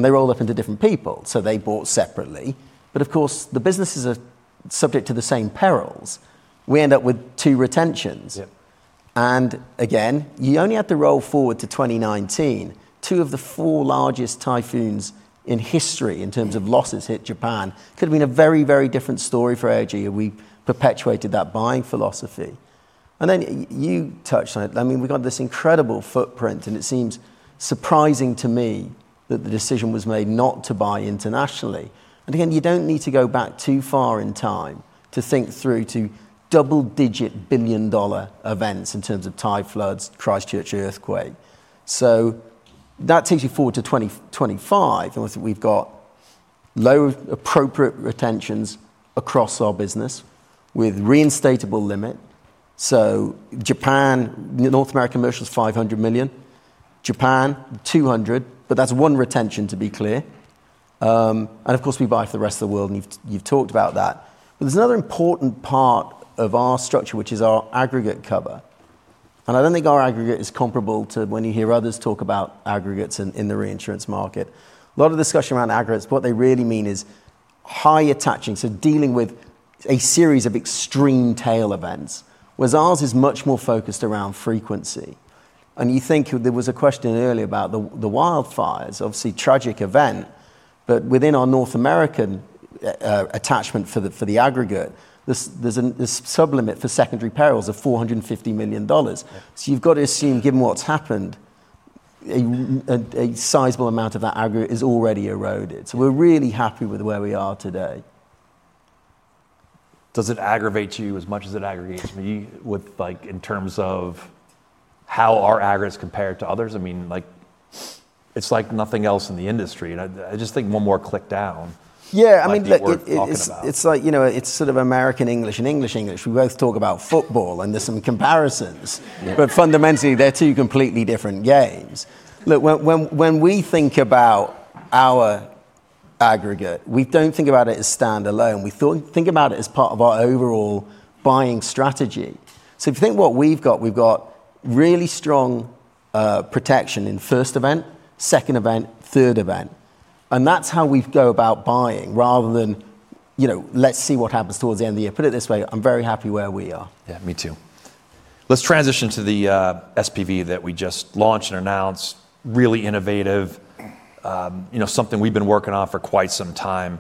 They rolled up into different people. They bought separately. Of course, the businesses are subject to the same perils. We end up with two retentions. You only have to roll forward to 2019. Two of the four largest typhoons in history in terms of losses hit Japan. It could have been a very, very different story for AIG if we perpetuated that buying philosophy. You touched on it. I mean, we got this incredible footprint and it seems surprising to me that the decision was made not to buy internationally. You do not need to go back too far in time to think through to double-digit billion-dollar events in terms of tide floods, Christchurch earthquake. That takes you forward to 2025. We have low appropriate retentions across our business with reinstatable limit. Japan, North America commercial is $500 million. Japan, $200 million. That is one retention to be clear. Of course, we buy for the rest of the world and you have talked about that. There is another important part of our structure, which is our aggregate cover. I do not think our aggregate is comparable to when you hear others talk about aggregates in the reinsurance market. A lot of discussion around aggregates, what they really mean is high attaching, so dealing with a series of extreme tail events. Whereas ours is much more focused around frequency. I think there was a question earlier about the wildfires, obviously tragic event, but within our North American attachment for the aggregate, there is a sublimit for secondary perils of $450 million. You have to assume, given what has happened, a sizable amount of that aggregate is already eroded. We are really happy with where we are today. Does it aggravate you as much as it aggravates me, like, in terms of how our aggregates compare to others? I mean, like, it's like nothing else in the industry. I just think one more click down. Yeah, I mean, it's like, you know, it's sort of American, English, and English, English. We both talk about football and there's some comparisons. Fundamentally, they're two completely different games. Look, when we think about our aggregate, we don't think about it as standalone. We think about it as part of our overall buying strategy. If you think what we've got, we've got really strong protection in first event, second event, third event. That's how we go about buying rather than, you know, let's see what happens towards the end of the year. Put it this way, I'm very happy where we are. Yeah, me too. Let's transition to the SPV that we just launched and announced. Really innovative, you know, something we've been working on for quite some time.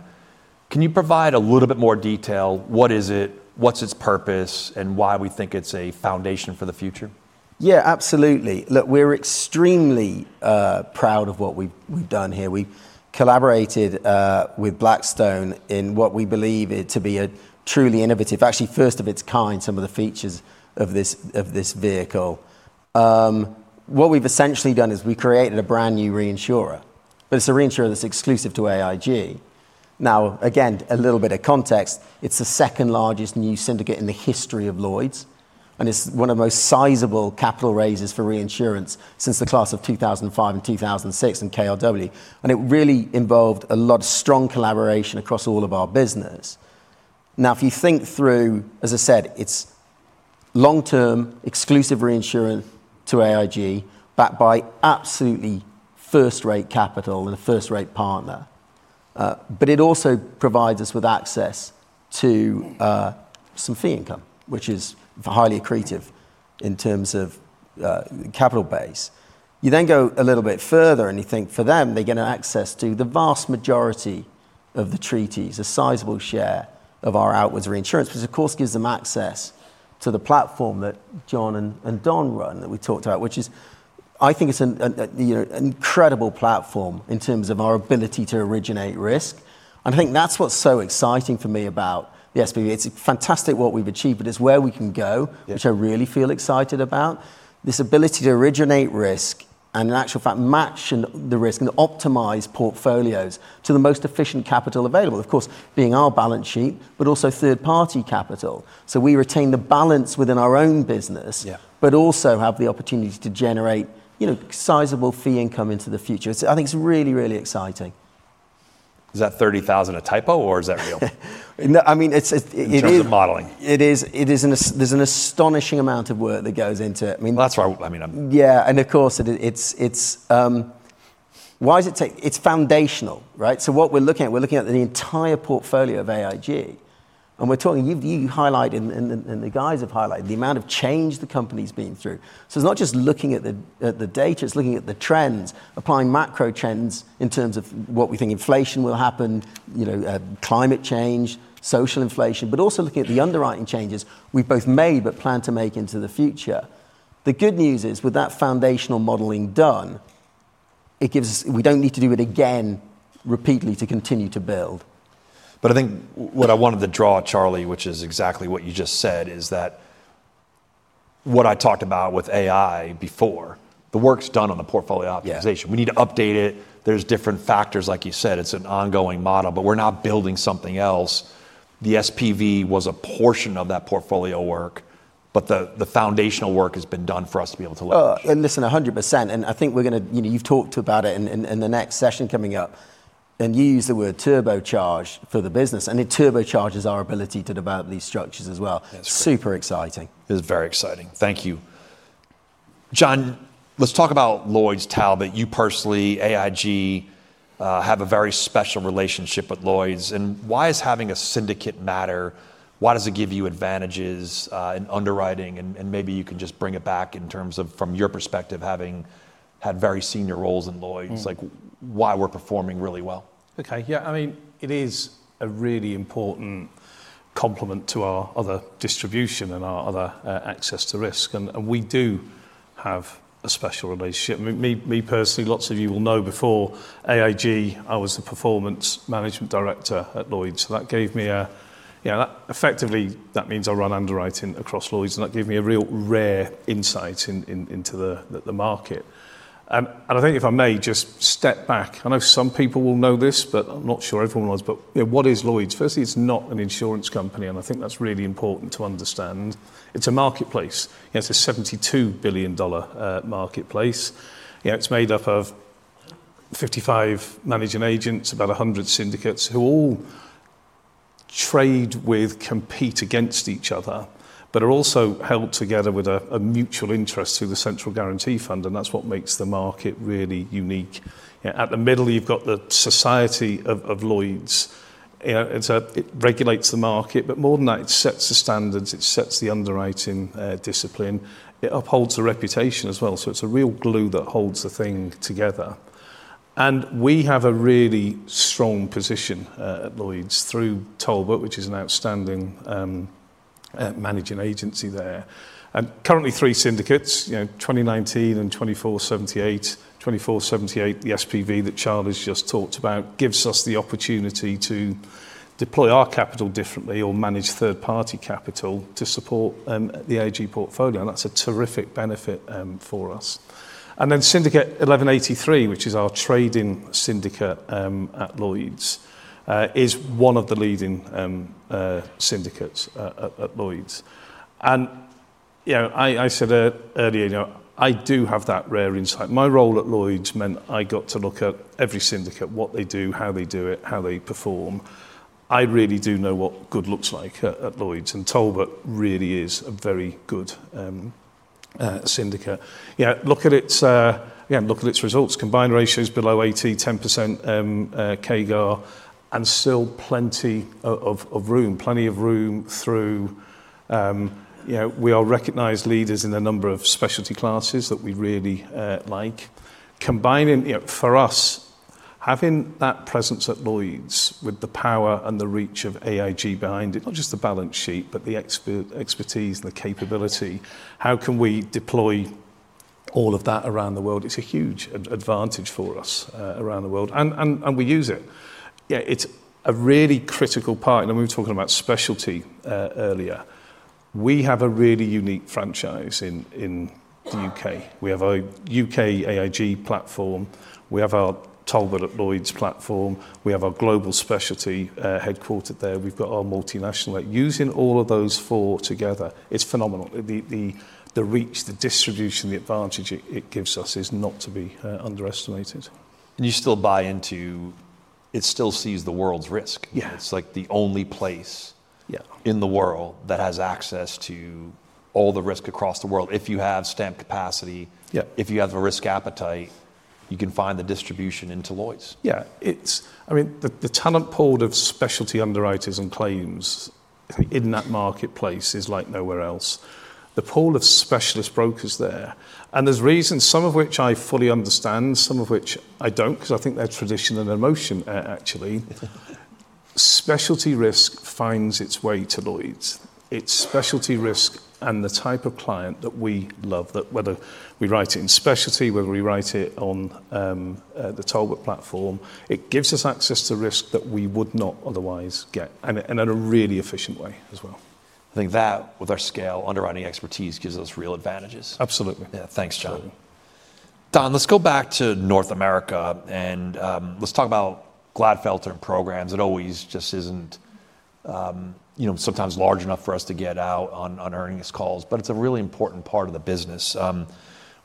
Can you provide a little bit more detail? What is it? What's its purpose and why we think it's a foundation for the future? Yeah, absolutely. Look, we're extremely proud of what we've done here. We've collaborated with Blackstone in what we believe to be a truly innovative, actually first of its kind, some of the features of this vehicle. What we've essentially done is we created a brand new reinsurer. But it's a reinsurer that's exclusive to AIG. Now, again, a little bit of context, it's the second largest new syndicate in the history of Lloyd's. And it's one of the most sizable capital raises for reinsurance since the class of 2005 and 2006 and KLW. And it really involved a lot of strong collaboration across all of our business. Now, if you think through, as I said, it's long-term exclusive reinsurance to AIG backed by absolutely first-rate capital and a first-rate partner. It also provides us with access to some fee income, which is highly accretive in terms of capital base. You then go a little bit further and you think for them, they get access to the vast majority of the treaties, a sizable share of our outwards reinsurance, which of course gives them access to the platform that John and Don run that we talked about, which is, I think it's an incredible platform in terms of our ability to originate risk. I think that's what's so exciting for me about the SPV. It's fantastic what we've achieved, but it's where we can go, which I really feel excited about. This ability to originate risk and in actual fact match the risk and optimize portfolios to the most efficient capital available, of course, being our balance sheet, but also third-party capital. We retain the balance within our own business, but also have the opportunity to generate, you know, sizable fee income into the future. I think it's really, really exciting. Is that 30,000 a typo or is that real? I mean, it's in terms of modeling. It is. There's an astonishing amount of work that goes into it. I mean, that's why I mean, yeah. Of course, it's, it's, why is it take, it's foundational, right? What we're looking at, we're looking at the entire portfolio of AIG. We're talking, you highlighted and the guys have highlighted the amount of change the company's been through. It is not just looking at the data, it is looking at the trends, applying macro trends in terms of what we think inflation will happen, you know, climate change, social inflation, but also looking at the underwriting changes we have both made but plan to make into the future. The good news is with that foundational modeling done, it gives us, we do not need to do it again repeatedly to continue to build. But I think what I wanted to draw, Charlie, which is exactly what you just said, is that what I talked about with AI before, the work is done on the portfolio optimization. We need to update it. There are different factors, like you said, it is an ongoing model, but we are not building something else. The SPV was a portion of that portfolio work, but the foundational work has been done for us to be able to look at. Listen, 100%. I think we're going to, you know, you've talked about it in the next session coming up. You use the word turbocharge for the business. It turbocharges our ability to develop these structures as well. That's right. Super exciting. It is very exciting. Thank you. John, let's talk about Lloyd's talent. You personally, AIG, have a very special relationship with Lloyd's. Why is having a syndicate matter? Why does it give you advantages in underwriting? Maybe you can just bring it back in terms of, from your perspective, having had very senior roles in Lloyd's, like why we're performing really well. Okay. Yeah. I mean, it is a really important complement to our other distribution and our other access to risk. We do have a special relationship. Me personally, lots of you will know before AIG, I was the Performance Management Director at Lloyd's. That gave me a, you know, that effectively means I run underwriting across Lloyd's. That gave me a real rare insight into the market. I think if I may just step back, I know some people will know this, but I'm not sure everyone knows, but what is Lloyd's? Firstly, it's not an insurance company. I think that's really important to understand. It's a marketplace. It's a $72 billion marketplace. It's made up of 55 managing agents, about 100 syndicates who all trade with, compete against each other, but are also held together with a mutual interest through the Central Guarantee Fund. That's what makes the market really unique. At the middle, you've got the Society of Lloyd's. It regulates the market, but more than that, it sets the standards. It sets the underwriting discipline. It upholds the reputation as well. It is a real glue that holds the thing together. We have a really strong position at Lloyd's through Talbot, which is an outstanding managing agency there. Currently three syndicates, you know, 2019 and 2478. 2478, the SPV that Charlie's just talked about, gives us the opportunity to deploy our capital differently or manage third-party capital to support the AIG portfolio. That is a terrific benefit for us. Syndicate 1183, which is our trading syndicate at Lloyd's, is one of the leading syndicates at Lloyd's. You know, I said earlier, you know, I do have that rare insight. My role at Lloyd's meant I got to look at every syndicate, what they do, how they do it, how they perform. I really do know what good looks like at Lloyd's. And Talbot really is a very good syndicate. Yeah, look at its, yeah, look at its results. Combined ratios below 80, 10% CAGR. And still plenty of room, plenty of room through, you know, we are recognized leaders in a number of specialty classes that we really like. Combining, you know, for us, having that presence at Lloyd's with the power and the reach of AIG behind it, not just the balance sheet, but the expertise and the capability, how can we deploy all of that around the world? It's a huge advantage for us around the world. And we use it. Yeah, it's a really critical part. And we were talking about specialty earlier. We have a really unique franchise in the U.K. We have a U.K. AIG platform. We have our Talbot at Lloyd's platform. We have our global specialty headquartered there. We've got our multinational there. Using all of those four together, it's phenomenal. The reach, the distribution, the advantage it gives us is not to be underestimated. You still buy into it, still sees the world's risk. Yeah. It's like the only place, yeah, in the world that has access to all the risk across the world. If you have stamp capacity, if you have a risk appetite, you can find the distribution into Lloyd's. Yeah. I mean, the talent pool of specialty underwriters and claims in that marketplace is like nowhere else. The pool of specialist brokers there. There are reasons, some of which I fully understand, some of which I don't, because I think they're tradition and emotion, actually. Specialty risk finds its way to Lloyd's. It's specialty risk and the type of client that we love, that whether we write it in specialty, whether we write it on the Talbot platform, it gives us access to risk that we would not otherwise get. In a really efficient way as well. I think that with our scale, underwriting expertise gives us real advantages. Absolutely. Yeah. Thanks, John. Don, let's go back to North America and let's talk about Gladfelter and programs. It always just isn't, you know, sometimes large enough for us to get out on earnings calls, but it's a really important part of the business.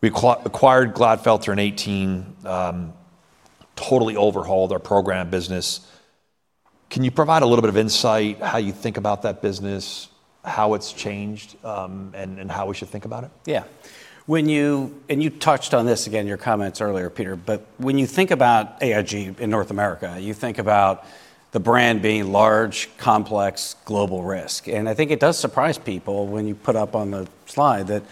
We acquired Gladfelter in 2018, totally overhauled our program business. Can you provide a little bit of insight how you think about that business, how it's changed and how we should think about it? Yeah. When you, and you touched on this again, your comments earlier, Peter, but when you think about AIG in North America, you think about the brand being large, complex, global risk. I think it does surprise people when you put up on the slide that,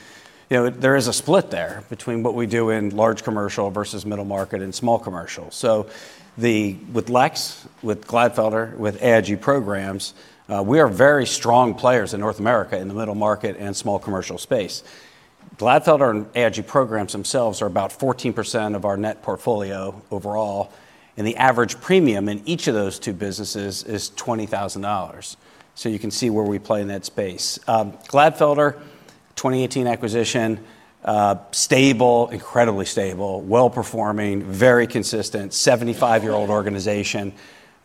you know, there is a split there between what we do in large commercial versus middle market and small commercial. With Lex, with Gladfelter, with AIG programs, we are very strong players in North America in the middle market and small commercial space. Gladfelter and AIG programs themselves are about 14% of our net portfolio overall. The average premium in each of those two businesses is $20,000. You can see where we play in that space. Gladfelter, 2018 acquisition, stable, incredibly stable, well-performing, very consistent, 75-year-old organization.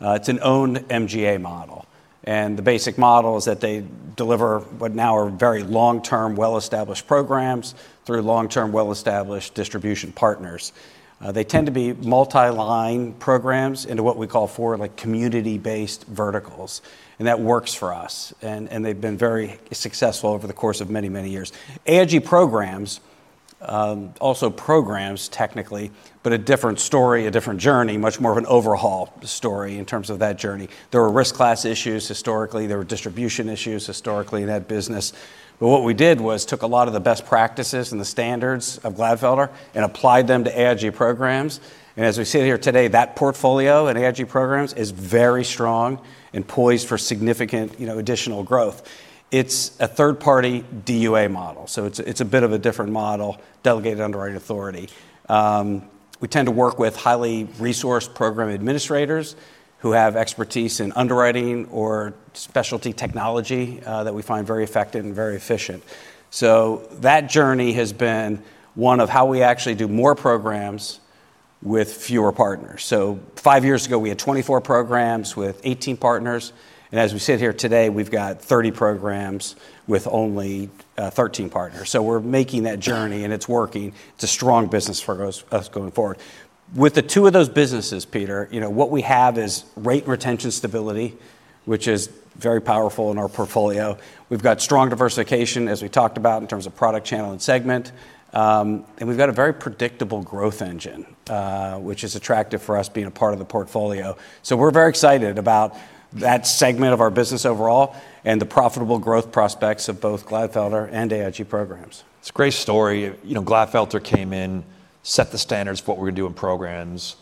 It's an owned MGA model. The basic model is that they deliver what now are very long-term, well-established programs through long-term, well-established distribution partners. They tend to be multi-line programs into what we call four, like community-based verticals. That works for us. They have been very successful over the course of many, many years. AIG programs are also programs technically, but a different story, a different journey, much more of an overhaul story in terms of that journey. There were risk class issues historically. There were distribution issues historically in that business. What we did was took a lot of the best practices and the standards of Gladfelter and applied them to AIG programs. As we sit here today, that portfolio and AIG programs is very strong and poised for significant, you know, additional growth. It is a third-party DUA model. It is a bit of a different model, delegated underwriting authority. We tend to work with highly resourced program administrators who have expertise in underwriting or specialty technology that we find very effective and very efficient. That journey has been one of how we actually do more programs with fewer partners. Five years ago, we had 24 programs with 18 partners. As we sit here today, we've got 30 programs with only 13 partners. We're making that journey and it's working. It's a strong business for us going forward. With the two of those businesses, Peter, you know, what we have is rate retention stability, which is very powerful in our portfolio. We've got strong diversification, as we talked about, in terms of product channel and segment. We've got a very predictable growth engine, which is attractive for us being a part of the portfolio. We're very excited about that segment of our business overall and the profitable growth prospects of both Gladfelter and AIG programs. It's a great story. You know, Gladfelter came in, set the standards, what we're going to do in programs.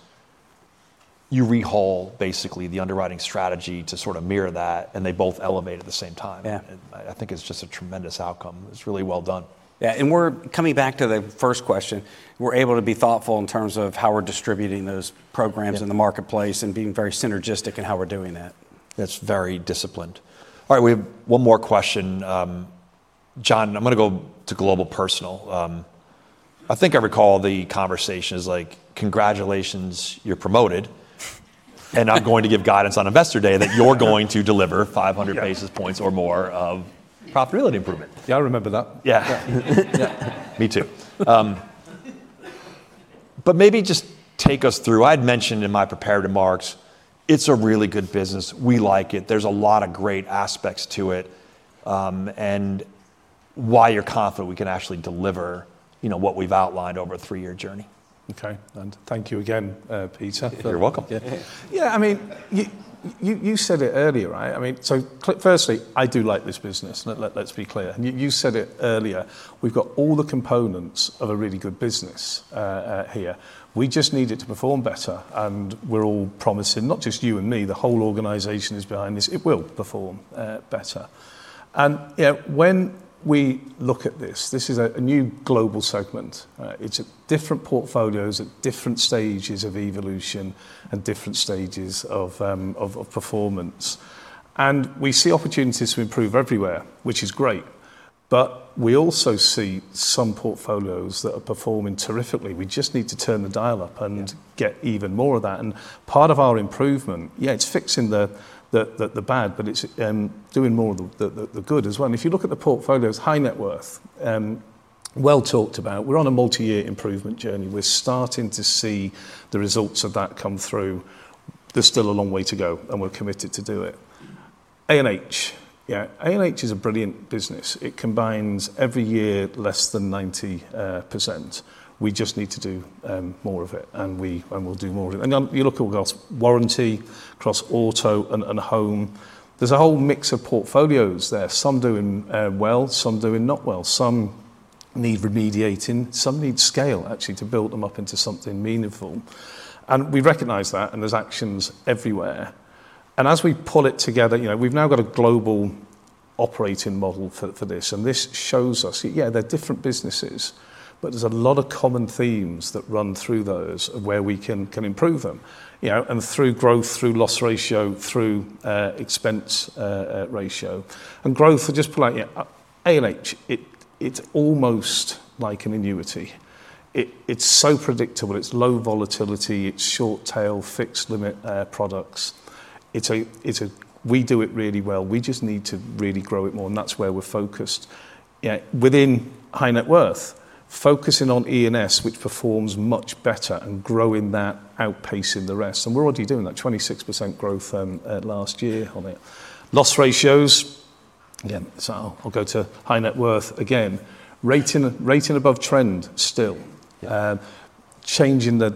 You rehaul basically the underwriting strategy to sort of mirror that. And they both elevate at the same time. Yeah. I think it's just a tremendous outcome. It's really well done. Yeah. We're coming back to the first question. We're able to be thoughtful in terms of how we're distributing those programs in the marketplace and being very synergistic in how we're doing that. That's very disciplined. All right. We have one more question. John, I'm going to go to global personal. I think I recall the conversation is like, "Congratulations, you're promoted." And I'm going to give guidance on investor day that you're going to deliver 500 basis points or more of profitability improvement. Yeah. I remember that. Yeah. Yeah. Me too. Maybe just take us through, I had mentioned in my prepared remarks, it's a really good business. We like it. There's a lot of great aspects to it. Why you're confident we can actually deliver, you know, what we've outlined over a three-year journey. Okay. Thank you again, Peter. You're welcome. Yeah. Yeah. I mean, you said it earlier, right? I mean, so firstly, I do like this business. Let's be clear. You said it earlier. We've got all the components of a really good business here. We just need it to perform better. We are all promising, not just you and me, the whole organization is behind this. It will perform better. When we look at this, this is a new global segment. It is different portfolios at different stages of evolution and different stages of performance. We see opportunities to improve everywhere, which is great. We also see some portfolios that are performing terrifically. We just need to turn the dial up and get even more of that. Part of our improvement is fixing the bad, but it is doing more of the good as well. If you look at the portfolios, high net worth, well talked about, we are on a multi-year improvement journey. We are starting to see the results of that come through. There is still a long way to go, and we are committed to do it. ANH. ANH is a brilliant business. It combines every year less than 90%. We just need to do more of it, and we'll do more of it. You look across warranty, across auto and home. There's a whole mix of portfolios there. Some doing well, some doing not well. Some need remediating. Some need scale, actually, to build them up into something meaningful. We recognize that, and there's actions everywhere. As we pull it together, you know, we've now got a global operating model for this. This shows us, yeah, they're different businesses, but there's a lot of common themes that run through those of where we can improve them, you know, and through growth, through loss ratio, through expense ratio. Growth, I just put out, yeah, ANH, it's almost like an annuity. It's so predictable. It's low volatility. It's short-tail, fixed-limit products. It's a, we do it really well. We just need to really grow it more. That is where we are focused. Yeah. Within high net worth, focusing on E&S, which performs much better and growing that, outpacing the rest. We are already doing that, 26% growth last year on it. Loss ratios, yeah, I will go to high net worth again. Rating above trend still. Changing the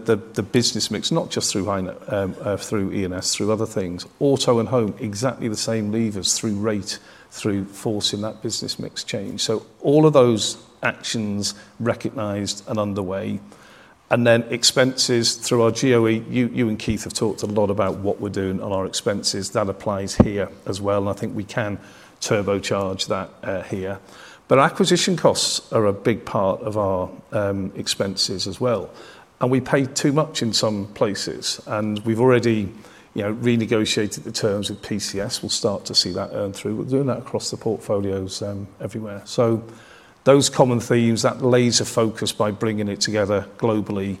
business mix, not just through E&S, through other things. Auto and home, exactly the same levers through rate, through forcing that business mix change. All of those actions recognized and underway. Expenses through our GOE. You and Keith have talked a lot about what we are doing on our expenses. That applies here as well. I think we can turbocharge that here. Acquisition costs are a big part of our expenses as well. We pay too much in some places. We have already, you know, renegotiated the terms with PCS. We will start to see that earn through. We are doing that across the portfolios everywhere. Those common themes, that laser focus by bringing it together globally,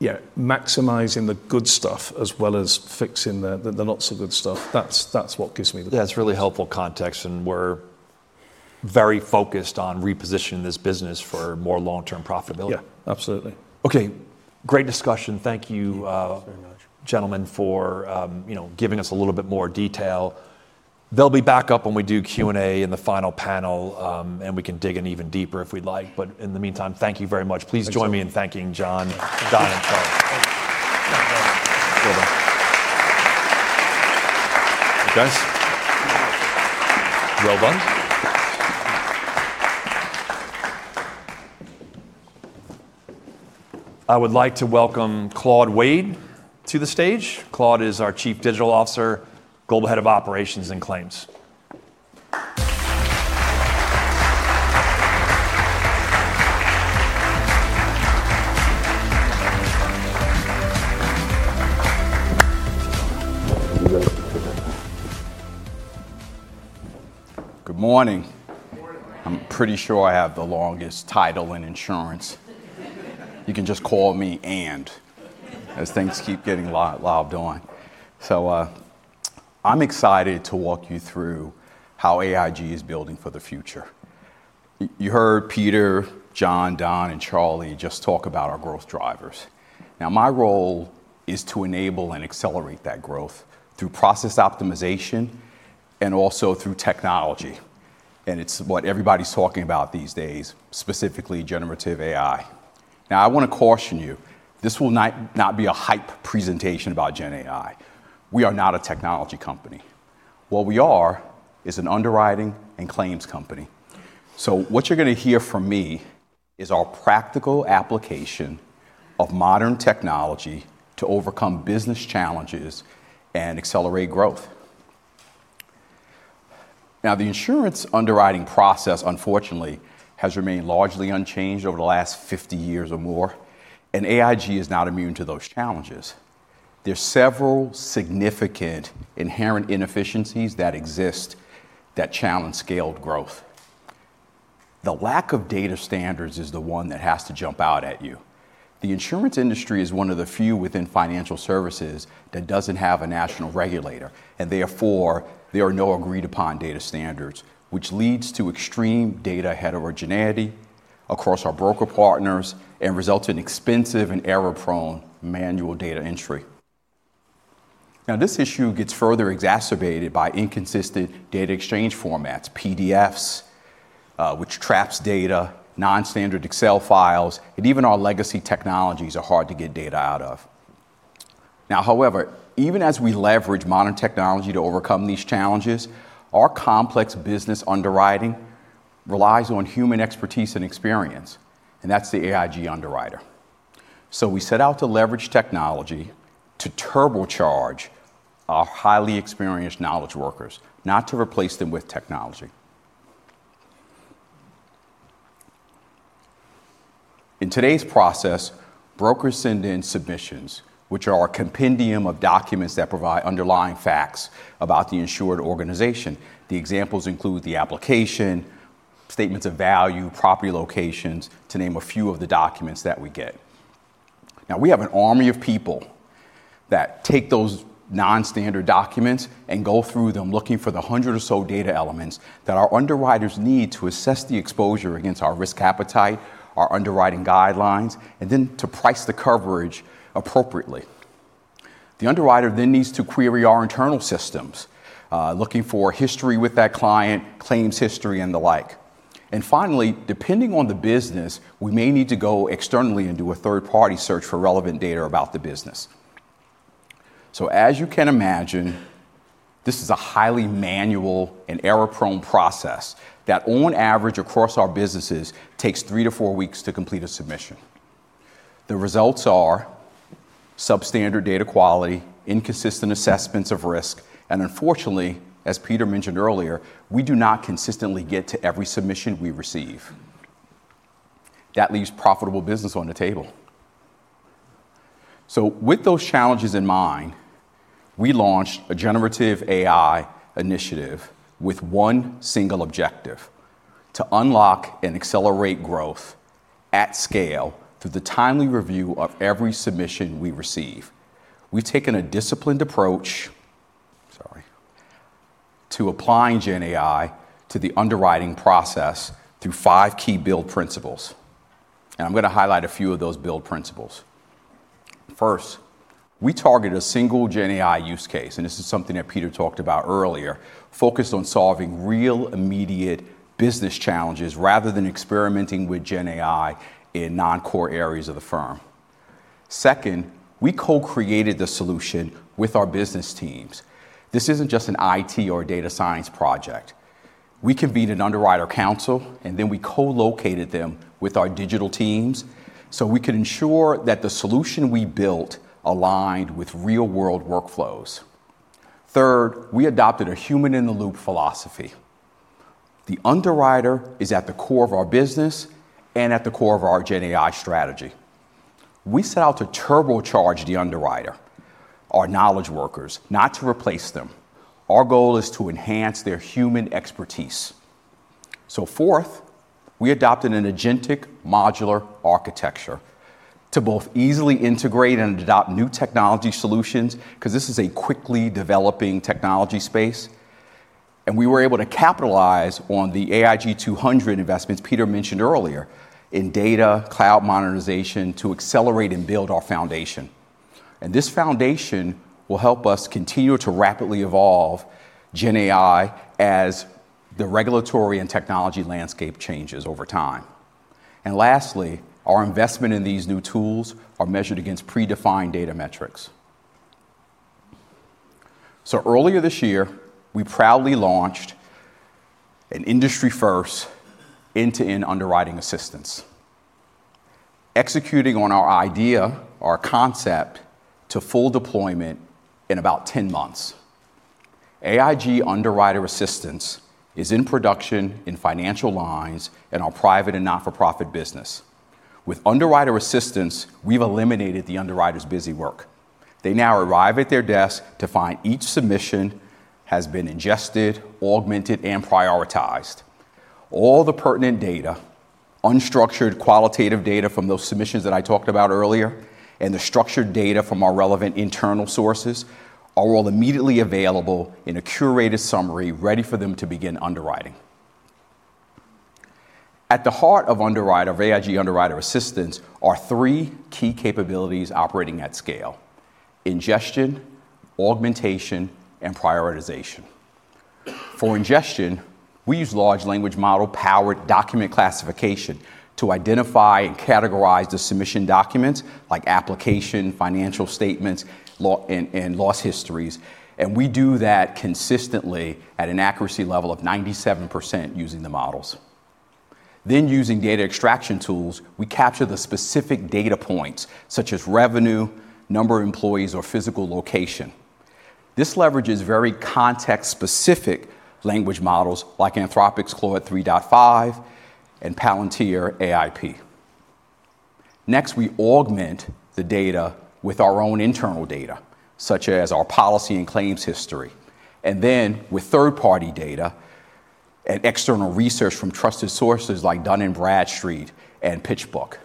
maximizing the good stuff as well as fixing the not so good stuff. That is what gives me the, yeah. It is really helpful context. We are very focused on repositioning this business for more long-term profitability. Yeah. Absolutely. Okay. Great discussion. Thank you. Thanks very much. Gentlemen, for, you know, giving us a little bit more detail. They will be back up when we do Q&A in the final panel, and we can dig in even deeper if we would like. In the meantime, thank you very much. Please join me in thanking John, Don and Charlie. Thank you. Well done. I would like to welcome Claude Wade to the stage. Claude is our Chief Digital Officer, Global Head of Operations and Claims. Good morning. I'm pretty sure I have the longest title in insurance. You can just call me as things keep getting lobbed on. I am excited to walk you through how AIG is building for the future. You heard Peter, John, Don, and Charlie just talk about our growth drivers. My role is to enable and accelerate that growth through process optimization and also through technology. It is what everybody's talking about these days, specifically generative AI. I want to caution you. This will not be a hype presentation about GenAI. We are not a technology company. What we are is an underwriting and claims company. What you're going to hear from me is our practical application of modern technology to overcome business challenges and accelerate growth. Now, the insurance underwriting process, unfortunately, has remained largely unchanged over the last 50 years or more. AIG is not immune to those challenges. There are several significant inherent inefficiencies that exist that challenge scaled growth. The lack of data standards is the one that has to jump out at you. The insurance industry is one of the few within financial services that does not have a national regulator. Therefore, there are no agreed-upon data standards, which leads to extreme data heterogeneity across our broker partners and results in expensive and error-prone manual data entry. This issue gets further exacerbated by inconsistent data exchange formats, PDFs, which traps data, non-standard Excel files, and even our legacy technologies are hard to get data out of. However, even as we leverage modern technology to overcome these challenges, our complex business underwriting relies on human expertise and experience. That is the AIG underwriter. We set out to leverage technology to turbocharge our highly experienced knowledge workers, not to replace them with technology. In today's process, brokers send in submissions, which are a compendium of documents that provide underlying facts about the insured organization. The examples include the application, statements of value, property locations, to name a few of the documents that we get. Now, we have an army of people that take those non-standard documents and go through them looking for the hundred or so data elements that our underwriters need to assess the exposure against our risk appetite, our underwriting guidelines, and then to price the coverage appropriately. The underwriter then needs to query our internal systems, looking for history with that client, claims history, and the like. Finally, depending on the business, we may need to go externally and do a third-party search for relevant data about the business. As you can imagine, this is a highly manual and error-prone process that, on average, across our businesses, takes three to four weeks to complete a submission. The results are substandard data quality, inconsistent assessments of risk. Unfortunately, as Peter mentioned earlier, we do not consistently get to every submission we receive. That leaves profitable business on the table. With those challenges in mind, we launched a generative AI initiative with one single objective: to unlock and accelerate growth at scale through the timely review of every submission we receive. We've taken a disciplined approach to applying GenAI to the underwriting process through five key build principles. I'm going to highlight a few of those build principles. First, we targeted a single GenAI use case. This is something that Peter talked about earlier, focused on solving real immediate business challenges rather than experimenting with GenAI in non-core areas of the firm. Second, we co-created the solution with our business teams. This is not just an IT or a data science project. We convened an underwriter council, and then we co-located them with our digital teams so we could ensure that the solution we built aligned with real-world workflows. Third, we adopted a human-in-the-loop philosophy. The underwriter is at the core of our business and at the core of our GenAI strategy. We set out to turbocharge the underwriter, our knowledge workers, not to replace them. Our goal is to enhance their human expertise. Fourth, we adopted an agentic modular architecture to both easily integrate and adopt new technology solutions because this is a quickly developing technology space. We were able to capitalize on the AIG 200 investments Peter mentioned earlier in data, cloud modernization to accelerate and build our foundation. This foundation will help us continue to rapidly evolve GenAI as the regulatory and technology landscape changes over time. Lastly, our investment in these new tools is measured against predefined data metrics. Earlier this year, we proudly launched an industry-first end-to-end underwriting assistance, executing on our idea, our concept to full deployment in about 10 months. AIG underwriter assistance is in production in financial lines and our private and not-for-profit business. With underwriter assistance, we've eliminated the underwriter's busy work. They now arrive at their desk to find each submission has been ingested, augmented, and prioritized. All the pertinent data, unstructured qualitative data from those submissions that I talked about earlier, and the structured data from our relevant internal sources are all immediately available in a curated summary ready for them to begin underwriting. At the heart of AIG Underwriter Assistance are three key capabilities operating at scale: ingestion, augmentation, and prioritization. For ingestion, we use large language model-powered document classification to identify and categorize the submission documents, like application, financial statements, and loss histories. We do that consistently at an accuracy level of 97% using the models. Using data extraction tools, we capture the specific data points, such as revenue, number of employees, or physical location. This leverages very context-specific language models like Anthropic's Claude 3.5 and Palantir AIP. Next, we augment the data with our own internal data, such as our policy and claims history. Then, with third-party data and external research from trusted sources like Dun & Bradstreet and PitchBook.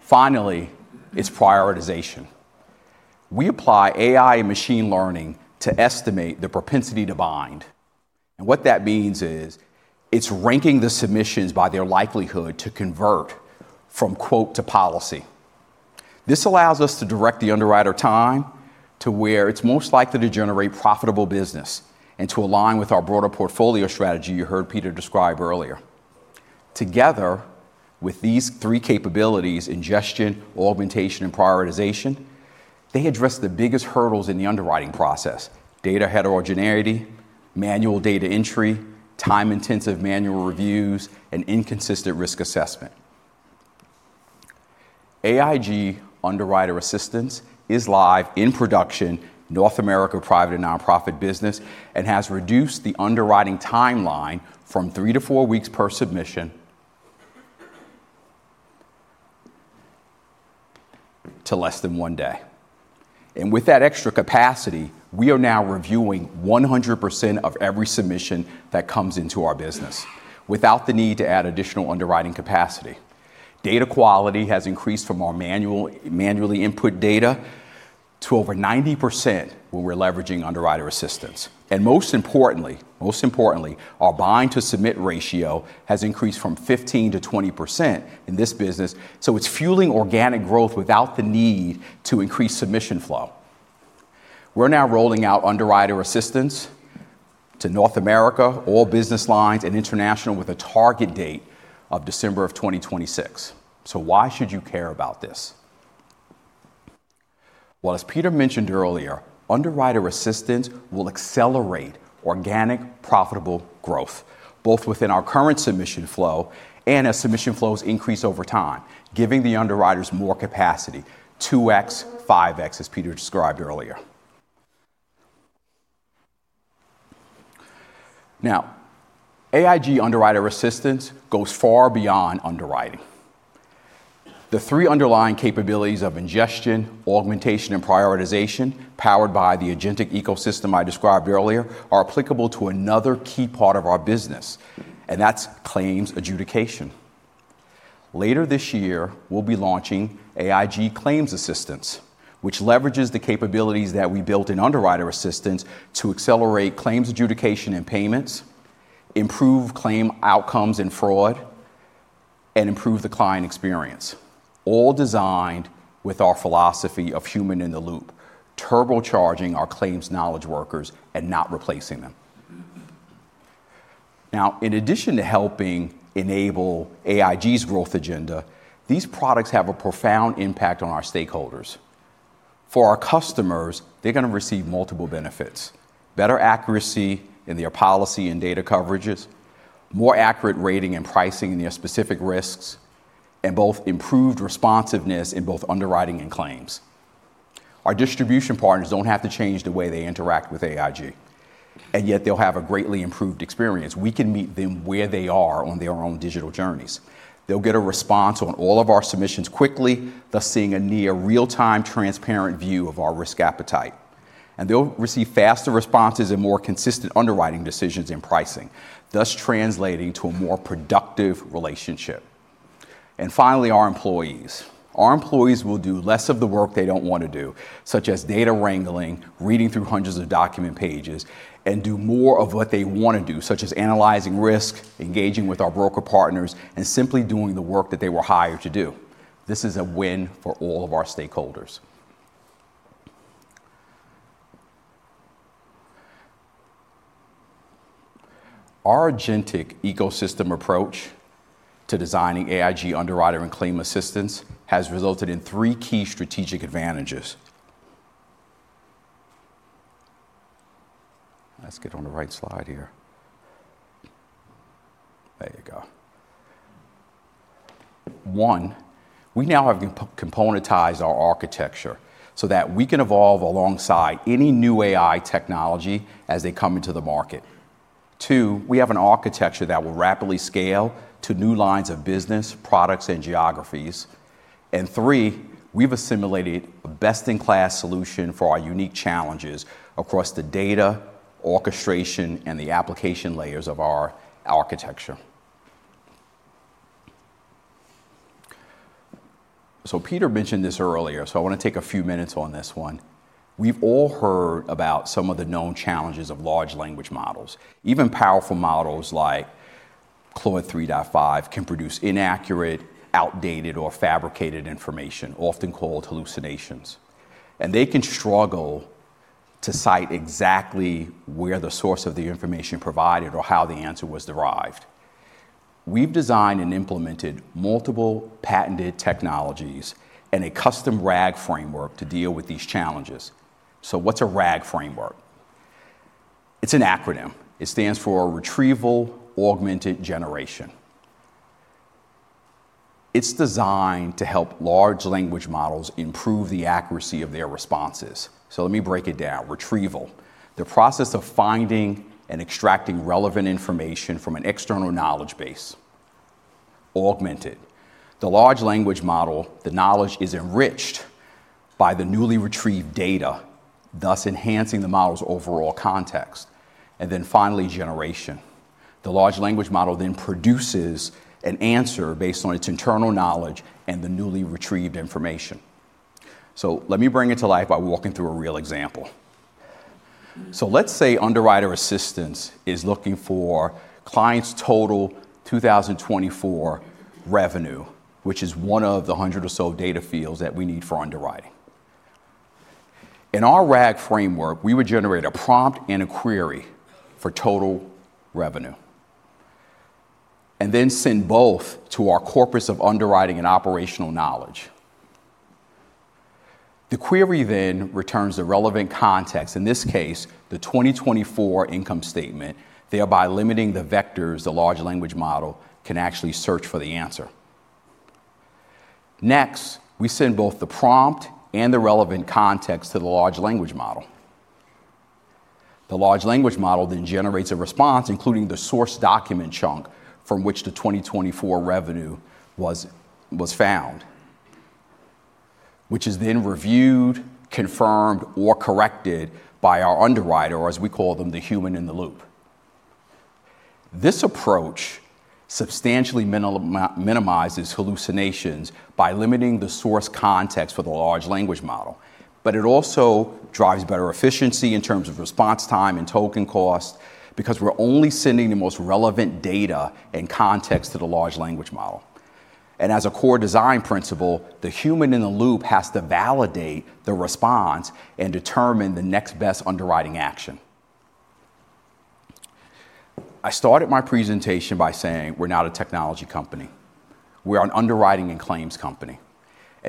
Finally, it is prioritization. We apply AI and machine learning to estimate the propensity to bind. What that means is it is ranking the submissions by their likelihood to convert from quote to policy. This allows us to direct the underwriter time to where it is most likely to generate profitable business and to align with our broader portfolio strategy you heard Peter describe earlier. Together with these three capabilities, ingestion, augmentation, and prioritization, they address the biggest hurdles in the underwriting process: data heterogeneity, manual data entry, time-intensive manual reviews, and inconsistent risk assessment. AIG Underwriter Assistance is live in production, North America private and nonprofit business, and has reduced the underwriting timeline from three to four weeks per submission to less than one day. With that extra capacity, we are now reviewing 100% of every submission that comes into our business without the need to add additional underwriting capacity. Data quality has increased from our manually input data to over 90% when we're leveraging underwriter assistance. Most importantly, our bind-to-submit ratio has increased from 15%-20% in this business. It is fueling organic growth without the need to increase submission flow. We are now rolling out underwriter assistance to North America, all business lines, and international with a target date of December of 2026. Why should you care about this? As Peter mentioned earlier, underwriter assistance will accelerate organic profitable growth, both within our current submission flow and as submission flows increase over time, giving the underwriters more capacity, 2x, 5x, as Peter described earlier. Now, AIG underwriter assistance goes far beyond underwriting. The three underlying capabilities of ingestion, augmentation, and prioritization, powered by the agentic ecosystem I described earlier, are applicable to another key part of our business, and that's claims adjudication. Later this year, we'll be launching AIG Claims Assistance, which leverages the capabilities that we built in Underwriter Assistance to accelerate claims adjudication and payments, improve claim outcomes and fraud, and improve the client experience, all designed with our philosophy of human-in-the-loop, turbocharging our claims knowledge workers and not replacing them. Now, in addition to helping enable AIG's growth agenda, these products have a profound impact on our stakeholders. For our customers, they're going to receive multiple benefits: better accuracy in their policy and data coverages, more accurate rating and pricing in their specific risks, and both improved responsiveness in both underwriting and claims. Our distribution partners do not have to change the way they interact with AIG, and yet they will have a greatly improved experience. We can meet them where they are on their own digital journeys. They will get a response on all of our submissions quickly, thus seeing a near real-time transparent view of our risk appetite. They will receive faster responses and more consistent underwriting decisions and pricing, thus translating to a more productive relationship. Finally, our employees. Our employees will do less of the work they do not want to do, such as data wrangling, reading through hundreds of document pages, and do more of what they want to do, such as analyzing risk, engaging with our broker partners, and simply doing the work that they were hired to do. This is a win for all of our stakeholders. Our agentic ecosystem approach to designing AIG underwriter and claim assistance has resulted in three key strategic advantages. Let's get on the right slide here. There you go. One, we now have componentized our architecture so that we can evolve alongside any new AI technology as they come into the market. Two, we have an architecture that will rapidly scale to new lines of business, products, and geographies. Three, we've assimilated a best-in-class solution for our unique challenges across the data orchestration and the application layers of our architecture. Peter mentioned this earlier, so I want to take a few minutes on this one. We've all heard about some of the known challenges of large language models. Even powerful models like Claude 3.5 can produce inaccurate, outdated, or fabricated information, often called hallucinations. They can struggle to cite exactly where the source of the information provided or how the answer was derived. We have designed and implemented multiple patented technologies and a custom RAG framework to deal with these challenges. What's a RAG framework? It's an acronym. It stands for Retrieval Augmented Generation. It's designed to help large language models improve the accuracy of their responses. Let me break it down. Retrieval, the process of finding and extracting relevant information from an external knowledge base. Augmented, the large language model, the knowledge is enriched by the newly retrieved data, thus enhancing the model's overall context. Finally, generation. The large language model then produces an answer based on its internal knowledge and the newly retrieved information. Let me bring it to life by walking through a real example. Let's say underwriter assistance is looking for clients' total 2024 revenue, which is one of the hundred or so data fields that we need for underwriting. In our RAG framework, we would generate a prompt and a query for total revenue and then send both to our corpus of underwriting and operational knowledge. The query then returns the relevant context, in this case, the 2024 income statement, thereby limiting the vectors the large language model can actually search for the answer. Next, we send both the prompt and the relevant context to the large language model. The large language model then generates a response, including the source document chunk from which the 2024 revenue was found, which is then reviewed, confirmed, or corrected by our underwriter, or as we call them, the human-in-the-loop. This approach substantially minimizes hallucinations by limiting the source context for the large language model, but it also drives better efficiency in terms of response time and token cost because we're only sending the most relevant data and context to the large language model. As a core design principle, the human-in-the-loop has to validate the response and determine the next best underwriting action. I started my presentation by saying we're not a technology company. We're an underwriting and claims company.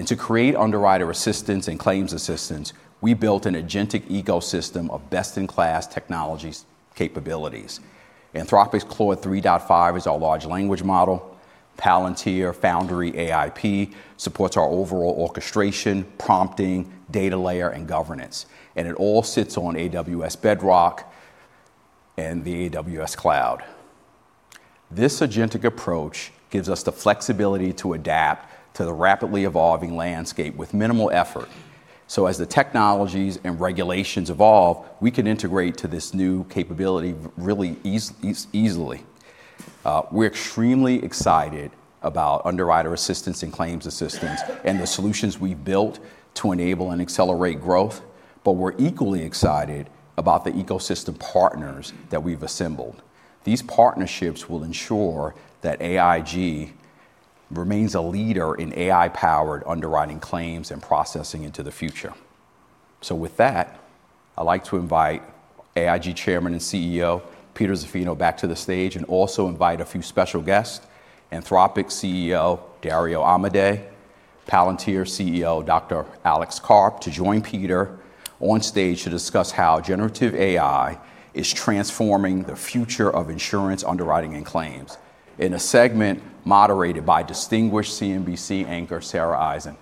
To create underwriter assistance and claims assistance, we built an agentic ecosystem of best-in-class technology capabilities. Anthropic's Claude 3.5 is our large language model. Palantir Foundry AIP supports our overall orchestration, prompting, data layer, and governance. It all sits on AWS Bedrock and the AWS Cloud. This agentic approach gives us the flexibility to adapt to the rapidly evolving landscape with minimal effort. As the technologies and regulations evolve, we can integrate to this new capability really easily. We're extremely excited about underwriter assistance and claims assistance and the solutions we've built to enable and accelerate growth, but we're equally excited about the ecosystem partners that we've assembled. These partnerships will ensure that AIG remains a leader in AI-powered underwriting claims and processing into the future. With that, I'd like to invite AIG Chairman and CEO Peter Zaffino back to the stage and also invite a few special guests, Anthropic CEO Dario Amodei, Palantir CEO Dr. Alex Karp to join Peter on stage to discuss how generative AI is transforming the future of insurance, underwriting, and claims in a segment moderated by distinguished CNBC anchor Sara Eisen.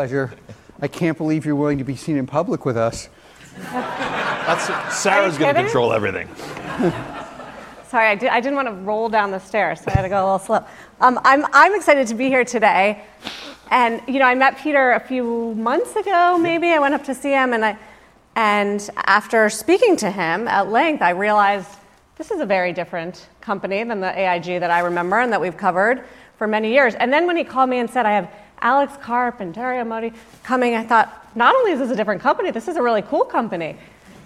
It's a pleasure. I can't believe you're willing to be seen in public with us. Sara's going to control everything. Sorry, I did not want to roll down the stairs, so I had to go a little slow. I am excited to be here today. I met Peter a few months ago, maybe. I went up to see him, and after speaking to him at length, I realized this is a very different company than the AIG that I remember and that we have covered for many years. When he called me and said, "I have Alex Karp and Dario Amodei coming," I thought, "Not only is this a different company, this is a really cool company."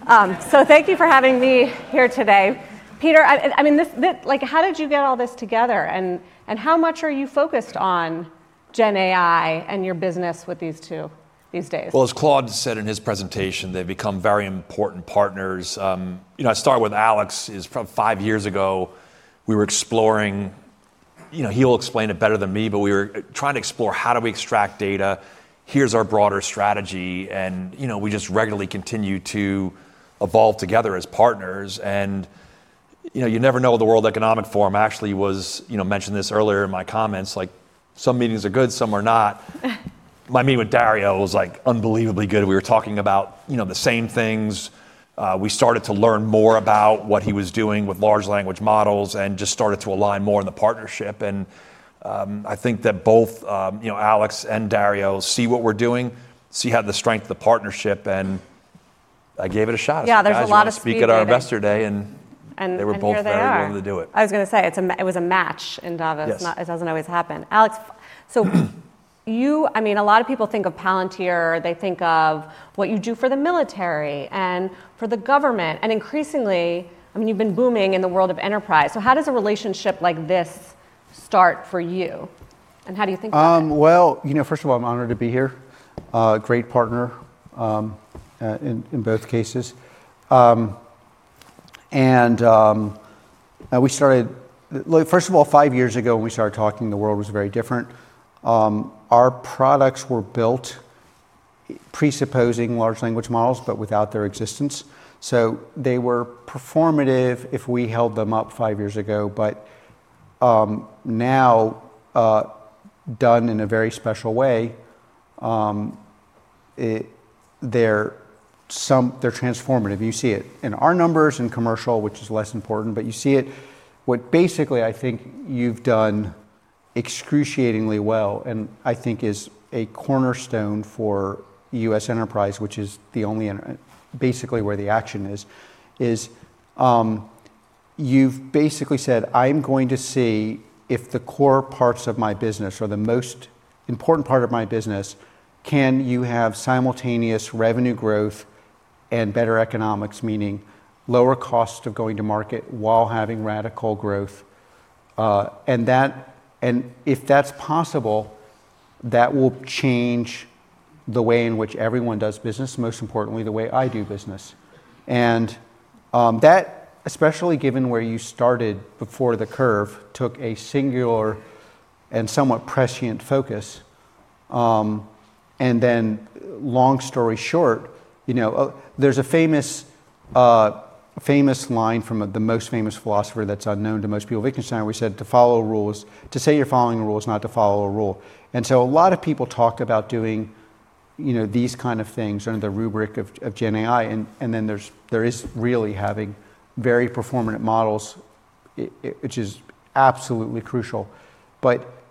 Thank you for having me here today. Peter, I mean, how did you get all this together, and how much are you focused on GenAI and your business with these two these days? As Claude said in his presentation, they've become very important partners. I started with Alex five years ago. We were exploring—he'll explain it better than me—but we were trying to explore how do we extract data. Here's our broader strategy. We just regularly continue to evolve together as partners. You never know what the World Economic Forum actually was—you mentioned this earlier in my comments—like some meetings are good, some are not. My meeting with Dario was unbelievably good. We were talking about the same things. We started to learn more about what he was doing with large language models and just started to align more in the partnership. I think that both Alex and Dario see what we're doing, see the strength of the partnership, and I gave it a shot. Yeah, there's a lot of speaking about it. I was speaking at our investor day, and they were both there and wanted to do it. I was going to say it was a match in Davos. It does not always happen. Alex, you--I mean, a lot of people think of Palantir, or they think of what you do for the military and for the government. And increasingly, I mean, you have been booming in the world of enterprise. How does a relationship like this start for you, and how do you think about it? First of all, I'm honored to be here. Great partner in both cases. We started, first of all, five years ago when we started talking, the world was very different. Our products were built presupposing large language models, but without their existence. They were performative if we held them up five years ago, but now done in a very special way. They're transformative. You see it in our numbers and commercial, which is less important, but you see it. What basically I think you've done excruciatingly well, and I think is a cornerstone for US enterprise, which is the only basically where the action is, is you've basically said, "I'm going to see if the core parts of my business or the most important part of my business, can you have simultaneous revenue growth and better economics, meaning lower cost of going to market while having radical growth?" If that's possible, that will change the way in which everyone does business, most importantly, the way I do business. That, especially given where you started before the curve, took a singular and somewhat prescient focus. Long story short, there is a famous line from the most famous philosopher that is unknown to most people, Wittgenstein, where he said, "To follow rules—to say you are following rules, not to follow a rule." A lot of people talk about doing these kinds of things under the rubric of GenAI, and then there is really having very performative models, which is absolutely crucial.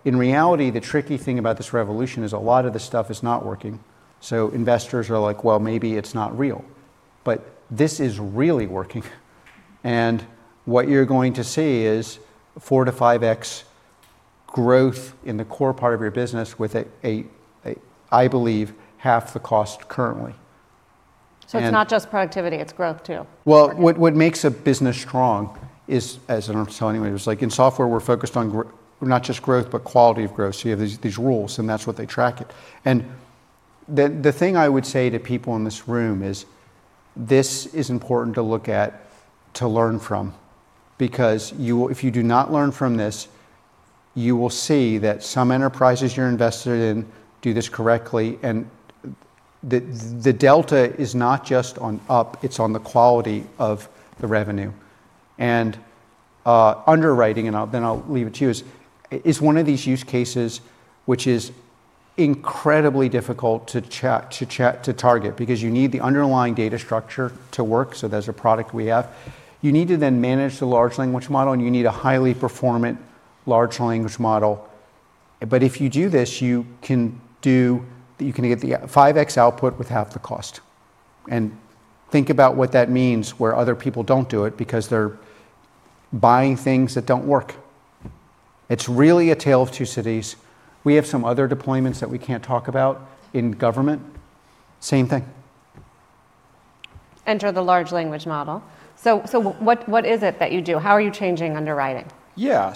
In reality, the tricky thing about this revolution is a lot of this stuff is not working. Investors are like, "Maybe it is not real." This is really working. What you are going to see is 4-5X growth in the core part of your business with, I believe, half the cost currently. It's not just productivity, it's growth too. What makes a business strong is, I do not have to tell anybody, is like in software, we are focused on not just growth, but quality of growth. You have these rules, and that is what they track it. The thing I would say to people in this room is this is important to look at, to learn from, because if you do not learn from this, you will see that some enterprises you are invested in do this correctly. The delta is not just on up, it is on the quality of the revenue. Underwriting, and then I will leave it to you, is one of these use cases, which is incredibly difficult to target because you need the underlying data structure to work. There is a product we have. You need to then manage the large language model, and you need a highly performant large language model. If you do this, you can get the 5X output with half the cost. Think about what that means where other people do not do it because they are buying things that do not work. It is really a tale of two cities. We have some other deployments that we cannot talk about in government. Same thing. Enter the large language model. What is it that you do? How are you changing underwriting? Yeah.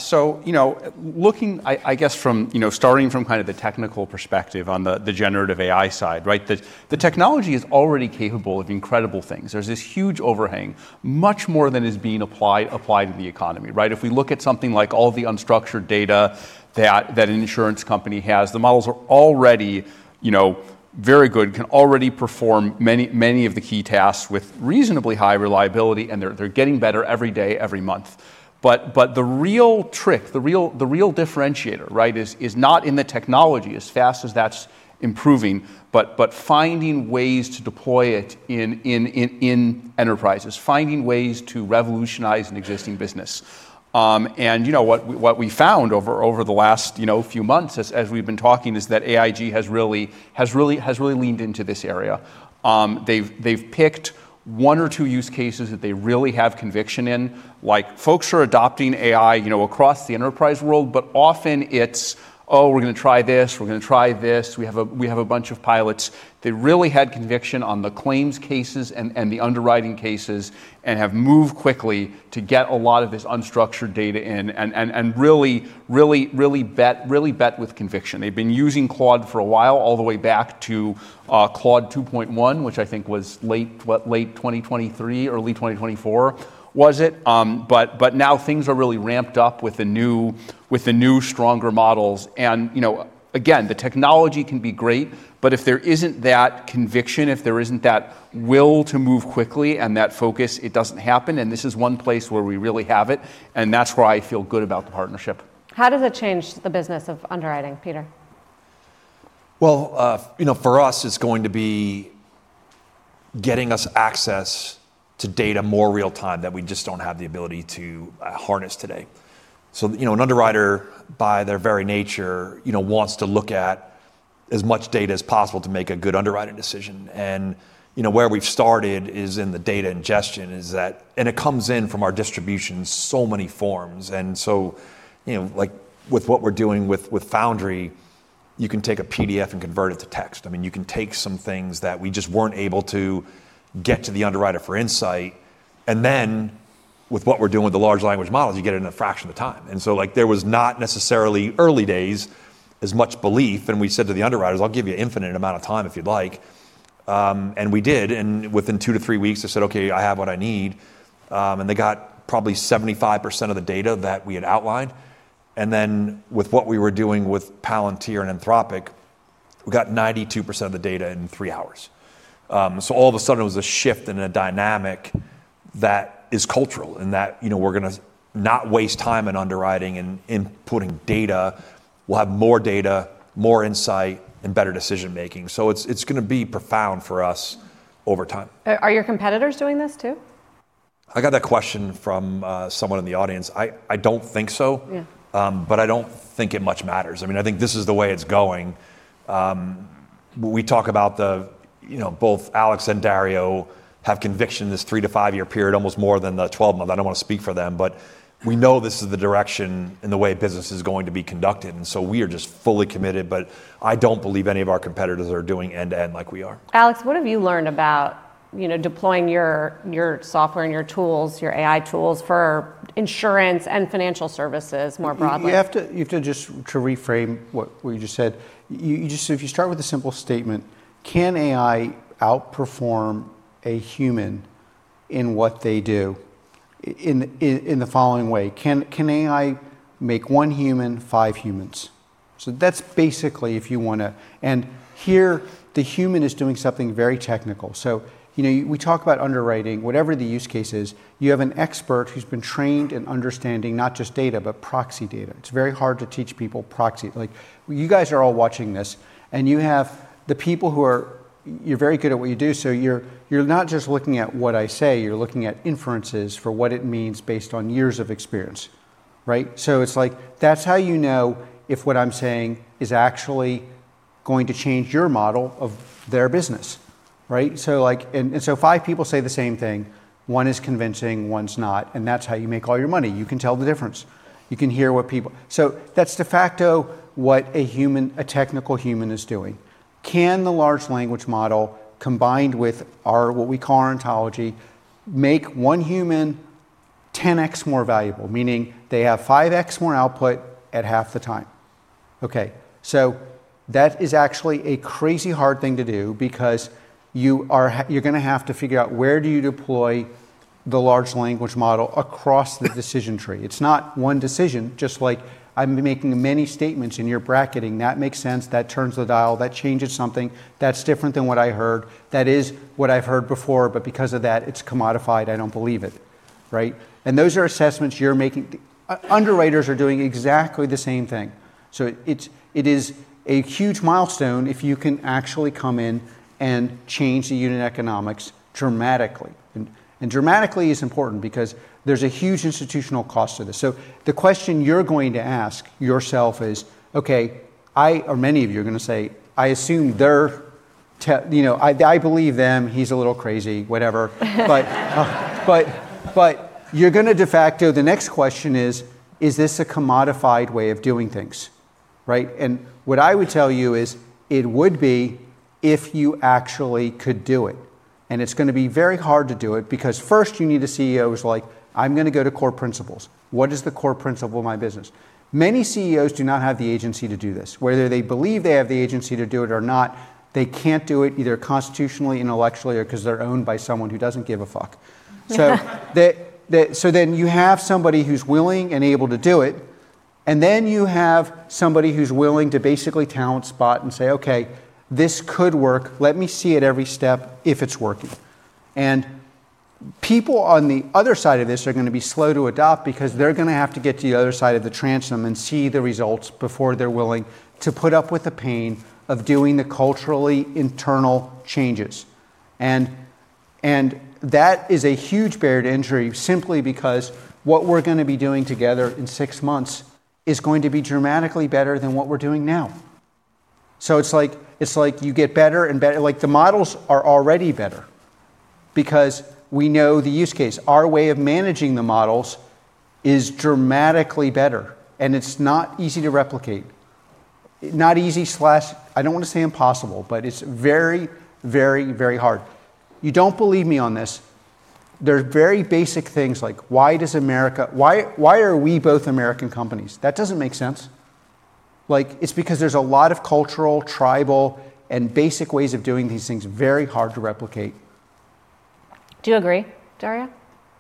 Looking, I guess, from starting from kind of the technical perspective on the generative AI side, the technology is already capable of incredible things. There's this huge overhang, much more than is being applied to the economy. If we look at something like all the unstructured data that an insurance company has, the models are already very good, can already perform many of the key tasks with reasonably high reliability, and they're getting better every day, every month. The real trick, the real differentiator is not in the technology as fast as that's improving, but finding ways to deploy it in enterprises, finding ways to revolutionize an existing business. What we found over the last few months, as we've been talking, is that AIG has really leaned into this area. They've picked one or two use cases that they really have conviction in. Folks are adopting AI across the enterprise world, but often it's, "Oh, we're going to try this. We're going to try this. We have a bunch of pilots." They really had conviction on the claims cases and the underwriting cases and have moved quickly to get a lot of this unstructured data in and really bet with conviction. They've been using Claude for a while, all the way back to Claude 2.1, which I think was late 2023, early 2024, was it? Now things are really ramped up with the new, stronger models. The technology can be great, but if there isn't that conviction, if there isn't that will to move quickly and that focus, it doesn't happen. This is one place where we really have it, and that's where I feel good about the partnership. How does it change the business of underwriting, Peter? For us, it's going to be getting us access to data more real-time that we just don't have the ability to harness today. An underwriter, by their very nature, wants to look at as much data as possible to make a good underwriting decision. Where we've started is in the data ingestion, and it comes in from our distribution in so many forms. With what we're doing with Foundry, you can take a PDF and convert it to text. I mean, you can take some things that we just weren't able to get to the underwriter for insight. With what we're doing with the large language models, you get it in a fraction of the time. There was not necessarily early days as much belief. We said to the underwriters, "I'll give you an infinite amount of time if you'd like." We did. Within two to three weeks, they said, "Okay, I have what I need." They got probably 75% of the data that we had outlined. With what we were doing with Palantir and Anthropic, we got 92% of the data in three hours. All of a sudden, it was a shift and a dynamic that is cultural in that we're going to not waste time in underwriting and inputting data. We'll have more data, more insight, and better decision-making. It is going to be profound for us over time. Are your competitors doing this too? I got that question from someone in the audience. I do not think so, but I do not think it much matters. I mean, I think this is the way it is going. We talk about both Alex and Dario have conviction in this three to five-year period, almost more than the 12 months. I do not want to speak for them, but we know this is the direction and the way business is going to be conducted. We are just fully committed, but I do not believe any of our competitors are doing end-to-end like we are. Alex, what have you learned about deploying your software and your tools, your AI tools for insurance and financial services more broadly? You have to just reframe what you just said. If you start with a simple statement, can AI outperform a human in what they do in the following way? Can AI make one human, five humans? That's basically if you want to. Here, the human is doing something very technical. We talk about underwriting, whatever the use case is, you have an expert who's been trained in understanding not just data, but proxy data. It's very hard to teach people proxy. You guys are all watching this, and you have the people who are very good at what you do. You're not just looking at what I say. You're looking at inferences for what it means based on years of experience. That's how you know if what I'm saying is actually going to change your model of their business. Five people say the same thing. One is convincing, one's not. That is how you make all your money. You can tell the difference. You can hear what people—so that is de facto what a technical human is doing. Can the large language model combined with what we call our ontology make one human 10X more valuable, meaning they have 5X more output at half the time? That is actually a crazy hard thing to do because you are going to have to figure out where you deploy the large language model across the decision tree. It is not one decision, just like I am making many statements in your bracketing. That makes sense. That turns the dial. That changes something. That is different than what I heard. That is what I have heard before, but because of that, it is commodified. I do not believe it. Those are assessments you're making. Underwriters are doing exactly the same thing. It is a huge milestone if you can actually come in and change the unit economics dramatically. Dramatically is important because there's a huge institutional cost to this. The question you're going to ask yourself is, okay, or many of you are going to say, "I assume they're, I believe them. He's a little crazy, whatever." You're going to, de facto, the next question is, is this a commodified way of doing things? What I would tell you is it would be if you actually could do it. It is going to be very hard to do it because first you need a CEO who's like, "I'm going to go to core principles. What is the core principle of my business?" Many CEOs do not have the agency to do this. Whether they believe they have the agency to do it or not, they can't do it either constitutionally, intellectually, or because they're owned by someone who doesn't give a fuck. You have somebody who's willing and able to do it, and you have somebody who's willing to basically talent spot and say, "Okay, this could work. Let me see it every step if it's working." People on the other side of this are going to be slow to adopt because they're going to have to get to the other side of the transom and see the results before they're willing to put up with the pain of doing the culturally internal changes. That is a huge bear to injury simply because what we're going to be doing together in six months is going to be dramatically better than what we're doing now. It's like you get better and the models are already better because we know the use case. Our way of managing the models is dramatically better, and it's not easy to replicate. Not easy, I don't want to say impossible, but it's very, very, very hard. You don't believe me on this. There are very basic things like why are we both American companies? That doesn't make sense. It's because there's a lot of cultural, tribal, and basic ways of doing these things very hard to replicate. Do you agree, Dario?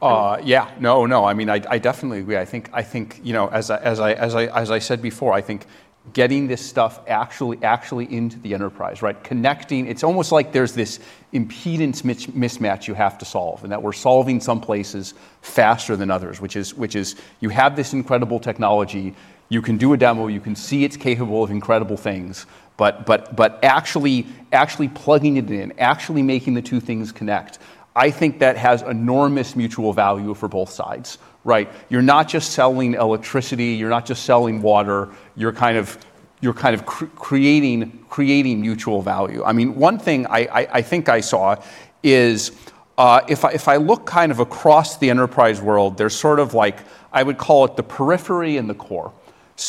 Yeah. No, no. I mean, I definitely agree. I think, as I said before, I think getting this stuff actually into the enterprise, connecting, it's almost like there's this impedance mismatch you have to solve and that we're solving some places faster than others, which is you have this incredible technology. You can do a demo. You can see it's capable of incredible things, but actually plugging it in, actually making the two things connect, I think that has enormous mutual value for both sides. You're not just selling electricity. You're not just selling water. You're kind of creating mutual value. I mean, one thing I think I saw is if I look kind of across the enterprise world, there's sort of like I would call it the periphery and the core.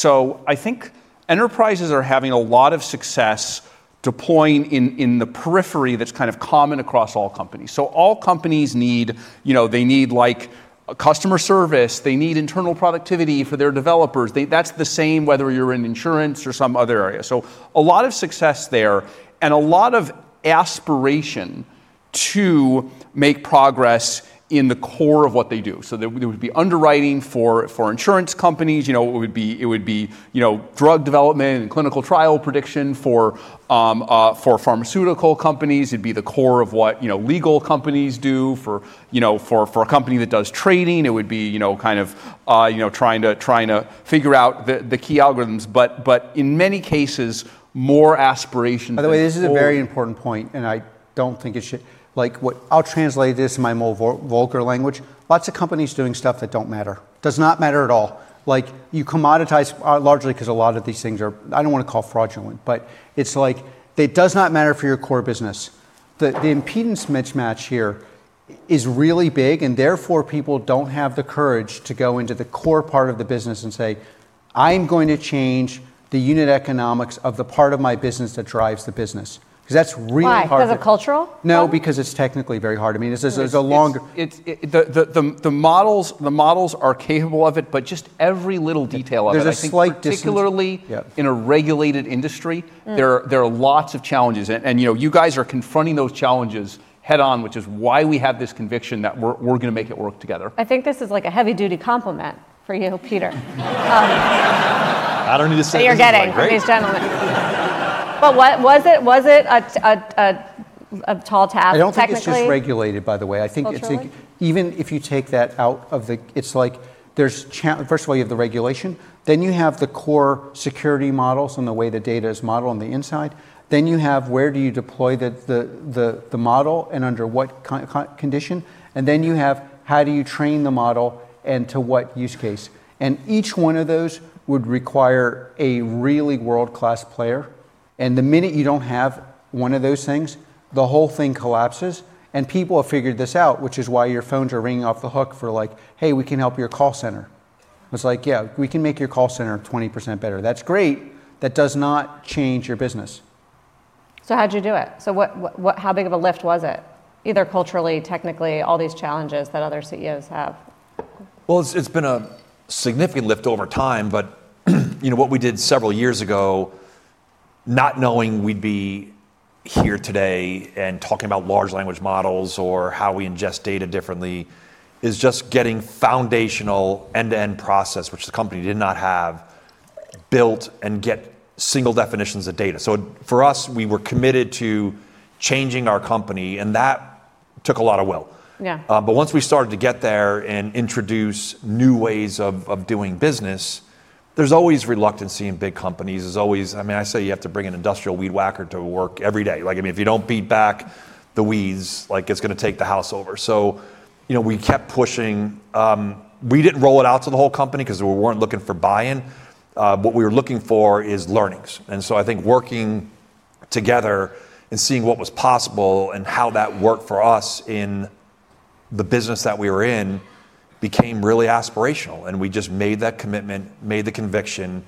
I think enterprises are having a lot of success deploying in the periphery. That's kind of common across all companies. All companies need customer service. They need internal productivity for their developers. That's the same whether you're in insurance or some other area. A lot of success there and a lot of aspiration to make progress in the core of what they do. There would be underwriting for insurance companies. It would be drug development and clinical trial prediction for pharmaceutical companies. It'd be the core of what legal companies do. For a company that does trading, it would be kind of trying to figure out the key algorithms. In many cases, more aspiration. By the way, this is a very important point, and I do not think it should. I'll translate this in my more vulgar language. Lots of companies doing stuff that does not matter. Does not matter at all. You commoditize largely because a lot of these things are, I do not want to call fraudulent, but it's like it does not matter for your core business. The impedance mismatch here is really big, and therefore people do not have the courage to go into the core part of the business and say, "I'm going to change the unit economics of the part of my business that drives the business." Because that's really hard. Why? Because of cultural? No, because it's technically very hard. I mean, it's a long. The models are capable of it, but just every little detail of it. There's a slight. Particularly in a regulated industry, there are lots of challenges. You guys are confronting those challenges head-on, which is why we have this conviction that we're going to make it work together. I think this is like a heavy-duty compliment for you, Peter. I don't need to say this again. That you're getting, these gentlemen. Was it a tall task? I don't think it's just regulated, by the way. I think even if you take that out of the, it's like there's, first of all, you have the regulation. Then you have the core security models and the way the data is modeled on the inside. You have where do you deploy the model and under what condition. You have how do you train the model and to what use case. Each one of those would require a really world-class player. The minute you don't have one of those things, the whole thing collapses. People have figured this out, which is why your phones are ringing off the hook for like, "Hey, we can help your call center." It's like, "Yeah, we can make your call center 20% better." That's great. That does not change your business. How did you do it? How big of a lift was it? Either culturally, technically, all these challenges that other CEOs have. It's been a significant lift over time, but what we did several years ago, not knowing we'd be here today and talking about large language models or how we ingest data differently, is just getting foundational end-to-end process, which the company did not have, built and get single definitions of data. For us, we were committed to changing our company, and that took a lot of will. Once we started to get there and introduce new ways of doing business, there's always reluctance in big companies. I mean, I say you have to bring an industrial weed whacker to work every day. I mean, if you don't beat back the weeds, it's going to take the house over. We kept pushing. We didn't roll it out to the whole company because we weren't looking for buy-in. What we were looking for is learnings. I think working together and seeing what was possible and how that worked for us in the business that we were in became really aspirational. We just made that commitment, made the conviction,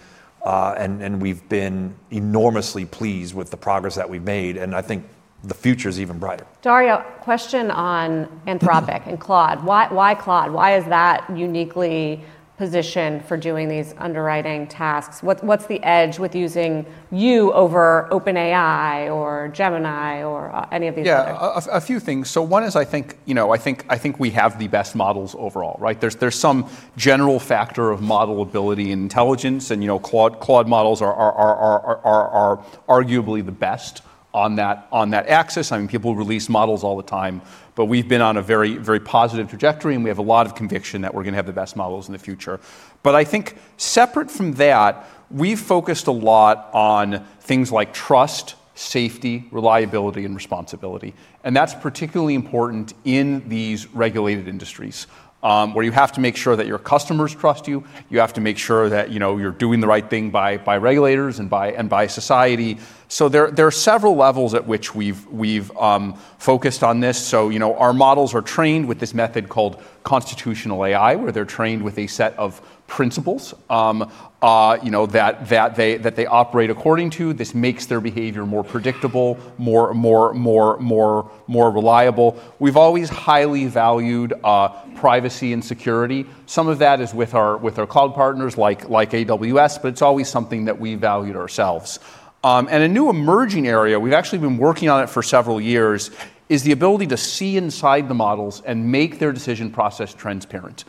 and we have been enormously pleased with the progress that we have made. I think the future is even brighter. Dario, question on Anthropic and Claude. Why Claude? Why is that uniquely positioned for doing these underwriting tasks? What's the edge with using you over OpenAI or Gemini or any of these? Yeah, a few things. One is I think we have the best models overall. There's some general factor of model ability and intelligence, and Claude models are arguably the best on that axis. I mean, people release models all the time, but we've been on a very positive trajectory, and we have a lot of conviction that we're going to have the best models in the future. I think separate from that, we've focused a lot on things like trust, safety, reliability, and responsibility. That's particularly important in these regulated industries where you have to make sure that your customers trust you. You have to make sure that you're doing the right thing by regulators and by society. There are several levels at which we've focused on this. Our models are trained with this method called constitutional AI, where they're trained with a set of principles that they operate according to. This makes their behavior more predictable, more reliable. We've always highly valued privacy and security. Some of that is with our cloud partners like AWS, but it's always something that we valued ourselves. A new emerging area we've actually been working on for several years is the ability to see inside the models and make their decision process transparent.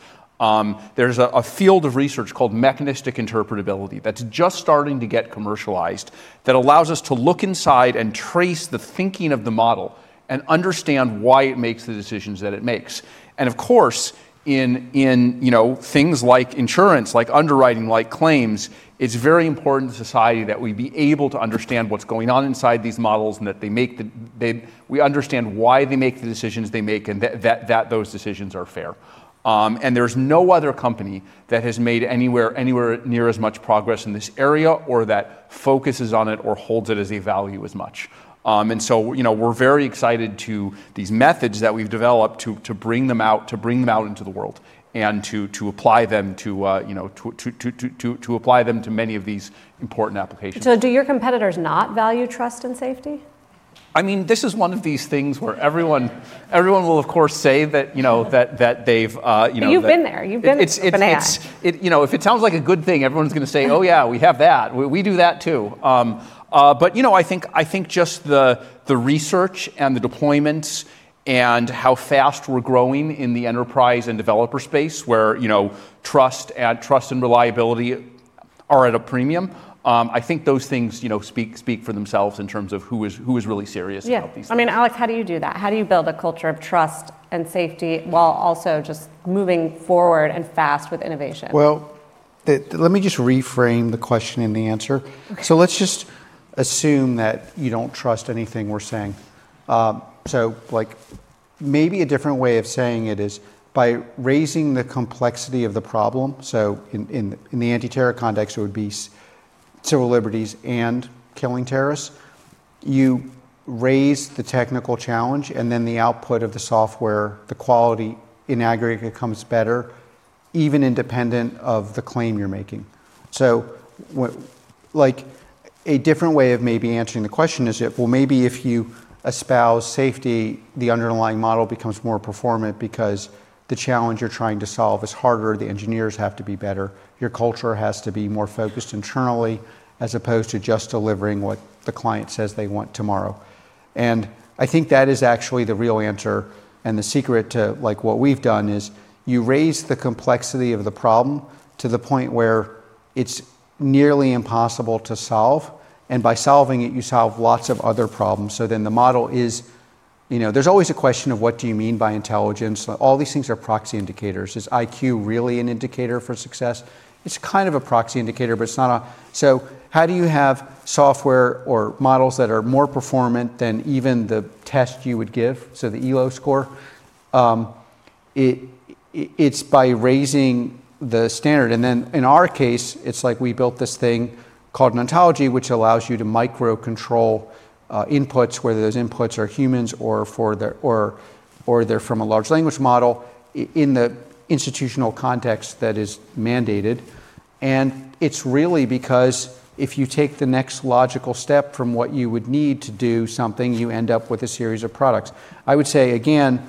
There's a field of research called mechanistic interpretability that's just starting to get commercialized that allows us to look inside and trace the thinking of the model and understand why it makes the decisions that it makes. Of course, in things like insurance, like underwriting, like claims, it is very important to society that we be able to understand what is going on inside these models and that we understand why they make the decisions they make and that those decisions are fair. There is no other company that has made anywhere near as much progress in this area or that focuses on it or holds it as a value as much. We are very excited to use these methods that we have developed to bring them out into the world and to apply them to many of these important applications. Do your competitors not value trust and safety? I mean, this is one of these things where everyone will, of course, say that they've. You've been there. You've been in the spinhead. If it sounds like a good thing, everyone's going to say, "Oh yeah, we have that. We do that too." I think just the research and the deployments and how fast we're growing in the enterprise and developer space where trust and reliability are at a premium, I think those things speak for themselves in terms of who is really serious about these things. Yeah. I mean, Alex, how do you do that? How do you build a culture of trust and safety while also just moving forward and fast with innovation? Let me just reframe the question and the answer. Let's just assume that you don't trust anything we're saying. Maybe a different way of saying it is by raising the complexity of the problem. In the anti-terror context, it would be civil liberties and killing terrorists. You raise the technical challenge, and then the output of the software, the quality in aggregate becomes better, even independent of the claim you're making. A different way of maybe answering the question is, maybe if you espouse safety, the underlying model becomes more performant because the challenge you're trying to solve is harder. The engineers have to be better. Your culture has to be more focused internally as opposed to just delivering what the client says they want tomorrow. I think that is actually the real answer and the secret to what we've done is you raise the complexity of the problem to the point where it's nearly impossible to solve. By solving it, you solve lots of other problems. The model is there's always a question of what do you mean by intelligence. All these things are proxy indicators. Is IQ really an indicator for success? It's kind of a proxy indicator, but it's not a. How do you have software or models that are more performant than even the test you would give, so the ELO score? It's by raising the standard. In our case, it's like we built this thing called ontology, which allows you to microcontrol inputs, whether those inputs are humans or they're from a large language model in the institutional context that is mandated. It is really because if you take the next logical step from what you would need to do something, you end up with a series of products. I would say, again,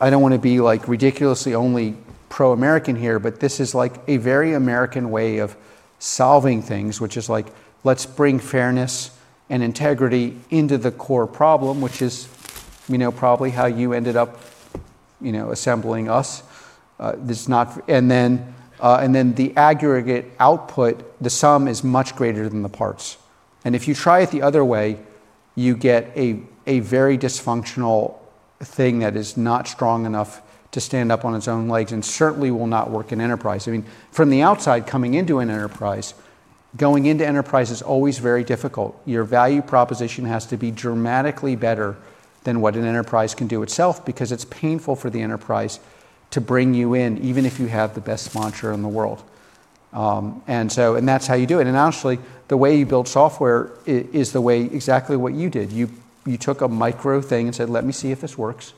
I do not want to be ridiculously only pro-American here, but this is like a very American way of solving things, which is like, let's bring fairness and integrity into the core problem, which is probably how you ended up assembling us. The aggregate output, the sum is much greater than the parts. If you try it the other way, you get a very dysfunctional thing that is not strong enough to stand up on its own legs and certainly will not work in enterprise. I mean, from the outside coming into an enterprise, going into enterprise is always very difficult. Your value proposition has to be dramatically better than what an enterprise can do itself because it's painful for the enterprise to bring you in, even if you have the best sponsor in the world. That's how you do it. Actually, the way you build software is exactly what you did. You took a micro thing and said, "Let me see if this works."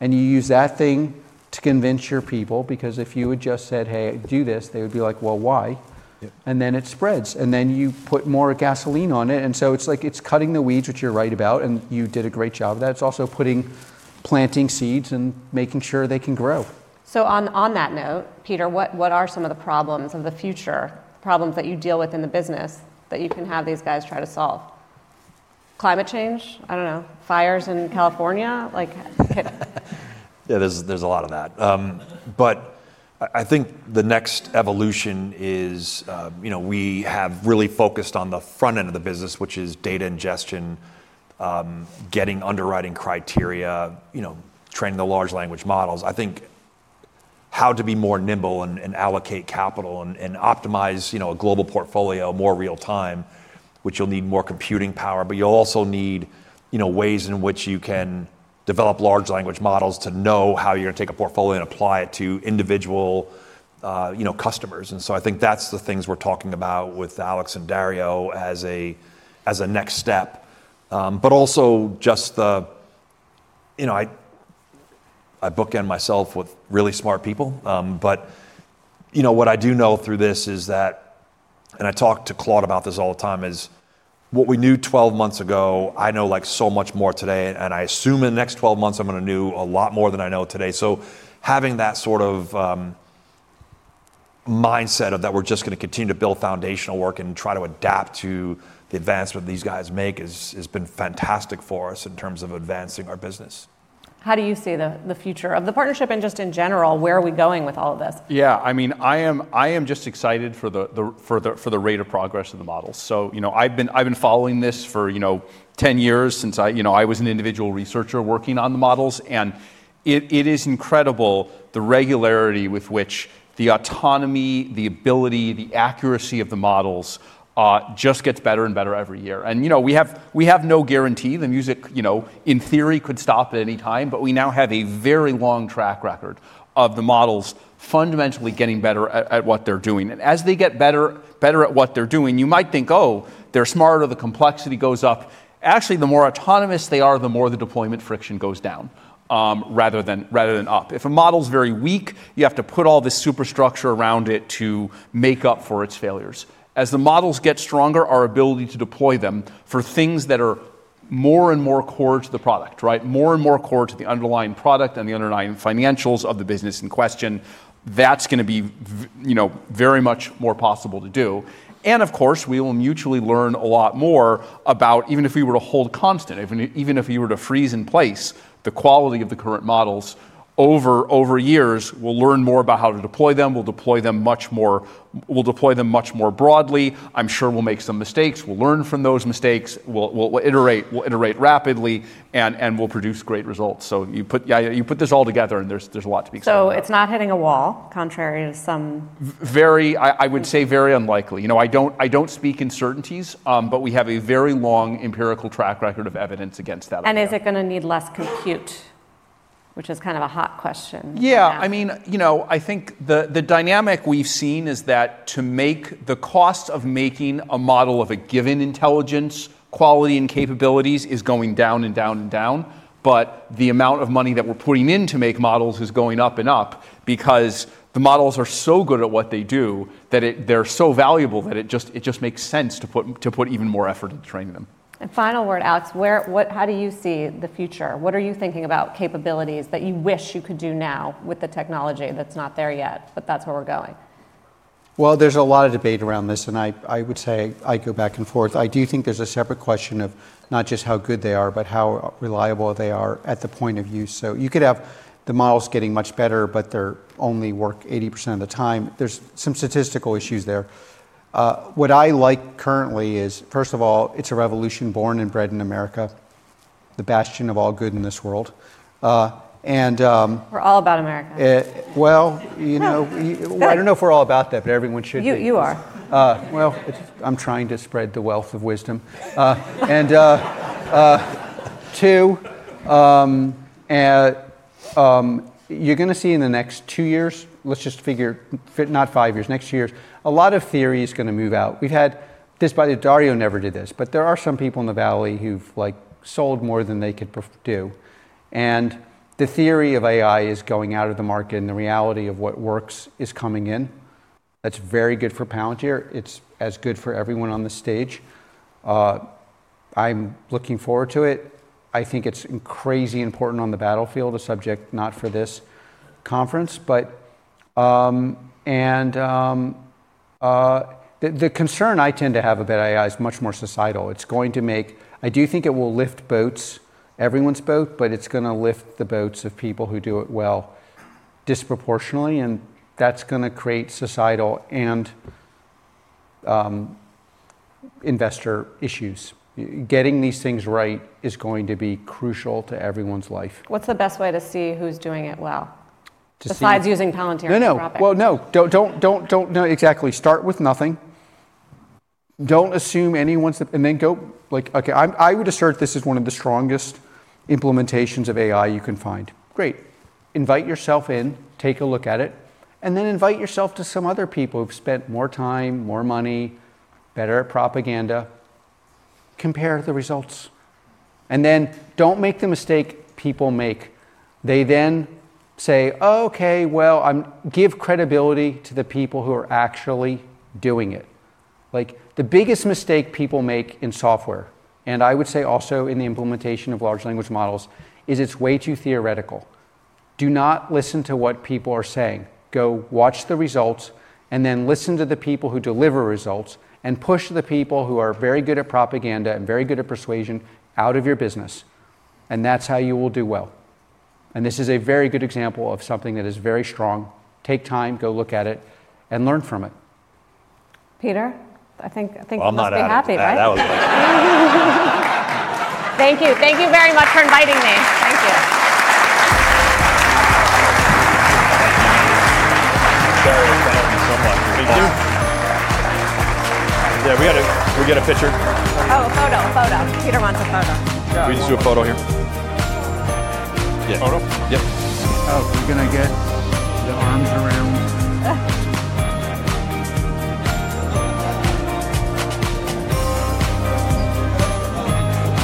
You use that thing to convince your people because if you had just said, "Hey, do this," they would be like, "Well, why?" It spreads. You put more gasoline on it. It's like it's cutting the weeds, which you're right about, and you did a great job of that. It's also planting seeds and making sure they can grow. On that note, Peter, what are some of the problems of the future, problems that you deal with in the business that you can have these guys try to solve? Climate change? I don't know. Fires in California like? Yeah, there's a lot of that. I think the next evolution is we have really focused on the front end of the business, which is data ingestion, getting underwriting criteria, training the large language models. I think how to be more nimble and allocate capital and optimize a global portfolio more real time, which you'll need more computing power, but you'll also need ways in which you can develop large language models to know how you're going to take a portfolio and apply it to individual customers. I think that's the things we're talking about with Alex and Dario as a next step. I bookend myself with really smart people. What I do know through this is that, and I talk to Claude about this all the time, is what we knew 12 months ago, I know so much more today. I assume in the next 12 months, I'm going to know a lot more than I know today. Having that sort of mindset that we're just going to continue to build foundational work and try to adapt to the advancement these guys make has been fantastic for us in terms of advancing our business. How do you see the future of the partnership and just in general, where are we going with all of this? Yeah. I mean, I am just excited for the rate of progress of the models. I have been following this for 10 years since I was an individual researcher working on the models. It is incredible the regularity with which the autonomy, the ability, the accuracy of the models just gets better and better every year. We have no guarantee. The music, in theory, could stop at any time, but we now have a very long track record of the models fundamentally getting better at what they are doing. As they get better at what they are doing, you might think, "Oh, they are smarter, the complexity goes up." Actually, the more autonomous they are, the more the deployment friction goes down rather than up. If a model is very weak, you have to put all this superstructure around it to make up for its failures. As the models get stronger, our ability to deploy them for things that are more and more core to the product, more and more core to the underlying product and the underlying financials of the business in question, that is going to be very much more possible to do. Of course, we will mutually learn a lot more about even if we were to hold constant, even if we were to freeze in place the quality of the current models over years, we will learn more about how to deploy them. We will deploy them much more broadly. I am sure we will make some mistakes. We will learn from those mistakes. We will iterate rapidly, and we will produce great results. You put this all together, and there is a lot to be expected. It is not hitting a wall, contrary to some. Very, I would say very unlikely. I don't speak in certainties, but we have a very long empirical track record of evidence against that. Is it going to need less compute, which is kind of a hot question? Yeah. I mean, I think the dynamic we've seen is that to make the cost of making a model of a given intelligence quality and capabilities is going down and down and down. The amount of money that we're putting in to make models is going up and up because the models are so good at what they do that they're so valuable that it just makes sense to put even more effort into training them. Final word, Alex, how do you see the future? What are you thinking about capabilities that you wish you could do now with the technology that's not there yet, but that's where we're going? There is a lot of debate around this, and I would say I go back and forth. I do think there is a separate question of not just how good they are, but how reliable they are at the point of use. You could have the models getting much better, but they only work 80% of the time. There are some statistical issues there. What I like currently is, first of all, it is a revolution born and bred in America, the bastion of all good in this world. We're all about America. I do not know if we are all about that, but everyone should be. You are. I'm trying to spread the wealth of wisdom. And two, you're going to see in the next two years, let's just figure not five years, next two years, a lot of theory is going to move out. We've had this by the Dario never did this, but there are some people in the Valley who've sold more than they could do. And the theory of AI is going out of the market, and the reality of what works is coming in. That's very good for Palantir; it's as good for everyone on the stage. I'm looking forward to it. I think it's crazy important on the battlefield, a subject not for this conference. And the concern I tend to have about AI is much more societal. It's going to make, I do think it will lift boats, everyone's boat, but it's going to lift the boats of people who do it well disproportionately, and that's going to create societal and investor issues. Getting these things right is going to be crucial to everyone's life. What's the best way to see who's doing it well? Besides using Palantir and Scrap? No, no. No. Do not know exactly. Start with nothing. Do not assume anyone's and then go like, "Okay, I would assert this is one of the strongest implementations of AI you can find." Great. Invite yourself in, take a look at it, and then invite yourself to some other people who've spent more time, more money, better at propaganda. Compare the results. Do not make the mistake people make. They then say, "Okay, well, give credibility to the people who are actually doing it." The biggest mistake people make in software, and I would say also in the implementation of large language models, is it's way too theoretical. Do not listen to what people are saying. Go watch the results, and then listen to the people who deliver results, and push the people who are very good at propaganda and very good at persuasion out of your business. That is how you will do well. This is a very good example of something that is very strong. Take time, go look at it, and learn from it. Peter, I think we'll be happy, right? I'm not happy. Thank you. Thank you very much for inviting me. Thank you. Thank you so much. Yeah, we got a picture? Oh, a photo, a photo. Peter wants a photo. We just do a photo here. Photo? Yep. Oh, we're going to get the arms around.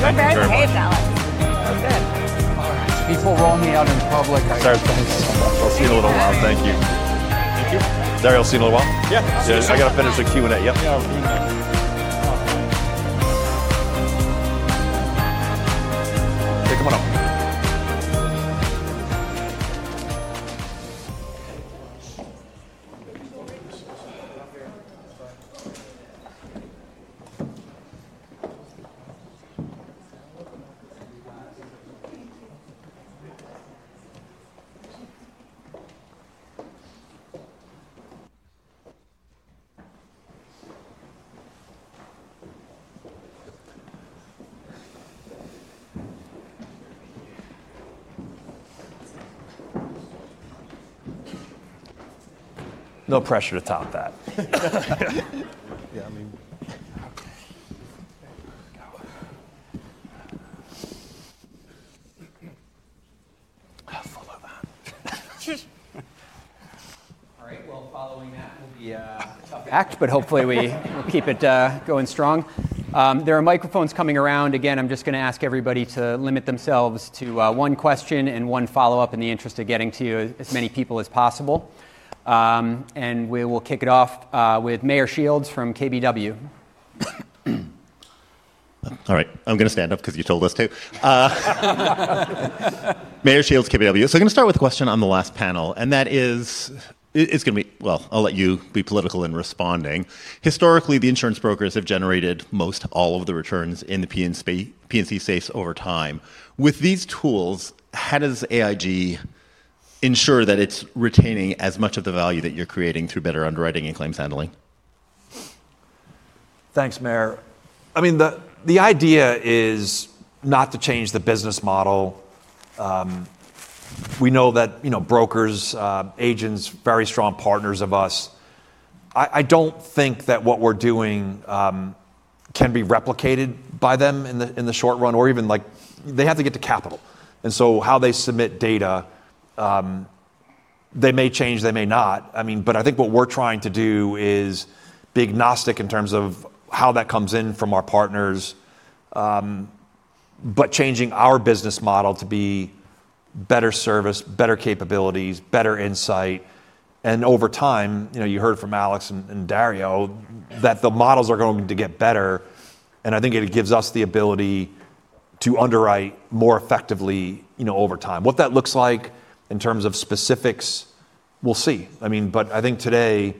You're very brave, Alex. That's good. All right. People roll me out in public. Sorry, thanks. I'll see you in a little while. Thank you. Thank you. Dario, I'll see you in a little while. Yeah. I got to finish a Q&A. Yeah. Yeah, we're doing that. Okay, come on up. No pressure to top that. Yeah, I mean. I'll follow that. All right, following that, we'll be tough. Act, but hopefully, we'll keep it going strong. There are microphones coming around. Again, I'm just going to ask everybody to limit themselves to one question and one follow-up in the interest of getting to as many people as possible. We will kick it off with Meyer Shields from KBW. All right, I'm going to stand up because you told us to. Meyer Shields, KBW. I'm going to start with a question on the last panel, and that is it's going to be, well, I'll let you be political in responding. Historically, the insurance brokers have generated most all of the returns in the P&C space over time. With these tools, how does AIG ensure that it's retaining as much of the value that you're creating through better underwriting and claims handling? Thanks, Meyer. I mean, the idea is not to change the business model. We know that brokers, agents, very strong partners of us. I do not think that what we are doing can be replicated by them in the short run or even they have to get the capital. How they submit data, they may change, they may not. I mean, but I think what we are trying to do is be agnostic in terms of how that comes in from our partners, but changing our business model to be better service, better capabilities, better insight. Over time, you heard from Alex and Dario that the models are going to get better. I think it gives us the ability to underwrite more effectively over time. What that looks like in terms of specifics, we will see. I mean, but I think today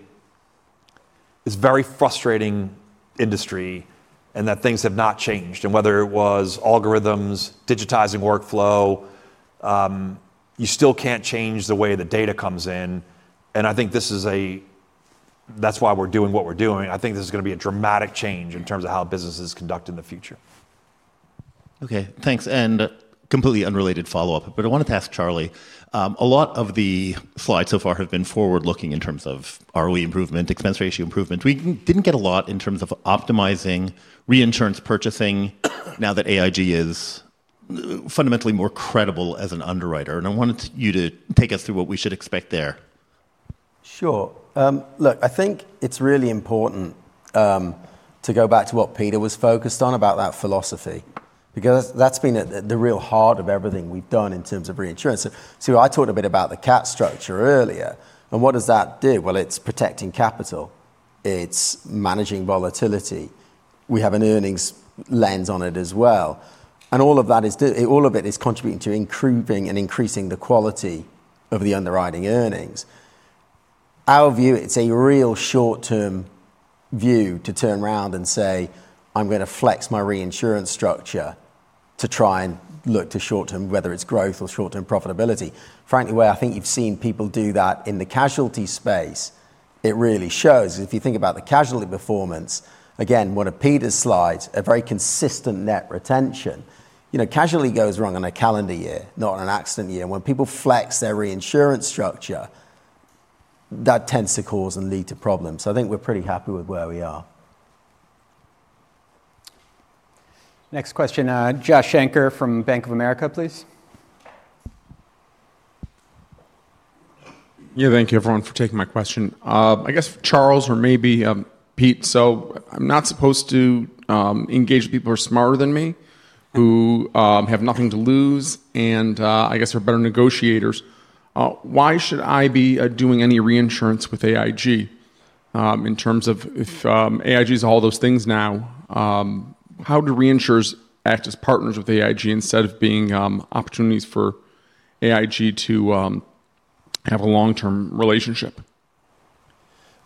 is a very frustrating industry in that things have not changed. Whether it was algorithms, digitizing workflow, you still can't change the way the data comes in. I think this is a, that's why we're doing what we're doing. I think this is going to be a dramatic change in terms of how business is conducted in the future. Okay, thanks. Completely unrelated follow-up, but I wanted to ask Charlie. A lot of the slides so far have been forward-looking in terms of ROE improvement, expense ratio improvement. We did not get a lot in terms of optimizing reinsurance purchasing now that AIG is fundamentally more credible as an underwriter. I wanted you to take us through what we should expect there. Sure. Look, I think it's really important to go back to what Peter was focused on about that philosophy because that's been the real heart of everything we've done in terms of reinsurance. I talked a bit about the cap structure earlier. What does that do? It's protecting capital. It's managing volatility. We have an earnings lens on it as well. All of that is contributing to improving and increasing the quality of the underwriting earnings. Our view, it's a real short-term view to turn around and say, "I'm going to flex my reinsurance structure to try and look to short-term, whether it's growth or short-term profitability." Frankly, where I think you've seen people do that in the casualty space, it really shows if you think about the casualty performance. Again, one of Peter's slides, a very consistent net retention. Casualty goes wrong on a calendar year, not on an accident year. When people flex their reinsurance structure, that tends to cause and lead to problems. I think we're pretty happy with where we are. Next question, Josh Shanker from Bank of America, please. Yeah, thank you, everyone, for taking my question. I guess Charles or maybe Pete. I am not supposed to engage with people who are smarter than me, who have nothing to lose, and I guess are better negotiators. Why should I be doing any reinsurance with AIG in terms of if AIG is all those things now, how do reinsurers act as partners with AIG instead of being opportunities for AIG to have a long-term relationship?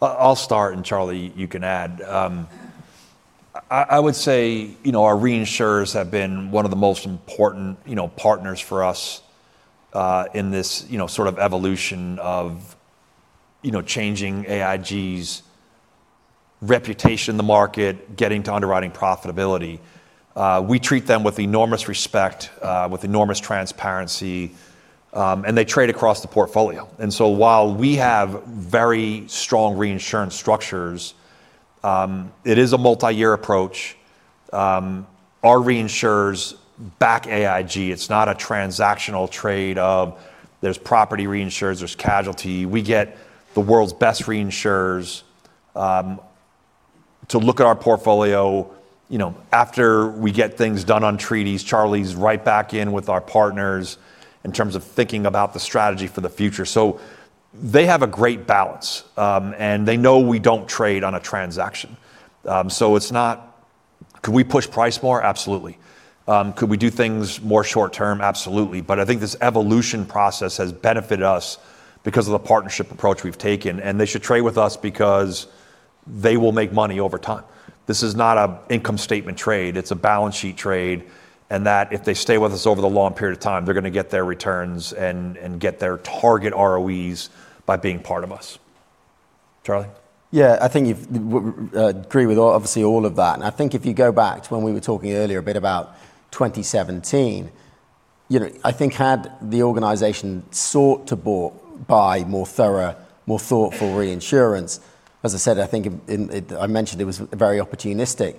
I'll start, and Charlie, you can add. I would say our reinsurers have been one of the most important partners for us in this sort of evolution of changing AIG's reputation in the market, getting to underwriting profitability. We treat them with enormous respect, with enormous transparency, and they trade across the portfolio. While we have very strong reinsurance structures, it is a multi-year approach. Our reinsurers back AIG. It's not a transactional trade of there's property reinsurers, there's casualty. We get the world's best reinsurers to look at our portfolio. After we get things done on treaties, Charlie's right back in with our partners in terms of thinking about the strategy for the future. They have a great balance, and they know we don't trade on a transaction. It's not, "Could we push price more?" Absolutely. "Could we do things more short-term?" Absolutely. I think this evolution process has benefited us because of the partnership approach we've taken, and they should trade with us because they will make money over time. This is not an income statement trade. It's a balance sheet trade, and that if they stay with us over the long period of time, they're going to get their returns and get their target ROEs by being part of us. Charlie? Yeah, I think you agree with obviously all of that. I think if you go back to when we were talking earlier a bit about 2017, I think had the organization sought to buy more thorough, more thoughtful reinsurance, as I said, I think I mentioned it was very opportunistic.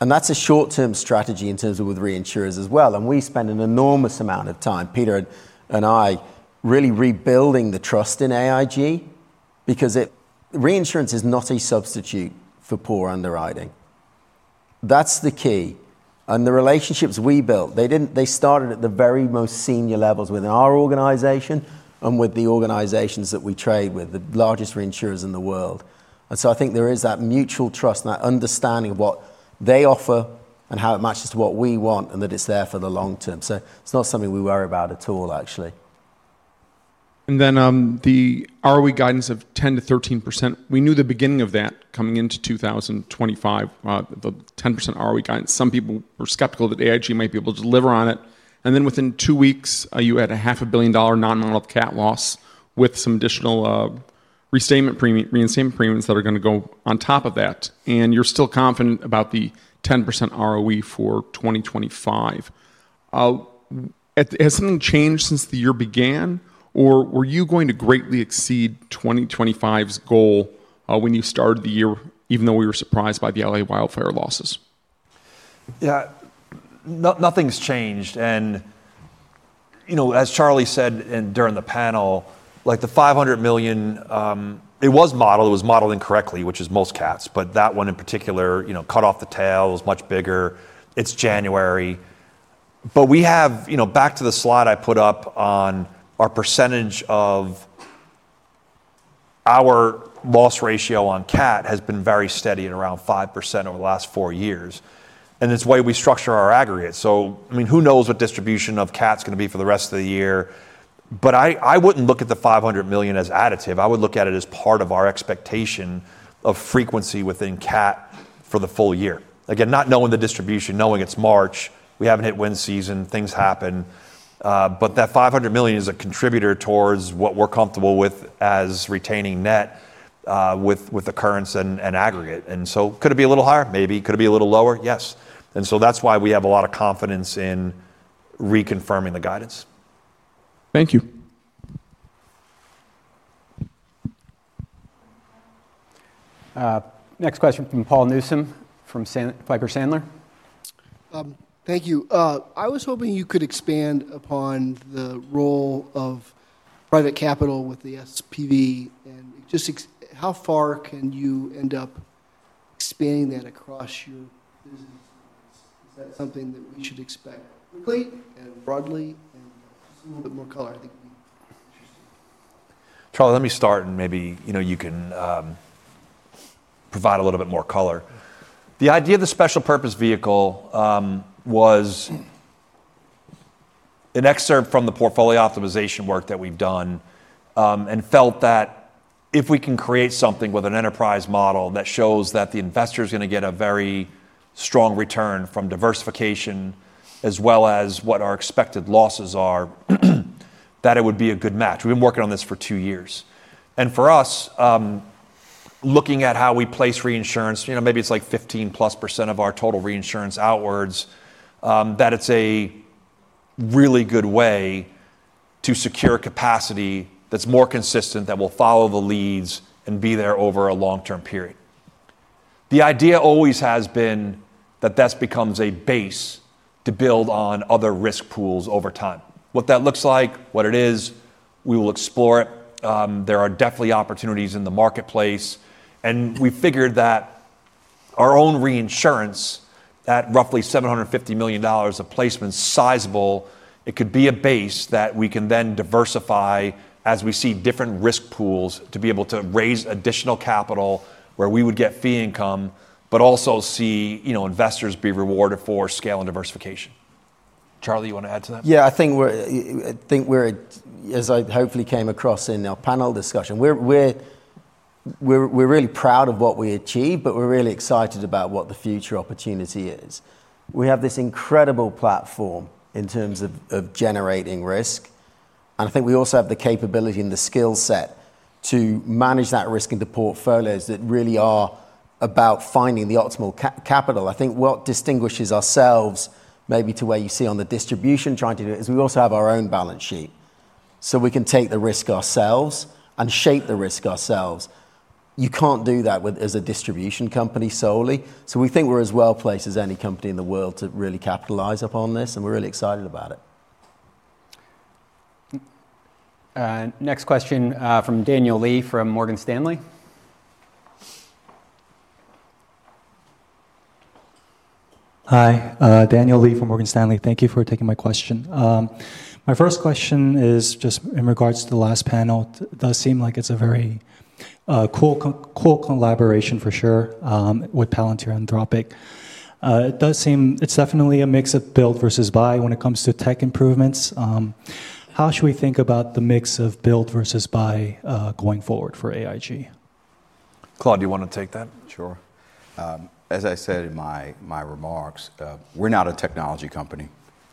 That is a short-term strategy in terms of with reinsurers as well. We spend an enormous amount of time, Peter and I, really rebuilding the trust in AIG because reinsurance is not a substitute for poor underwriting. That is the key. The relationships we built, they started at the very most senior levels within our organization and with the organizations that we trade with, the largest reinsurers in the world. I think there is that mutual trust and that understanding of what they offer and how it matches to what we want and that it is there for the long term. It is not something we worry about at all, actually. The ROE guidance of 10-13%. We knew the beginning of that coming into 2025, the 10% ROE guidance. Some people were skeptical that AIG might be able to deliver on it. Within two weeks, you had a $500,000,000 non-monthly cap loss with some additional reinstatement payments that are going to go on top of that. You are still confident about the 10% ROE for 2025. Has something changed since the year began, or were you going to greatly exceed 2025's goal when you started the year, even though we were surprised by the LA wildfire losses? Yeah, nothing's changed. As Charlie said during the panel, the $500 million, it was modeled, it was modeled incorrectly, which is most caps, but that one in particular cut off the tail, it was much bigger. It's January. We have, back to the slide I put up on our percentage of our loss ratio on cap, has been very steady at around 5% over the last four years. It's the way we structure our aggregate. I mean, who knows what distribution of cap's going to be for the rest of the year. I wouldn't look at the $500 million as additive. I would look at it as part of our expectation of frequency within cap for the full year. Again, not knowing the distribution, knowing it's March, we haven't hit wind season, things happen. That $500 million is a contributor towards what we're comfortable with as retaining net with the currents and aggregate. Could it be a little higher? Maybe. Could it be a little lower? Yes. That is why we have a lot of confidence in reconfirming the guidance. Thank you. Next question from Paul Newsom from Piper Sandler. Thank you. I was hoping you could expand upon the role of private capital with the SPV. Just how far can you end up expanding that across your business lines? Is that something that we should expect quickly and broadly? A little bit more color, I think would be interesting. Charlie, let me start and maybe you can provide a little bit more color. The idea of the special purpose vehicle was an excerpt from the portfolio optimization work that we've done and felt that if we can create something with an enterprise model that shows that the investor is going to get a very strong return from diversification as well as what our expected losses are, that it would be a good match. We've been working on this for two years. For us, looking at how we place reinsurance, maybe it's like 15+% of our total reinsurance outwards, that it's a really good way to secure capacity that's more consistent that will follow the leads and be there over a long-term period. The idea always has been that that becomes a base to build on other risk pools over time. What that looks like, what it is, we will explore it. There are definitely opportunities in the marketplace. We figured that our own reinsurance at roughly $750 million of placement, sizable, it could be a base that we can then diversify as we see different risk pools to be able to raise additional capital where we would get fee income, but also see investors be rewarded for scale and diversification. Charlie, you want to add to that? Yeah, I think we're, as I hopefully came across in our panel discussion, we're really proud of what we achieved, but we're really excited about what the future opportunity is. We have this incredible platform in terms of generating risk. I think we also have the capability and the skill set to manage that risk into portfolios that really are about finding the optimal capital. I think what distinguishes ourselves maybe to where you see on the distribution trying to do it is we also have our own balance sheet. We can take the risk ourselves and shape the risk ourselves. You can't do that as a distribution company solely. We think we're as well placed as any company in the world to really capitalize upon this, and we're really excited about it. Next question from Daniel Lee from Morgan Stanley. Hi, Daniel Lee from Morgan Stanley. Thank you for taking my question. My first question is just in regards to the last panel. It does seem like it's a very cool collaboration for sure with Palantir and Anthropic. It does seem it's definitely a mix of build versus buy when it comes to tech improvements. How should we think about the mix of build versus buy going forward for AIG? Claude, do you want to take that? Sure. As I said in my remarks, we're not a technology company.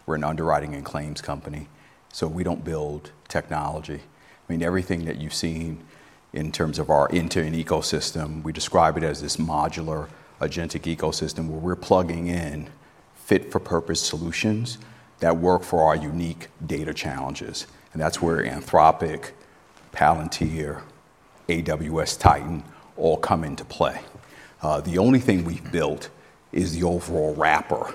We're an underwriting and claims company. We don't build technology. I mean, everything that you've seen in terms of our end-to-end ecosystem, we describe it as this modular agentic ecosystem where we're plugging in fit-for-purpose solutions that work for our unique data challenges. That's where Anthropic, Palantir, AWS, Titan all come into play. The only thing we've built is the overall wrapper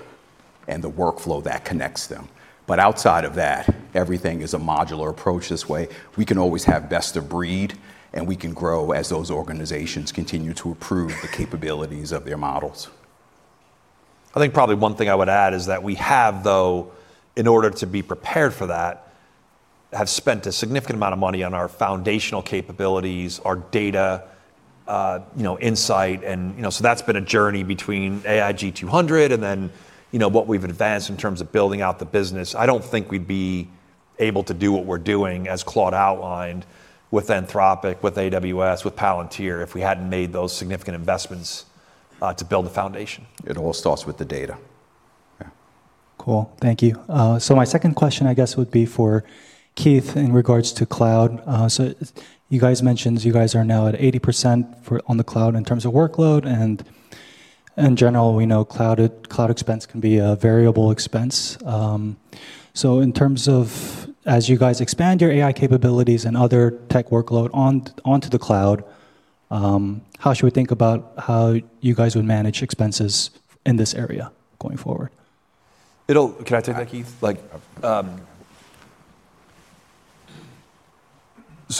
and the workflow that connects them. Outside of that, everything is a modular approach this way. We can always have best of breed, and we can grow as those organizations continue to improve the capabilities of their models. I think probably one thing I would add is that we have, though, in order to be prepared for that, have spent a significant amount of money on our foundational capabilities, our data insight. That has been a journey between AIG 200 and then what we have advanced in terms of building out the business. I do not think we would be able to do what we are doing, as Claude outlined, with Anthropic, with AWS, with Palantir, if we had not made those significant investments to build the foundation. It all starts with the data. Cool. Thank you. My second question, I guess, would be for Keith in regards to cloud. You guys mentioned you guys are now at 80% on the cloud in terms of workload. In general, we know cloud expense can be a variable expense. In terms of, as you guys expand your AI capabilities and other tech workload onto the cloud, how should we think about how you guys would manage expenses in this area going forward? Can I take that, Keith?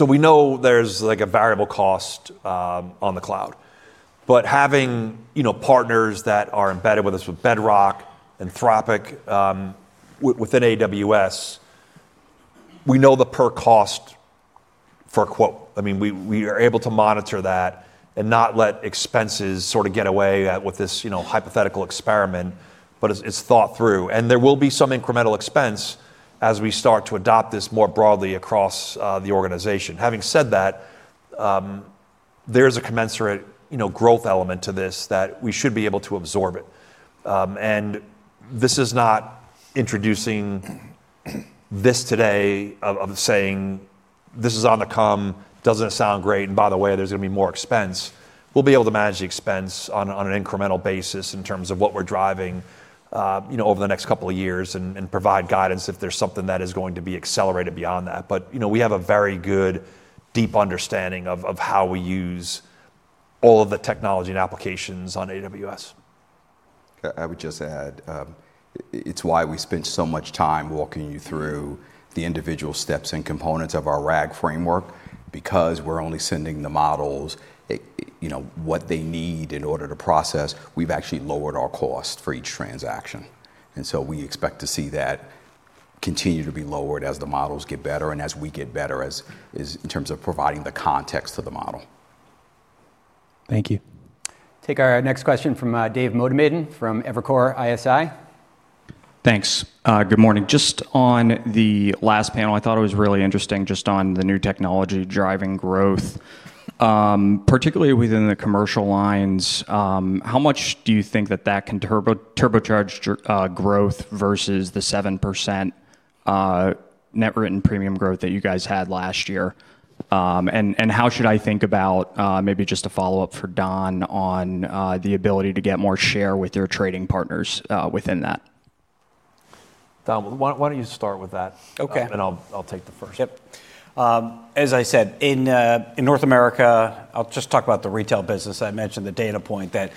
We know there is a variable cost on the cloud. Having partners that are embedded with us with Bedrock, Anthropic, within AWS, we know the per cost for, I mean, we are able to monitor that and not let expenses sort of get away with this hypothetical experiment, but it is thought through. There will be some incremental expense as we start to adopt this more broadly across the organization. Having said that, there is a commensurate growth element to this that we should be able to absorb it. This is not introducing this today of saying, "This is on the come, doesn't sound great, and by the way, there's going to be more expense." We will be able to manage the expense on an incremental basis in terms of what we are driving over the next couple of years and provide guidance if there is something that is going to be accelerated beyond that. We have a very good, deep understanding of how we use all of the technology and applications on AWS. I would just add, it's why we spent so much time walking you through the individual steps and components of our RAG framework. Because we're only sending the models what they need in order to process, we've actually lowered our cost for each transaction. We expect to see that continue to be lowered as the models get better and as we get better in terms of providing the context of the model. Thank you. Take our next question from Dave Motemaden from Evercore ISI. Thanks. Good morning. Just on the last panel, I thought it was really interesting just on the new technology driving growth, particularly within the commercial lines. How much do you think that that can turbocharge growth versus the 7% net written premium growth that you guys had last year? How should I think about maybe just a follow-up for Don on the ability to get more share with your trading partners within that? Don, why don't you start with that? I'll take the first. Yep. As I said, in North America, I'll just talk about the retail business. I mentioned the data point that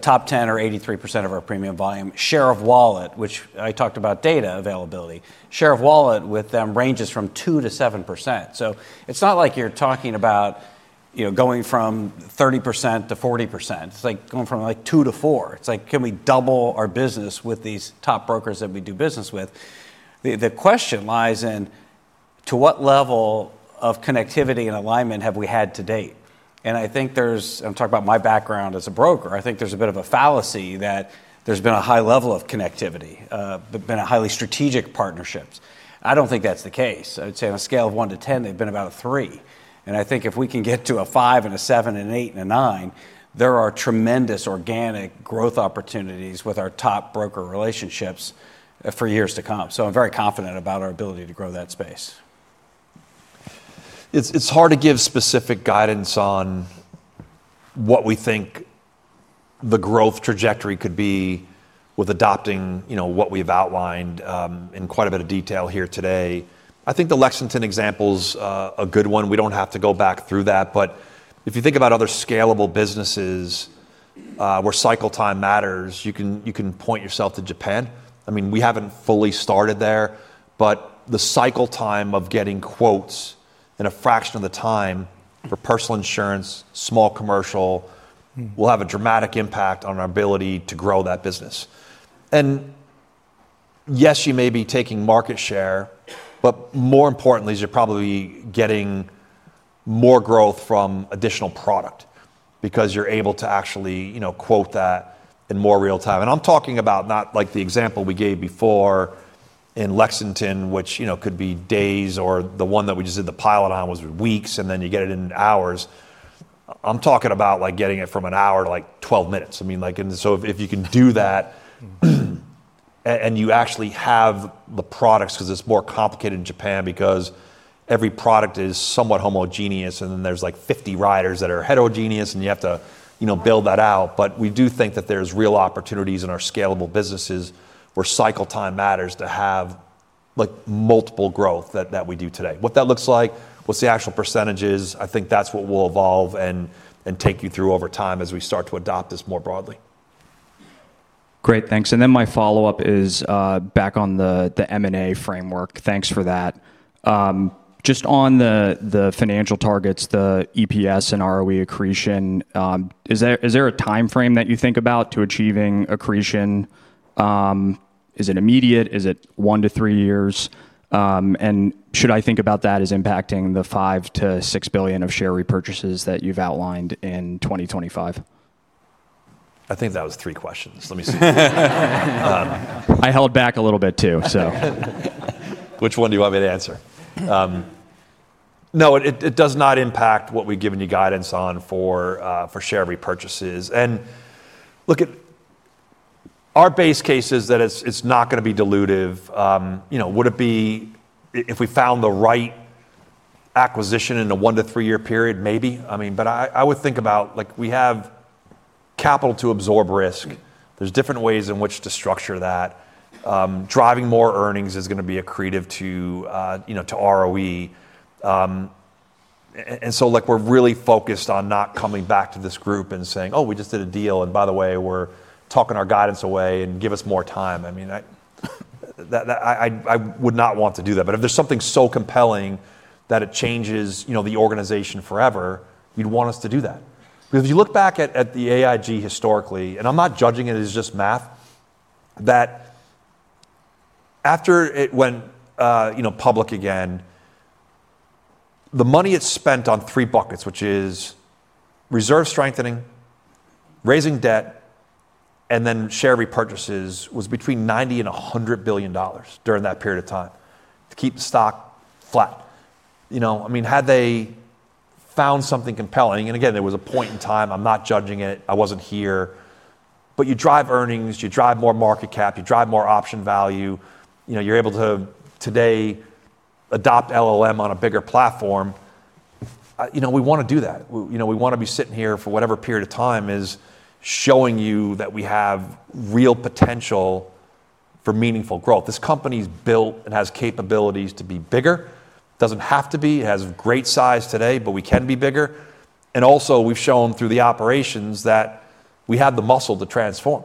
top 10 or 83% of our premium volume, share of wallet, which I talked about data availability, share of wallet with them ranges from 2% to 7%. It's not like you're talking about going from 30%-40%. It's like going from 2%-4%. It's like, can we double our business with these top brokers that we do business with? The question lies in to what level of connectivity and alignment have we had to date? I think there's, I'm talking about my background as a broker, I think there's a bit of a fallacy that there's been a high level of connectivity, been a highly strategic partnership. I don't think that's the case. I'd say on a scale of 1 to 10, they've been about a 3. I think if we can get to a 5 and a 7 and an 8 and a 9, there are tremendous organic growth opportunities with our top broker relationships for years to come. I'm very confident about our ability to grow that space. It's hard to give specific guidance on what we think the growth trajectory could be with adopting what we've outlined in quite a bit of detail here today. I think the Lexington example is a good one. We don't have to go back through that. If you think about other scalable businesses where cycle time matters, you can point yourself to Japan. I mean, we haven't fully started there, but the cycle time of getting quotes in a fraction of the time for personal insurance, small commercial will have a dramatic impact on our ability to grow that business. Yes, you may be taking market share, but more importantly, you're probably getting more growth from additional product because you're able to actually quote that in more real time. I'm talking about not like the example we gave before in Lexington, which could be days or the one that we just did the pilot on was weeks, and then you get it in hours. I'm talking about getting it from an hour to like 12 minutes. I mean, if you can do that and you actually have the products because it's more complicated in Japan because every product is somewhat homogeneous and then there's like 50 riders that are heterogeneous and you have to build that out. We do think that there's real opportunities in our scalable businesses where cycle time matters to have multiple growth that we do today. What that looks like, what's the actual percentages, I think that's what will evolve and take you through over time as we start to adopt this more broadly. Great. Thanks. My follow-up is back on the M&A framework. Thanks for that. Just on the financial targets, the EPS and ROE accretion, is there a time frame that you think about to achieving accretion? Is it immediate? Is it one to three years? Should I think about that as impacting the $5 billion-$6 billion of share repurchases that you've outlined in 2025? I think that was three questions. Let me see. I held back a little bit too, so. Which one do you want me to answer? No, it does not impact what we've given you guidance on for share repurchases. Look, our base case is that it's not going to be dilutive. Would it be if we found the right acquisition in a one to three year period? Maybe. I mean, I would think about we have capital to absorb risk. There are different ways in which to structure that. Driving more earnings is going to be accretive to ROE. We are really focused on not coming back to this group and saying, "Oh, we just did a deal, and by the way, we're talking our guidance away and give us more time." I mean, I would not want to do that. If there's something so compelling that it changes the organization forever, you'd want us to do that. Because if you look back at AIG historically, and I'm not judging it as just math, that after it went public again, the money it spent on three buckets, which is reserve strengthening, raising debt, and then share repurchases, was between $90 billion and $100 billion during that period of time to keep the stock flat. I mean, had they found something compelling, and again, there was a point in time, I'm not judging it, I wasn't here, but you drive earnings, you drive more market cap, you drive more option value, you're able to today adopt LLM on a bigger platform, we want to do that. We want to be sitting here for whatever period of time is showing you that we have real potential for meaningful growth. This company's built and has capabilities to be bigger. Doesn't have to be. It has great size today, but we can be bigger. Also, we've shown through the operations that we have the muscle to transform.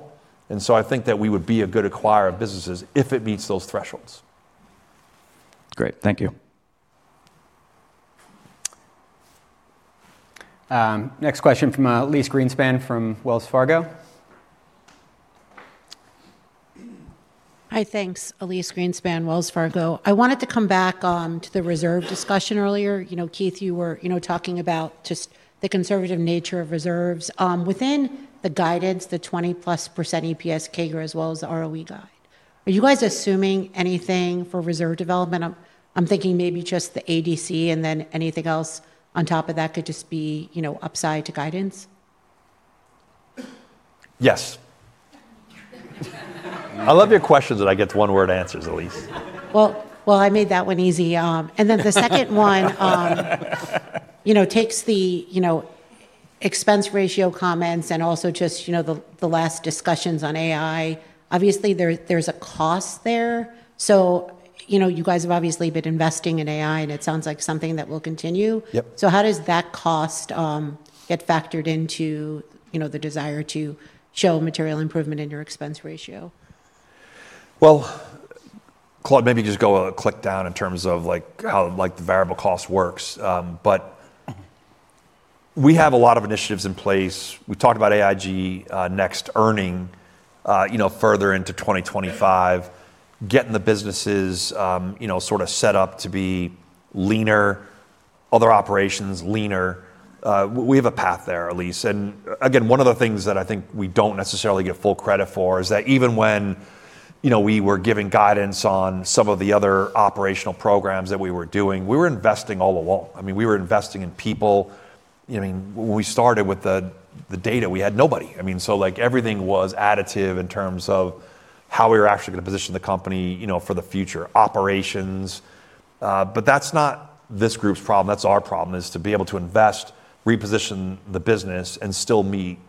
I think that we would be a good acquirer of businesses if it meets those thresholds. Great. Thank you. Next question from Elyse Greenspan from Wells Fargo. Hi, thanks, Elyse Greenspan, Wells Fargo. I wanted to come back to the reserve discussion earlier. Keith, you were talking about just the conservative nature of reserves. Within the guidance, the 20+% EPS CAGR as well as the ROE guide, are you guys assuming anything for reserve development? I'm thinking maybe just the ADC and then anything else on top of that could just be upside to guidance. Yes. I love your questions that I get one-word answers, Elyse. I made that one easy. The second one takes the expense ratio comments and also just the last discussions on AI. Obviously, there's a cost there. You guys have obviously been investing in AI, and it sounds like something that will continue. How does that cost get factored into the desire to show material improvement in your expense ratio? Claude, maybe just go a click down in terms of how the variable cost works. We have a lot of initiatives in place. We talked about AIG Next earning further into 2025, getting the businesses sort of set up to be leaner, other operations leaner. We have a path there, Elyse. One of the things that I think we do not necessarily get full credit for is that even when we were giving guidance on some of the other operational programs that we were doing, we were investing all along. I mean, we were investing in people. I mean, when we started with the data, we had nobody. I mean, everything was additive in terms of how we were actually going to position the company for the future operations. That is not this group's problem. That's our problem is to be able to invest, reposition the business, and still meet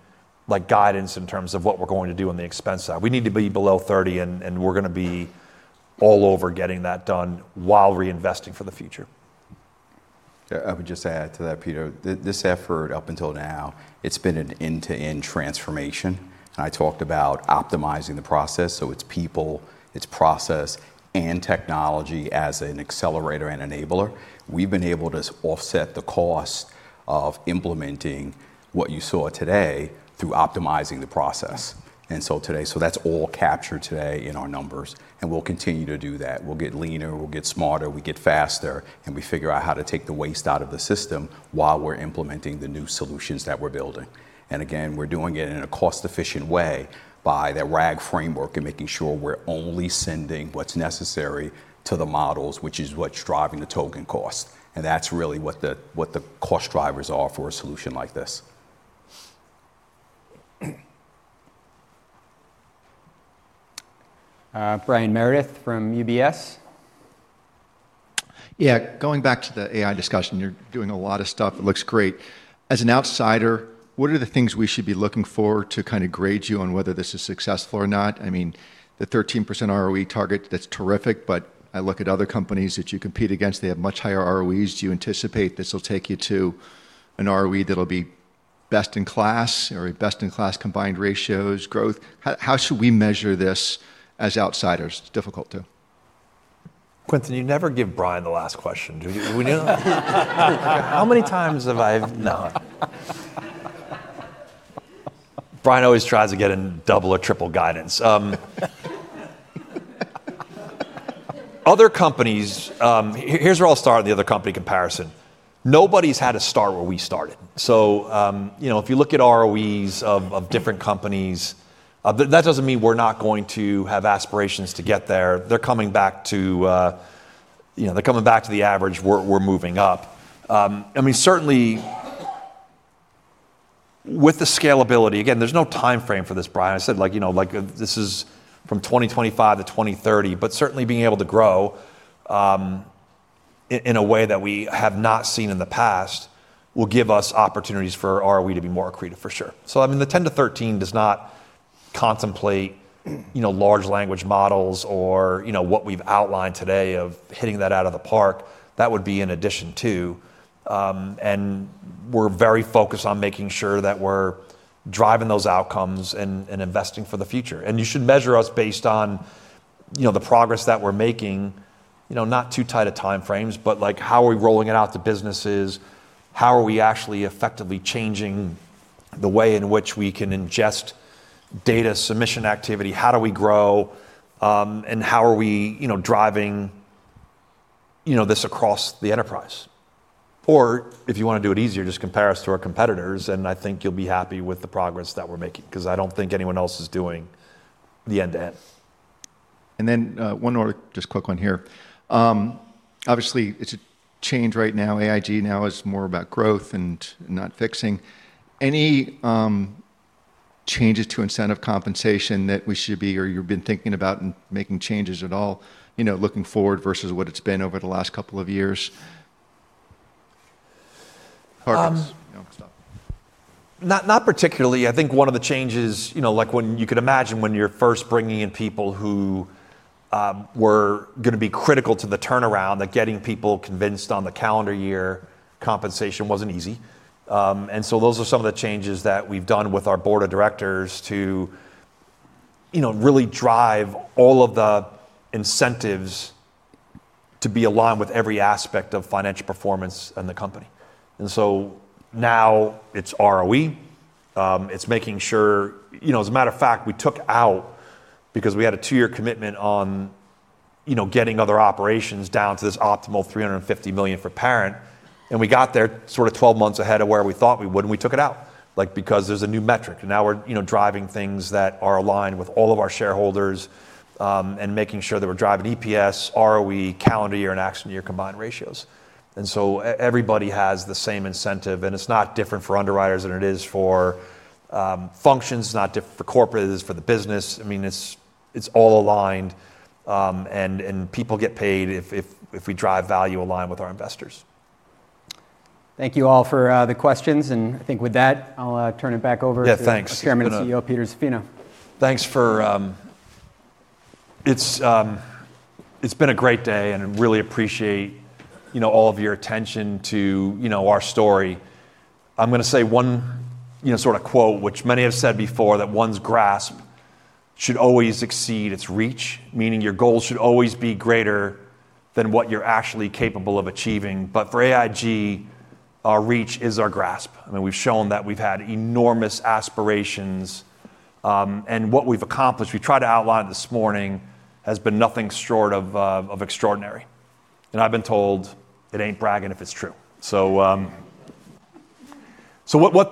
guidance in terms of what we're going to do on the expense side. We need to be below 30%, and we're going to be all over getting that done while reinvesting for the future. I would just add to that, Peter, this effort up until now, it's been an end-to-end transformation. I talked about optimizing the process. It's people, it's process, and technology as an accelerator and enabler. We've been able to offset the cost of implementing what you saw today through optimizing the process. That's all captured today in our numbers. We'll continue to do that. We'll get leaner, we'll get smarter, we get faster, and we figure out how to take the waste out of the system while we're implementing the new solutions that we're building. Again, we're doing it in a cost-efficient way by that RAG framework and making sure we're only sending what's necessary to the models, which is what's driving the token cost. That's really what the cost drivers are for a solution like this. Brian Meredith from UBS. Yeah, going back to the AI discussion, you're doing a lot of stuff. It looks great. As an outsider, what are the things we should be looking for to kind of grade you on whether this is successful or not? I mean, the 13% ROE target, that's terrific, but I look at other companies that you compete against. They have much higher ROEs. Do you anticipate this will take you to an ROE that'll be best in class or best in class combined ratios growth? How should we measure this as outsiders? It's difficult to. Quentin, you never give Brian the last question. How many times have I not? Brian always tries to get a double or triple guidance. Other companies, here's where I'll start the other company comparison. Nobody's had a start where we started. If you look at ROEs of different companies, that doesn't mean we're not going to have aspirations to get there. They're coming back to the average. We're moving up. I mean, certainly with the scalability, again, there's no time frame for this, Brian. I said this is from 2025 to 2030, but certainly being able to grow in a way that we have not seen in the past will give us opportunities for ROE to be more accretive for sure. I mean, the 10-13 does not contemplate large language models or what we've outlined today of hitting that out of the park. That would be in addition to. We're very focused on making sure that we're driving those outcomes and investing for the future. You should measure us based on the progress that we're making, not too tight of time frames, but how are we rolling it out to businesses? How are we actually effectively changing the way in which we can ingest data, submission activity? How do we grow? How are we driving this across the enterprise? If you want to do it easier, just compare us to our competitors, and I think you'll be happy with the progress that we're making because I don't think anyone else is doing the end-to-end. One more just quick one here. Obviously, it's a change right now. AIG now is more about growth and not fixing. Any changes to incentive compensation that we should be or you've been thinking about making changes at all, looking forward versus what it's been over the last couple of years? Not particularly. I think one of the changes, like when you could imagine when you're first bringing in people who were going to be critical to the turnaround, that getting people convinced on the calendar year compensation wasn't easy. Those are some of the changes that we've done with our board of directors to really drive all of the incentives to be aligned with every aspect of financial performance and the company. Now it's ROE. It's making sure, as a matter of fact, we took out because we had a two-year commitment on getting other operations down to this optimal $350 million for parent. We got there sort of 12 months ahead of where we thought we would, and we took it out because there's a new metric. Now we're driving things that are aligned with all of our shareholders and making sure that we're driving EPS, ROE, calendar year, and accident year combined ratios. Everybody has the same incentive, and it's not different for underwriters than it is for functions. It's not different for corporates. It's for the business. I mean, it's all aligned, and people get paid if we drive value aligned with our investors. Thank you all for the questions. I think with that, I'll turn it back over to Chairman and CEO Peter Zaffino. Thanks. Thanks for it's been a great day, and I really appreciate all of your attention to our story. I'm going to say one sort of quote, which many have said before, that one's grasp should always exceed its reach, meaning your goals should always be greater than what you're actually capable of achieving. For AIG, our reach is our grasp. I mean, we've shown that we've had enormous aspirations. What we've accomplished, we tried to outline it this morning, has been nothing short of extraordinary. I've been told it ain't bragging if it's true. What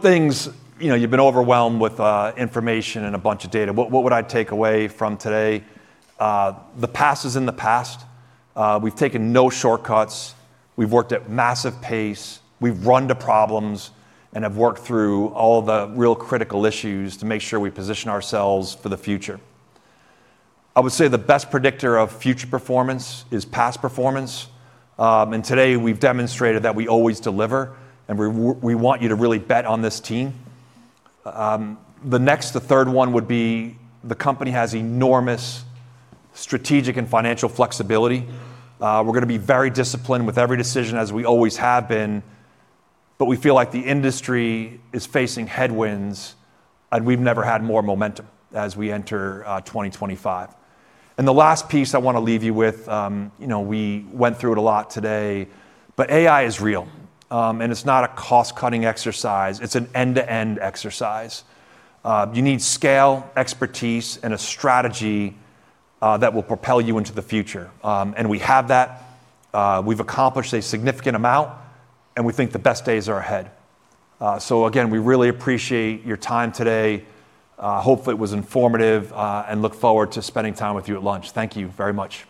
things you've been overwhelmed with information and a bunch of data, what would I take away from today? The past is in the past. We've taken no shortcuts. We've worked at massive pace. We've run to problems and have worked through all the real critical issues to make sure we position ourselves for the future. I would say the best predictor of future performance is past performance. Today, we've demonstrated that we always deliver, and we want you to really bet on this team. The next, the third one would be the company has enormous strategic and financial flexibility. We're going to be very disciplined with every decision as we always have been, but we feel like the industry is facing headwinds, and we've never had more momentum as we enter 2025. The last piece I want to leave you with, we went through it a lot today, but AI is real, and it's not a cost-cutting exercise. It's an end-to-end exercise. You need scale, expertise, and a strategy that will propel you into the future. We have that. We've accomplished a significant amount, and we think the best days are ahead. Again, we really appreciate your time today. Hopefully, it was informative, and look forward to spending time with you at lunch. Thank you very much.